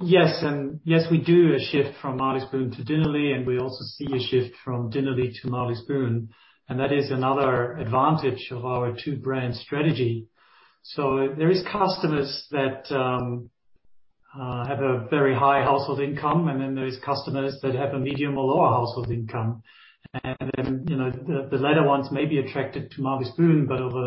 Yes. Yes, we do a shift from Marley Spoon to Dinnerly, and we also see a shift from Dinnerly to Marley Spoon, and that is another advantage of our two-brand strategy. There is customers that have a very high household income, and then there is customers that have a medium or lower household income. The latter ones may be attracted to Marley Spoon, but over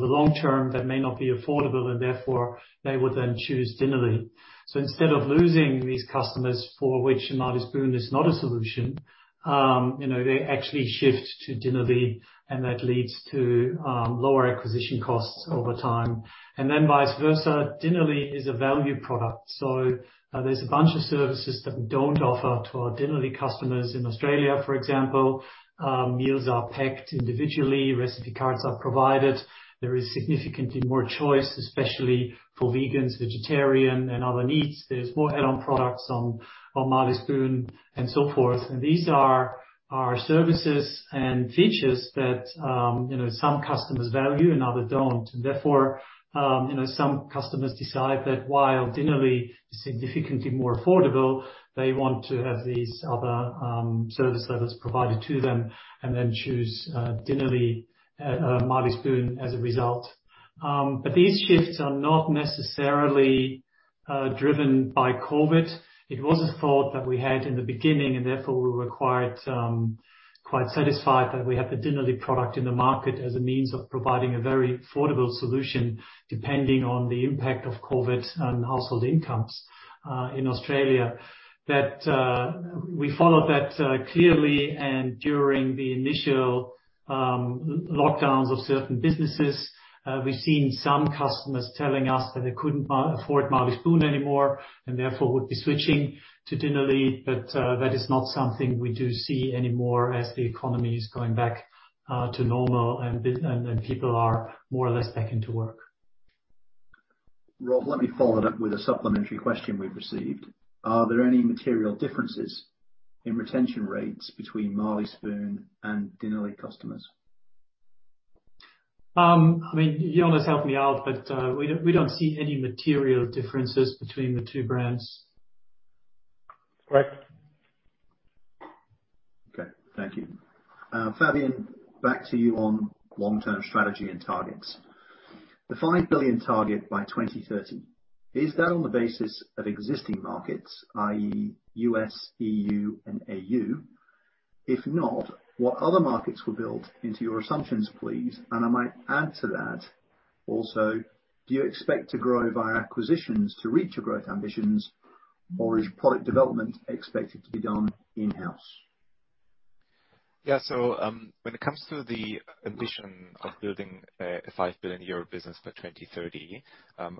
the long term, that may not be affordable, and therefore they would then choose Dinnerly. Instead of losing these customers for which Marley Spoon is not a solution, they actually shift to Dinnerly, and that leads to lower acquisition costs over time. Vice versa, Dinnerly is a value product, so there's a bunch of services that we don't offer to our Dinnerly customers in Australia, for example. Meals are packed individually, recipe cards are provided. There is significantly more choice, especially for vegans, vegetarian and other needs. There's more add-on products on Marley Spoon, and so forth. These are our services and features that some customers value and others don't. Therefore, some customers decide that while Dinnerly is significantly more affordable, they want to have these other service levels provided to them and then choose Marley Spoon as a result. These shifts are not necessarily driven by COVID. It was a thought that we had in the beginning, and therefore we were quite satisfied that we have the Dinnerly product in the market as a means of providing a very affordable solution, depending on the impact of COVID on household incomes, in Australia. That we followed that clearly. During the initial lockdowns of certain businesses, we've seen some customers telling us that they couldn't afford Marley Spoon anymore and therefore would be switching to Dinnerly. That is not something we do see anymore as the economy is going back to normal and people are more or less back into work. Rolf, let me follow that up with a supplementary question we've received. Are there any material differences in retention rates between Marley Spoon and Dinnerly customers? Jonas, help me out, but, we don't see any material differences between the two brands. Great. Okay. Thank you. Fabian, back to you on long-term strategy and targets. The 5 billion target by 2030, is that on the basis of existing markets, i.e. U.S., EU and AU? If not, what other markets were built into your assumptions, please? I might add to that also, do you expect to grow via acquisitions to reach your growth ambitions, or is product development expected to be done in-house? Yeah. When it comes to the ambition of building a 5 billion euro business by 2030,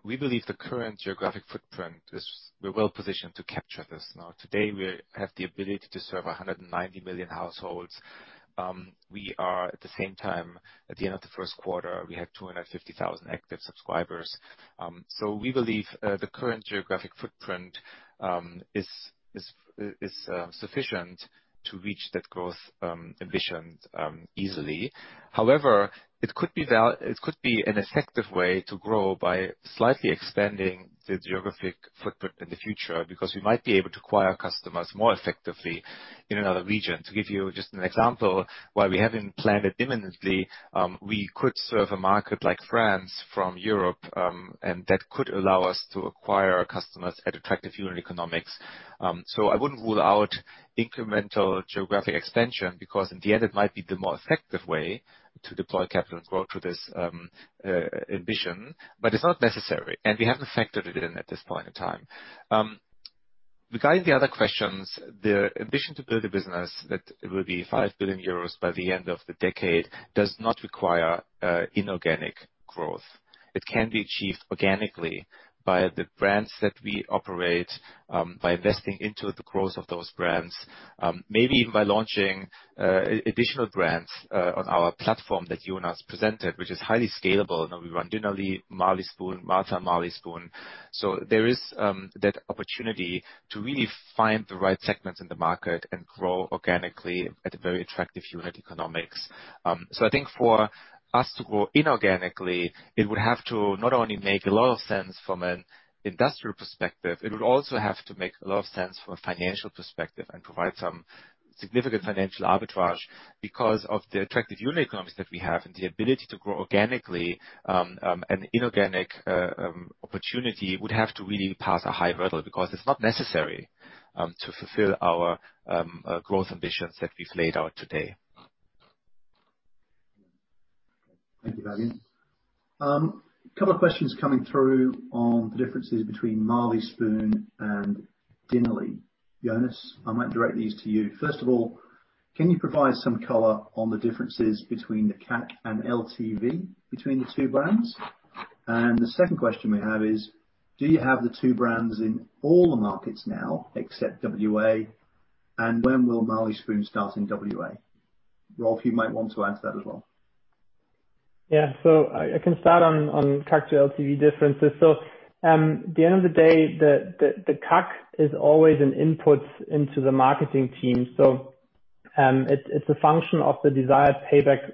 we believe the current geographic footprint is we're well positioned to capture this now. Today, we have the ability to serve 190 million households. We are, at the same time, at the end of the first quarter, we had 250,000 active subscribers. We believe the current geographic footprint is sufficient to reach that growth ambition easily. However, it could be an effective way to grow by slightly expanding the geographic footprint in the future, because we might be able to acquire customers more effectively in another region. To give you just an example, while we haven't planned it imminently, we could serve a market like France from Europe, and that could allow us to acquire customers at attractive unit economics. I wouldn't rule out incremental geographic expansion because in the end, it might be the more effective way to deploy capital and grow to this ambition, but it's not necessary, and we haven't factored it in at this point in time. Regarding the other questions, the ambition to build a business that will be 5 billion euros by the end of the decade does not require inorganic growth. It can be achieved organically by the brands that we operate, by investing into the growth of those brands. Maybe even by launching additional brands, on our platform that Jonas presented, which is highly scalable. We run Dinnerly, Marley Spoon, Martha & Marley Spoon. There is that opportunity to really find the right segments in the market and grow organically at a very attractive unit economics. I think for us to grow inorganically, it would have to not only make a lot of sense from an industrial perspective, it would also have to make a lot of sense from a financial perspective and provide some significant financial arbitrage because of the attractive unit economics that we have and the ability to grow organically, an inorganic opportunity would have to really pass a high hurdle because it's not necessary to fulfill our growth ambitions that we've laid out today. Thank you, Fabian. Couple of questions coming through on the differences between Marley Spoon and Dinnerly. Jonas, I might direct these to you. First of all, can you provide some color on the differences between the CAC and LTV between the two brands? The second question we have is: Do you have the two brands in all the markets now except WA? When will Marley Spoon start in WA? Rolf, you might want to answer that as well. Yeah. I can start on CAC-to-LTV differences. It's a function of the desired payback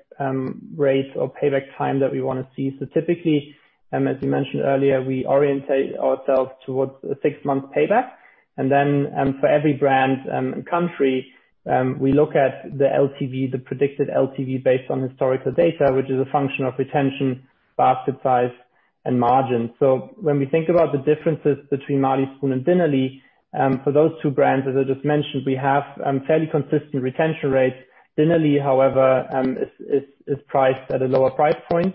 rate or payback time that we want to see. Typically, as we mentioned earlier, we orientate ourselves towards a six-month payback. For every brand and country, we look at the LTV, the predicted LTV based on historical data, which is a function of retention, basket size, and margin. When we think about the differences between Marley Spoon and Dinnerly, for those two brands, as I just mentioned, we have fairly consistent retention rates. Dinnerly, however, is priced at a lower price point,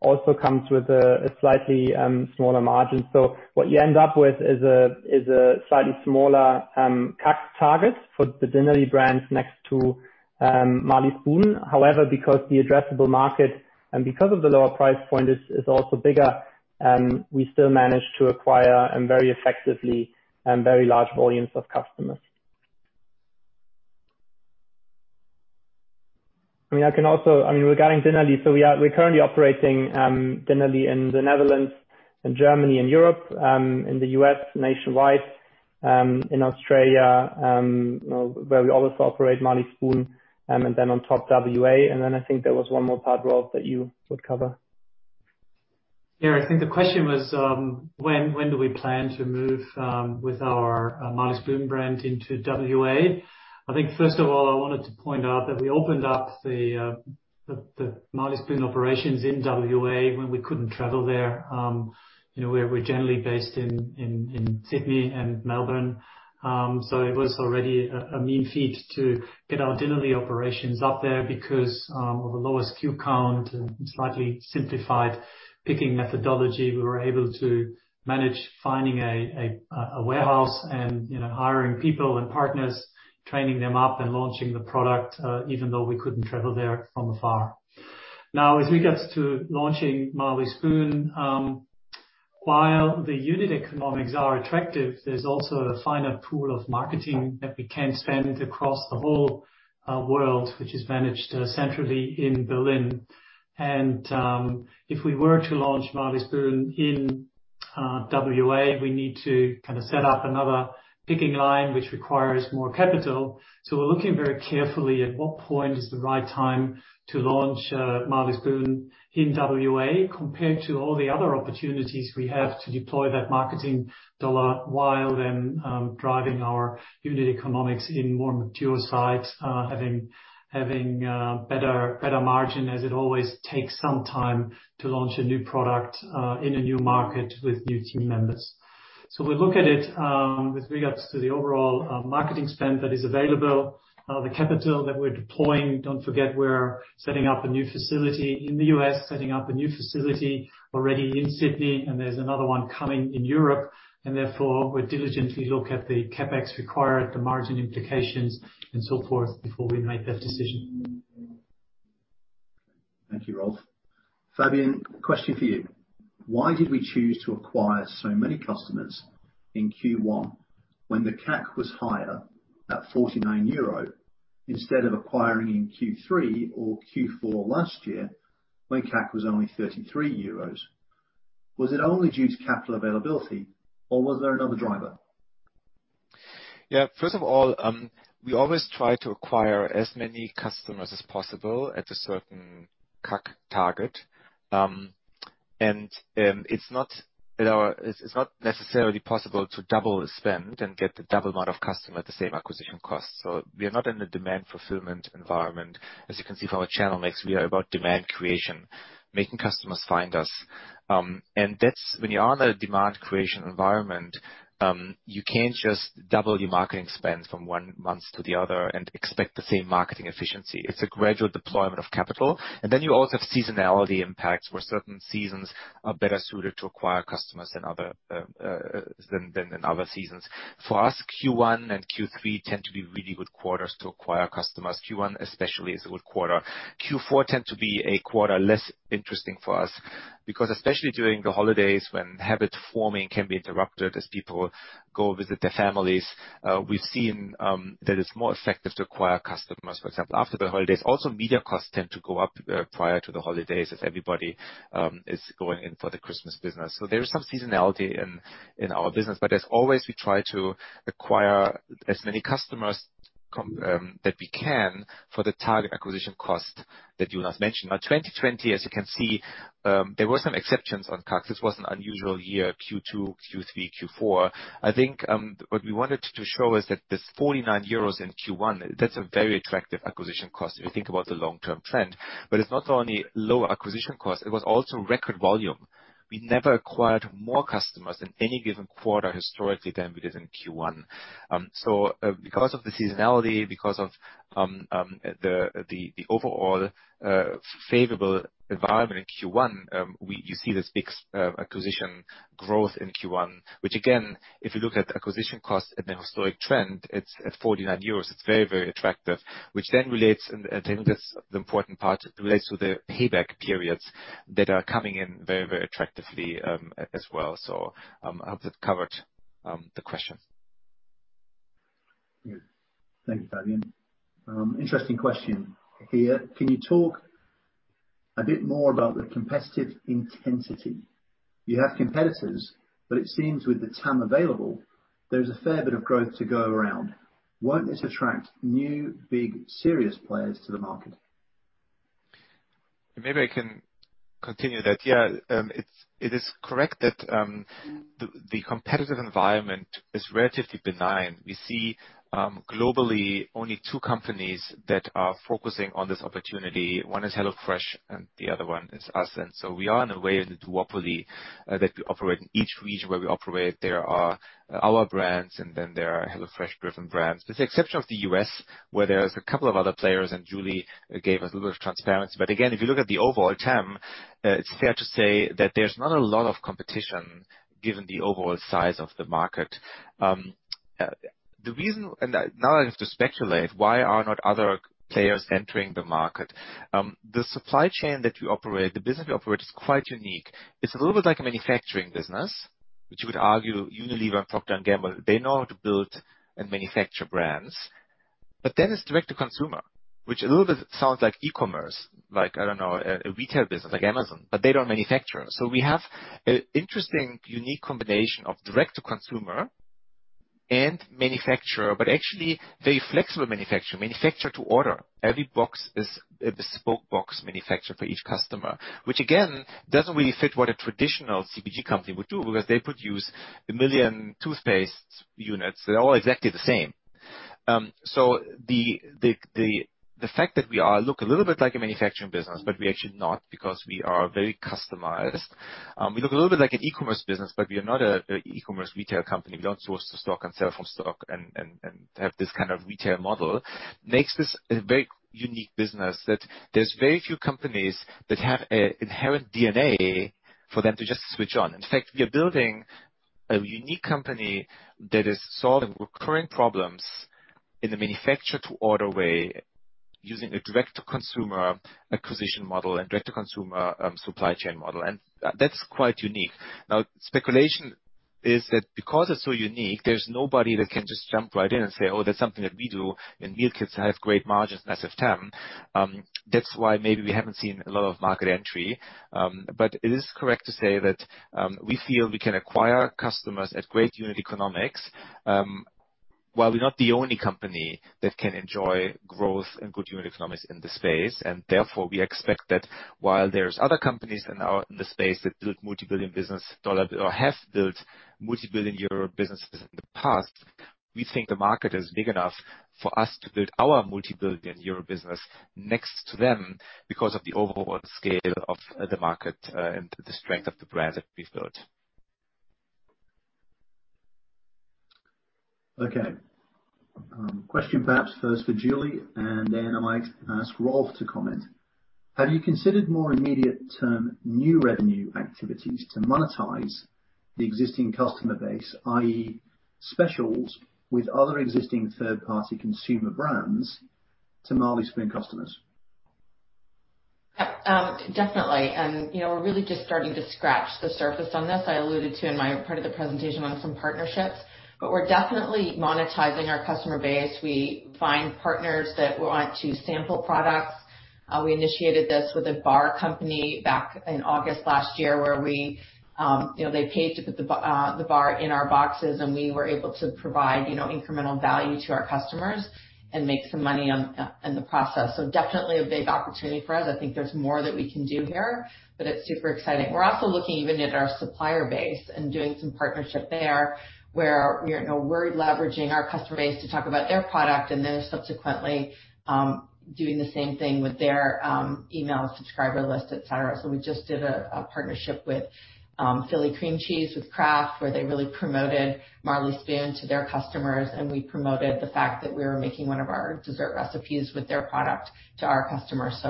also comes with a slightly smaller margin. What you end up with is a slightly smaller CAC target for the Dinnerly brands next to Marley Spoon. However, because the addressable market and because of the lower price point is also bigger, we still manage to acquire very effectively a very large volume of customers. I mean, regarding Dinnerly, so we're currently operating Dinnerly in the Netherlands and Germany in Europe, in the U.S. nationwide, in Australia, where we also operate Marley Spoon, and then on top, WA. I think there was one more part, Rolf, that you would cover. Yeah, I think the question was when do we plan to move with our Marley Spoon brand into WA? I think, first of all, I wanted to point out that we opened up the Marley Spoon operations in WA when we couldn't travel there. We're generally based in Sydney and Melbourne, so it was already a mean feat to get our Dinnerly operations up there because of a lower SKU count and slightly simplified picking methodology. We were able to manage finding a warehouse and hiring people and partners, training them up and launching the product, even though we couldn't travel there from afar. Now, as we get to launching Marley Spoon, while the unit economics are attractive, there's also a finite pool of marketing that we can spend across the whole world, which is managed centrally in Berlin. If we were to launch Marley Spoon in WA, we need to kind of set up another picking line, which requires more capital. We're looking very carefully at what point is the right time to launch Marley Spoon in WA compared to all the other opportunities we have to deploy that marketing dollar while then driving our unit economics in more mature sites, having better margin, as it always takes some time to launch a new product in a new market with new team members. We look at it with regards to the overall marketing spend that is available, the capital that we're deploying. Don't forget, we're setting up a new facility in the U.S., setting up a new facility already in Sydney, and there's another one coming in Europe. Therefore, we diligently look at the CapEx required, the margin implications, and so forth before we make that decision. Thank you, Rolf. Fabian, question for you: Why did we choose to acquire so many customers in Q1 when the CAC was higher at 49 euro, instead of acquiring in Q3 or Q4 last year when CAC was only 33 euros? Was it only due to capital availability or was there another driver? Yeah. First of all, we always try to acquire as many customers as possible at a certain CAC target. It's not necessarily possible to double the spend and get the double amount of customer at the same acquisition cost. We are not in a demand fulfillment environment. As you can see from our channel mix, we are about demand creation, making customers find us. When you are in a demand creation environment, you can't just double your marketing spend from one month to the other and expect the same marketing efficiency. It's a gradual deployment of capital. You also have seasonality impacts where certain seasons are better suited to acquire customers than other seasons. For us, Q1 and Q3 tend to be really good quarters to acquire customers. Q1 especially is a good quarter. Q4 tends to be a quarter less interesting for us because especially during the holidays when habit forming can be interrupted as people go visit their families. We've seen that it's more effective to acquire customers, for example, after the holidays. Media costs tend to go up prior to the holidays as everybody is going in for the Christmas business. There is some seasonality in our business, but as always, we try to acquire as many customers that we can for the target acquisition cost that Jonas mentioned. 2020, as you can see, there were some exceptions on CAC. This was an unusual year, Q2, Q3, Q4. I think what we wanted to show is that this 49 euros in Q1, that's a very attractive acquisition cost if you think about the long-term trend. It's not only low acquisition cost, it was also record volume. We never acquired more customers in any given quarter historically than we did in Q1. Because of the seasonality, because of the overall favorable environment in Q1, you see this big acquisition growth in Q1, which again, if you look at acquisition costs and the historic trend, it's at 49 euros. It's very, very attractive, which then relates, and I think that's the important part, it relates to the payback periods that are coming in very, very attractively as well. I hope that covered the question. Yeah. Thank you, Fabian. Interesting question here. Can you talk a bit more about the competitive intensity. You have competitors, but it seems with the TAM available, there's a fair bit of growth to go around. Won't this attract new, big, serious players to the market? Maybe I can continue that. Yeah, it is correct that the competitive environment is relatively benign. We see globally only two companies that are focusing on this opportunity. One is HelloFresh and the other one is us. We are in a way in the duopoly that we operate. In each region where we operate, there are our brands. There are HelloFresh-driven brands, with the exception of the U.S., where there's a couple of other players. Julie gave us a little bit of transparency. Again, if you look at the overall TAM, it's fair to say that there's not a lot of competition given the overall size of the market. Now I have to speculate, why are not other players entering the market? The supply chain that we operate, the business we operate is quite unique. It's a little bit like a manufacturing business, which you would argue Unilever and Procter & Gamble, they know how to build and manufacture brands. It's direct-to-consumer, which a little bit sounds like e-commerce, like, I don't know, a retail business like Amazon, but they don't manufacture. We have an interesting, unique combination of direct-to-consumer and manufacturer, but actually very flexible manufacturer. Manufacture to order. Every box is a bespoke box manufactured for each customer, which again, doesn't really fit what a traditional CPG company would do because they produce a million toothpaste units that are all exactly the same. The fact that we look a little bit like a manufacturing business, but we're actually not because we are very customized. We look a little bit like an e-commerce business, but we are not an e-commerce retail company. We don't source to stock and sell from stock and have this kind of retail model, makes this a very unique business that there's very few companies that have inherent DNA for them to just switch on. In fact, we are building a unique company that is solving recurring problems in the manufacture-to-order way using a direct-to-consumer acquisition model and direct-to-consumer supply chain model. That's quite unique. Now, speculation is that because it's so unique, there's nobody that can just jump right in and say, "Oh, that's something that we do, and meal kits have great margins and massive TAM." That's why maybe we haven't seen a lot of market entry. It is correct to say that we feel we can acquire customers at great unit economics, while we're not the only company that can enjoy growth and good unit economics in this space. Therefore, we expect that while there's other companies that are now in the space that build multi-billion dollar businesses or have built multi-billion euro businesses in the past, we think the market is big enough for us to build our multi-billion euro business next to them because of the overall scale of the market and the strength of the brands that we've built. Okay. Question perhaps first for Julie, and then I might ask Rolf to comment. Have you considered more immediate term new revenue activities to monetize the existing customer base, i.e., specials with other existing third-party consumer brands to Marley Spoon customers? Definitely, we're really just starting to scratch the surface on this. I alluded to in my part of the presentation on some partnerships, but we're definitely monetizing our customer base. We find partners that want to sample products. We initiated this with a bar company back in August last year where they paid to put the bar in our boxes, and we were able to provide incremental value to our customers and make some money in the process. Definitely a big opportunity for us. I think there's more that we can do here, but it's super exciting. We're also looking even at our supplier base and doing some partnership there, where we're leveraging our customer base to talk about their product, and they're subsequently doing the same thing with their email subscriber list, et cetera. We just did a partnership with Philadelphia Cream Cheese, with Kraft, where they really promoted Marley Spoon to their customers, and we promoted the fact that we were making one of our dessert recipes with their product to our customers.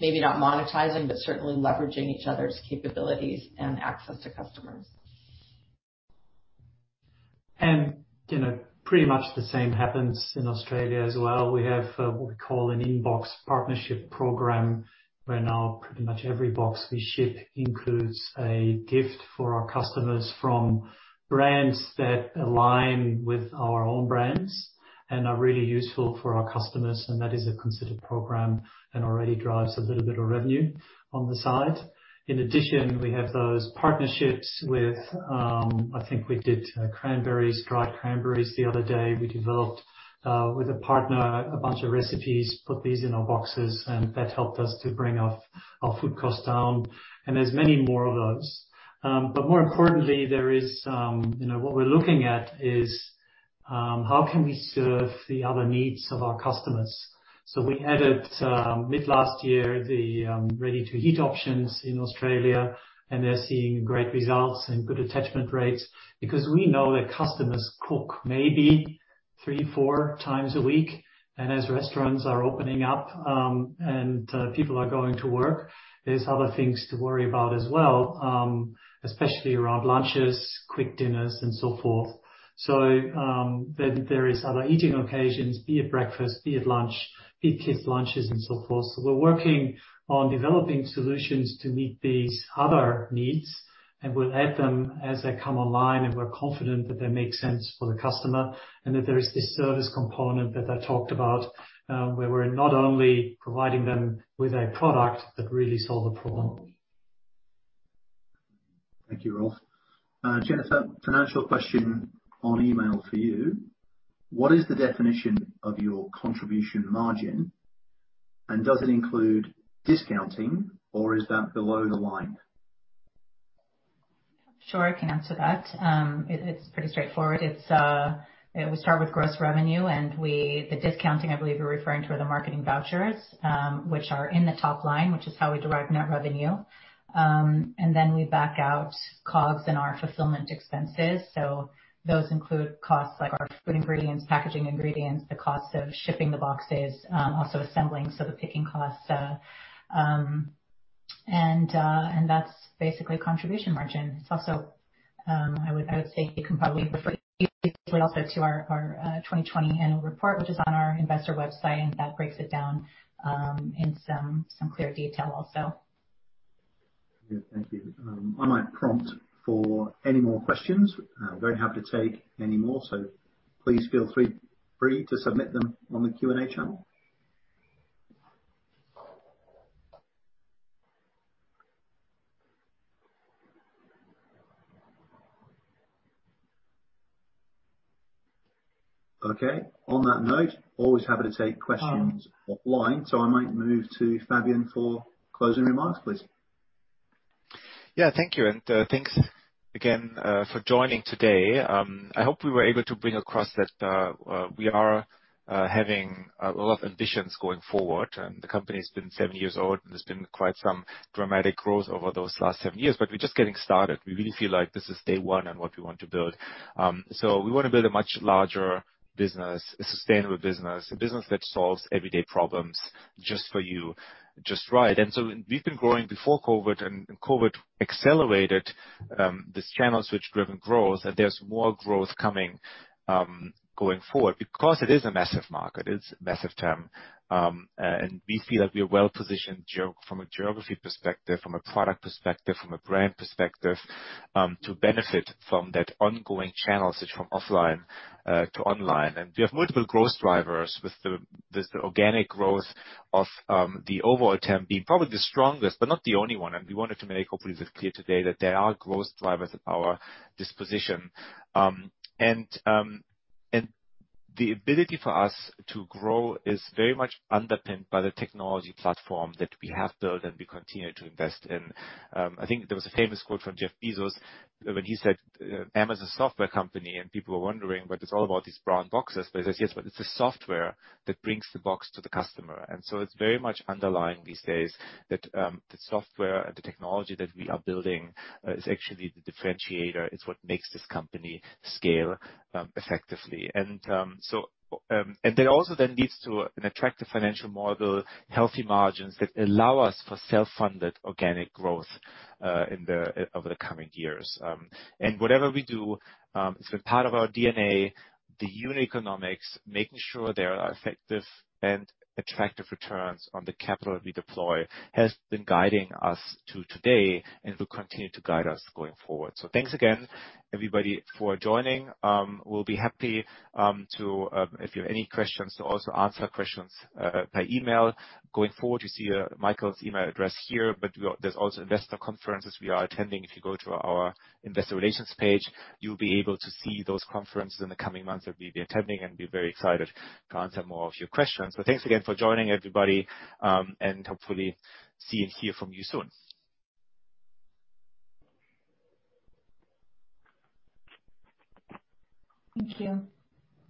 Maybe not monetizing, but certainly leveraging each other's capabilities and access to customers. Pretty much the same happens in Australia as well. We have what we call an inbox partnership program, where now pretty much every box we ship includes a gift for our customers from brands that align with our own brands and are really useful for our customers, and that is a considered program and already drives a little bit of revenue on the side. In addition, we have those partnerships with, I think we did cranberries, dried cranberries the other day. We developed, with a partner, a bunch of recipes, put these in our boxes, and that helped us to bring our food cost down, and there's many more of those. More importantly, what we're looking at is, how can we serve the other needs of our customers? We added, mid last year, the ready-to-heat options in Australia, and they're seeing great results and good attachment rates because we know that customers cook maybe three, four times a week, and as restaurants are opening up, and people are going to work, there's other things to worry about as well, especially around lunches, quick dinners, and so forth. There is other eating occasions, be it breakfast, be it lunch, be it kids' lunches, and so forth. We're working on developing solutions to meet these other needs, and we'll add them as they come online, and we're confident that they make sense for the customer and that there is this service component that I talked about, where we're not only providing them with a product that really solve a problem. Thank you, Rolf. Jennifer, financial question on email for you. What is the definition of your contribution margin, and does it include discounting, or is that below the line? Sure, I can answer that. It's pretty straightforward. We start with gross revenue. The discounting, I believe you're referring to are the marketing vouchers, which are in the top line, which is how we derive net revenue. Then we back out COGS and our fulfillment expenses. Those include costs like our food ingredients, packaging ingredients, the cost of shipping the boxes, also assembling, so the picking costs. That's basically contribution margin. I would say you can probably refer also to our 2020 annual report, which is on our investor website. That breaks it down in some clear detail also. Good. Thank you. I might prompt for any more questions. Very happy to take any more, please feel free to submit them on the Q&A channel. Okay. On that note, always happy to take questions offline, I might move to Fabian for closing remarks, please. Yeah, thank you, thanks again for joining today. I hope we were able to bring across that we are having a lot of ambitions going forward, and the company's been seven years old, and there's been quite some dramatic growth over those last seven years, but we're just getting started. We really feel like this is day one on what we want to build. We want to build a much larger business, a sustainable business, a business that solves everyday problems just for you, just right. We've been growing before COVID, and COVID accelerated this channel-switch-driven growth. There's more growth coming going forward because it is a massive market. It's a massive term. We feel like we're well-positioned from a geography perspective, from a product perspective, from a brand perspective, to benefit from that ongoing channel switch from offline to online. We have multiple growth drivers with the organic growth of the overall TAM being probably the strongest, but not the only one. We wanted to make hopefully that clear today that there are growth drivers at our disposition. The ability for us to grow is very much underpinned by the technology platform that we have built and we continue to invest in. I think there was a famous quote from Jeff Bezos when he said Amazon's a software company, and people were wondering, but it's all about these brown boxes. He says, "Yes, but it's the software that brings the box to the customer." It's very much underlying these days that the software and the technology that we are building is actually the differentiator. It's what makes this company scale effectively. That also then leads to an attractive financial model, healthy margins that allow us for self-funded organic growth over the coming years. Whatever we do, it's been part of our DNA, the unit economics, making sure there are effective and attractive returns on the capital we deploy has been guiding us to today and will continue to guide us going forward. Thanks again, everybody, for joining. We'll be happy, if you have any questions, to also answer questions by email. Going forward, you see Michael's email address here, but there's also investor conferences we are attending. If you go to our investor relations page, you'll be able to see those conferences in the coming months that we'll be attending and be very excited to answer more of your questions. Thanks again for joining, everybody, and hopefully see and hear from you soon. Thank you.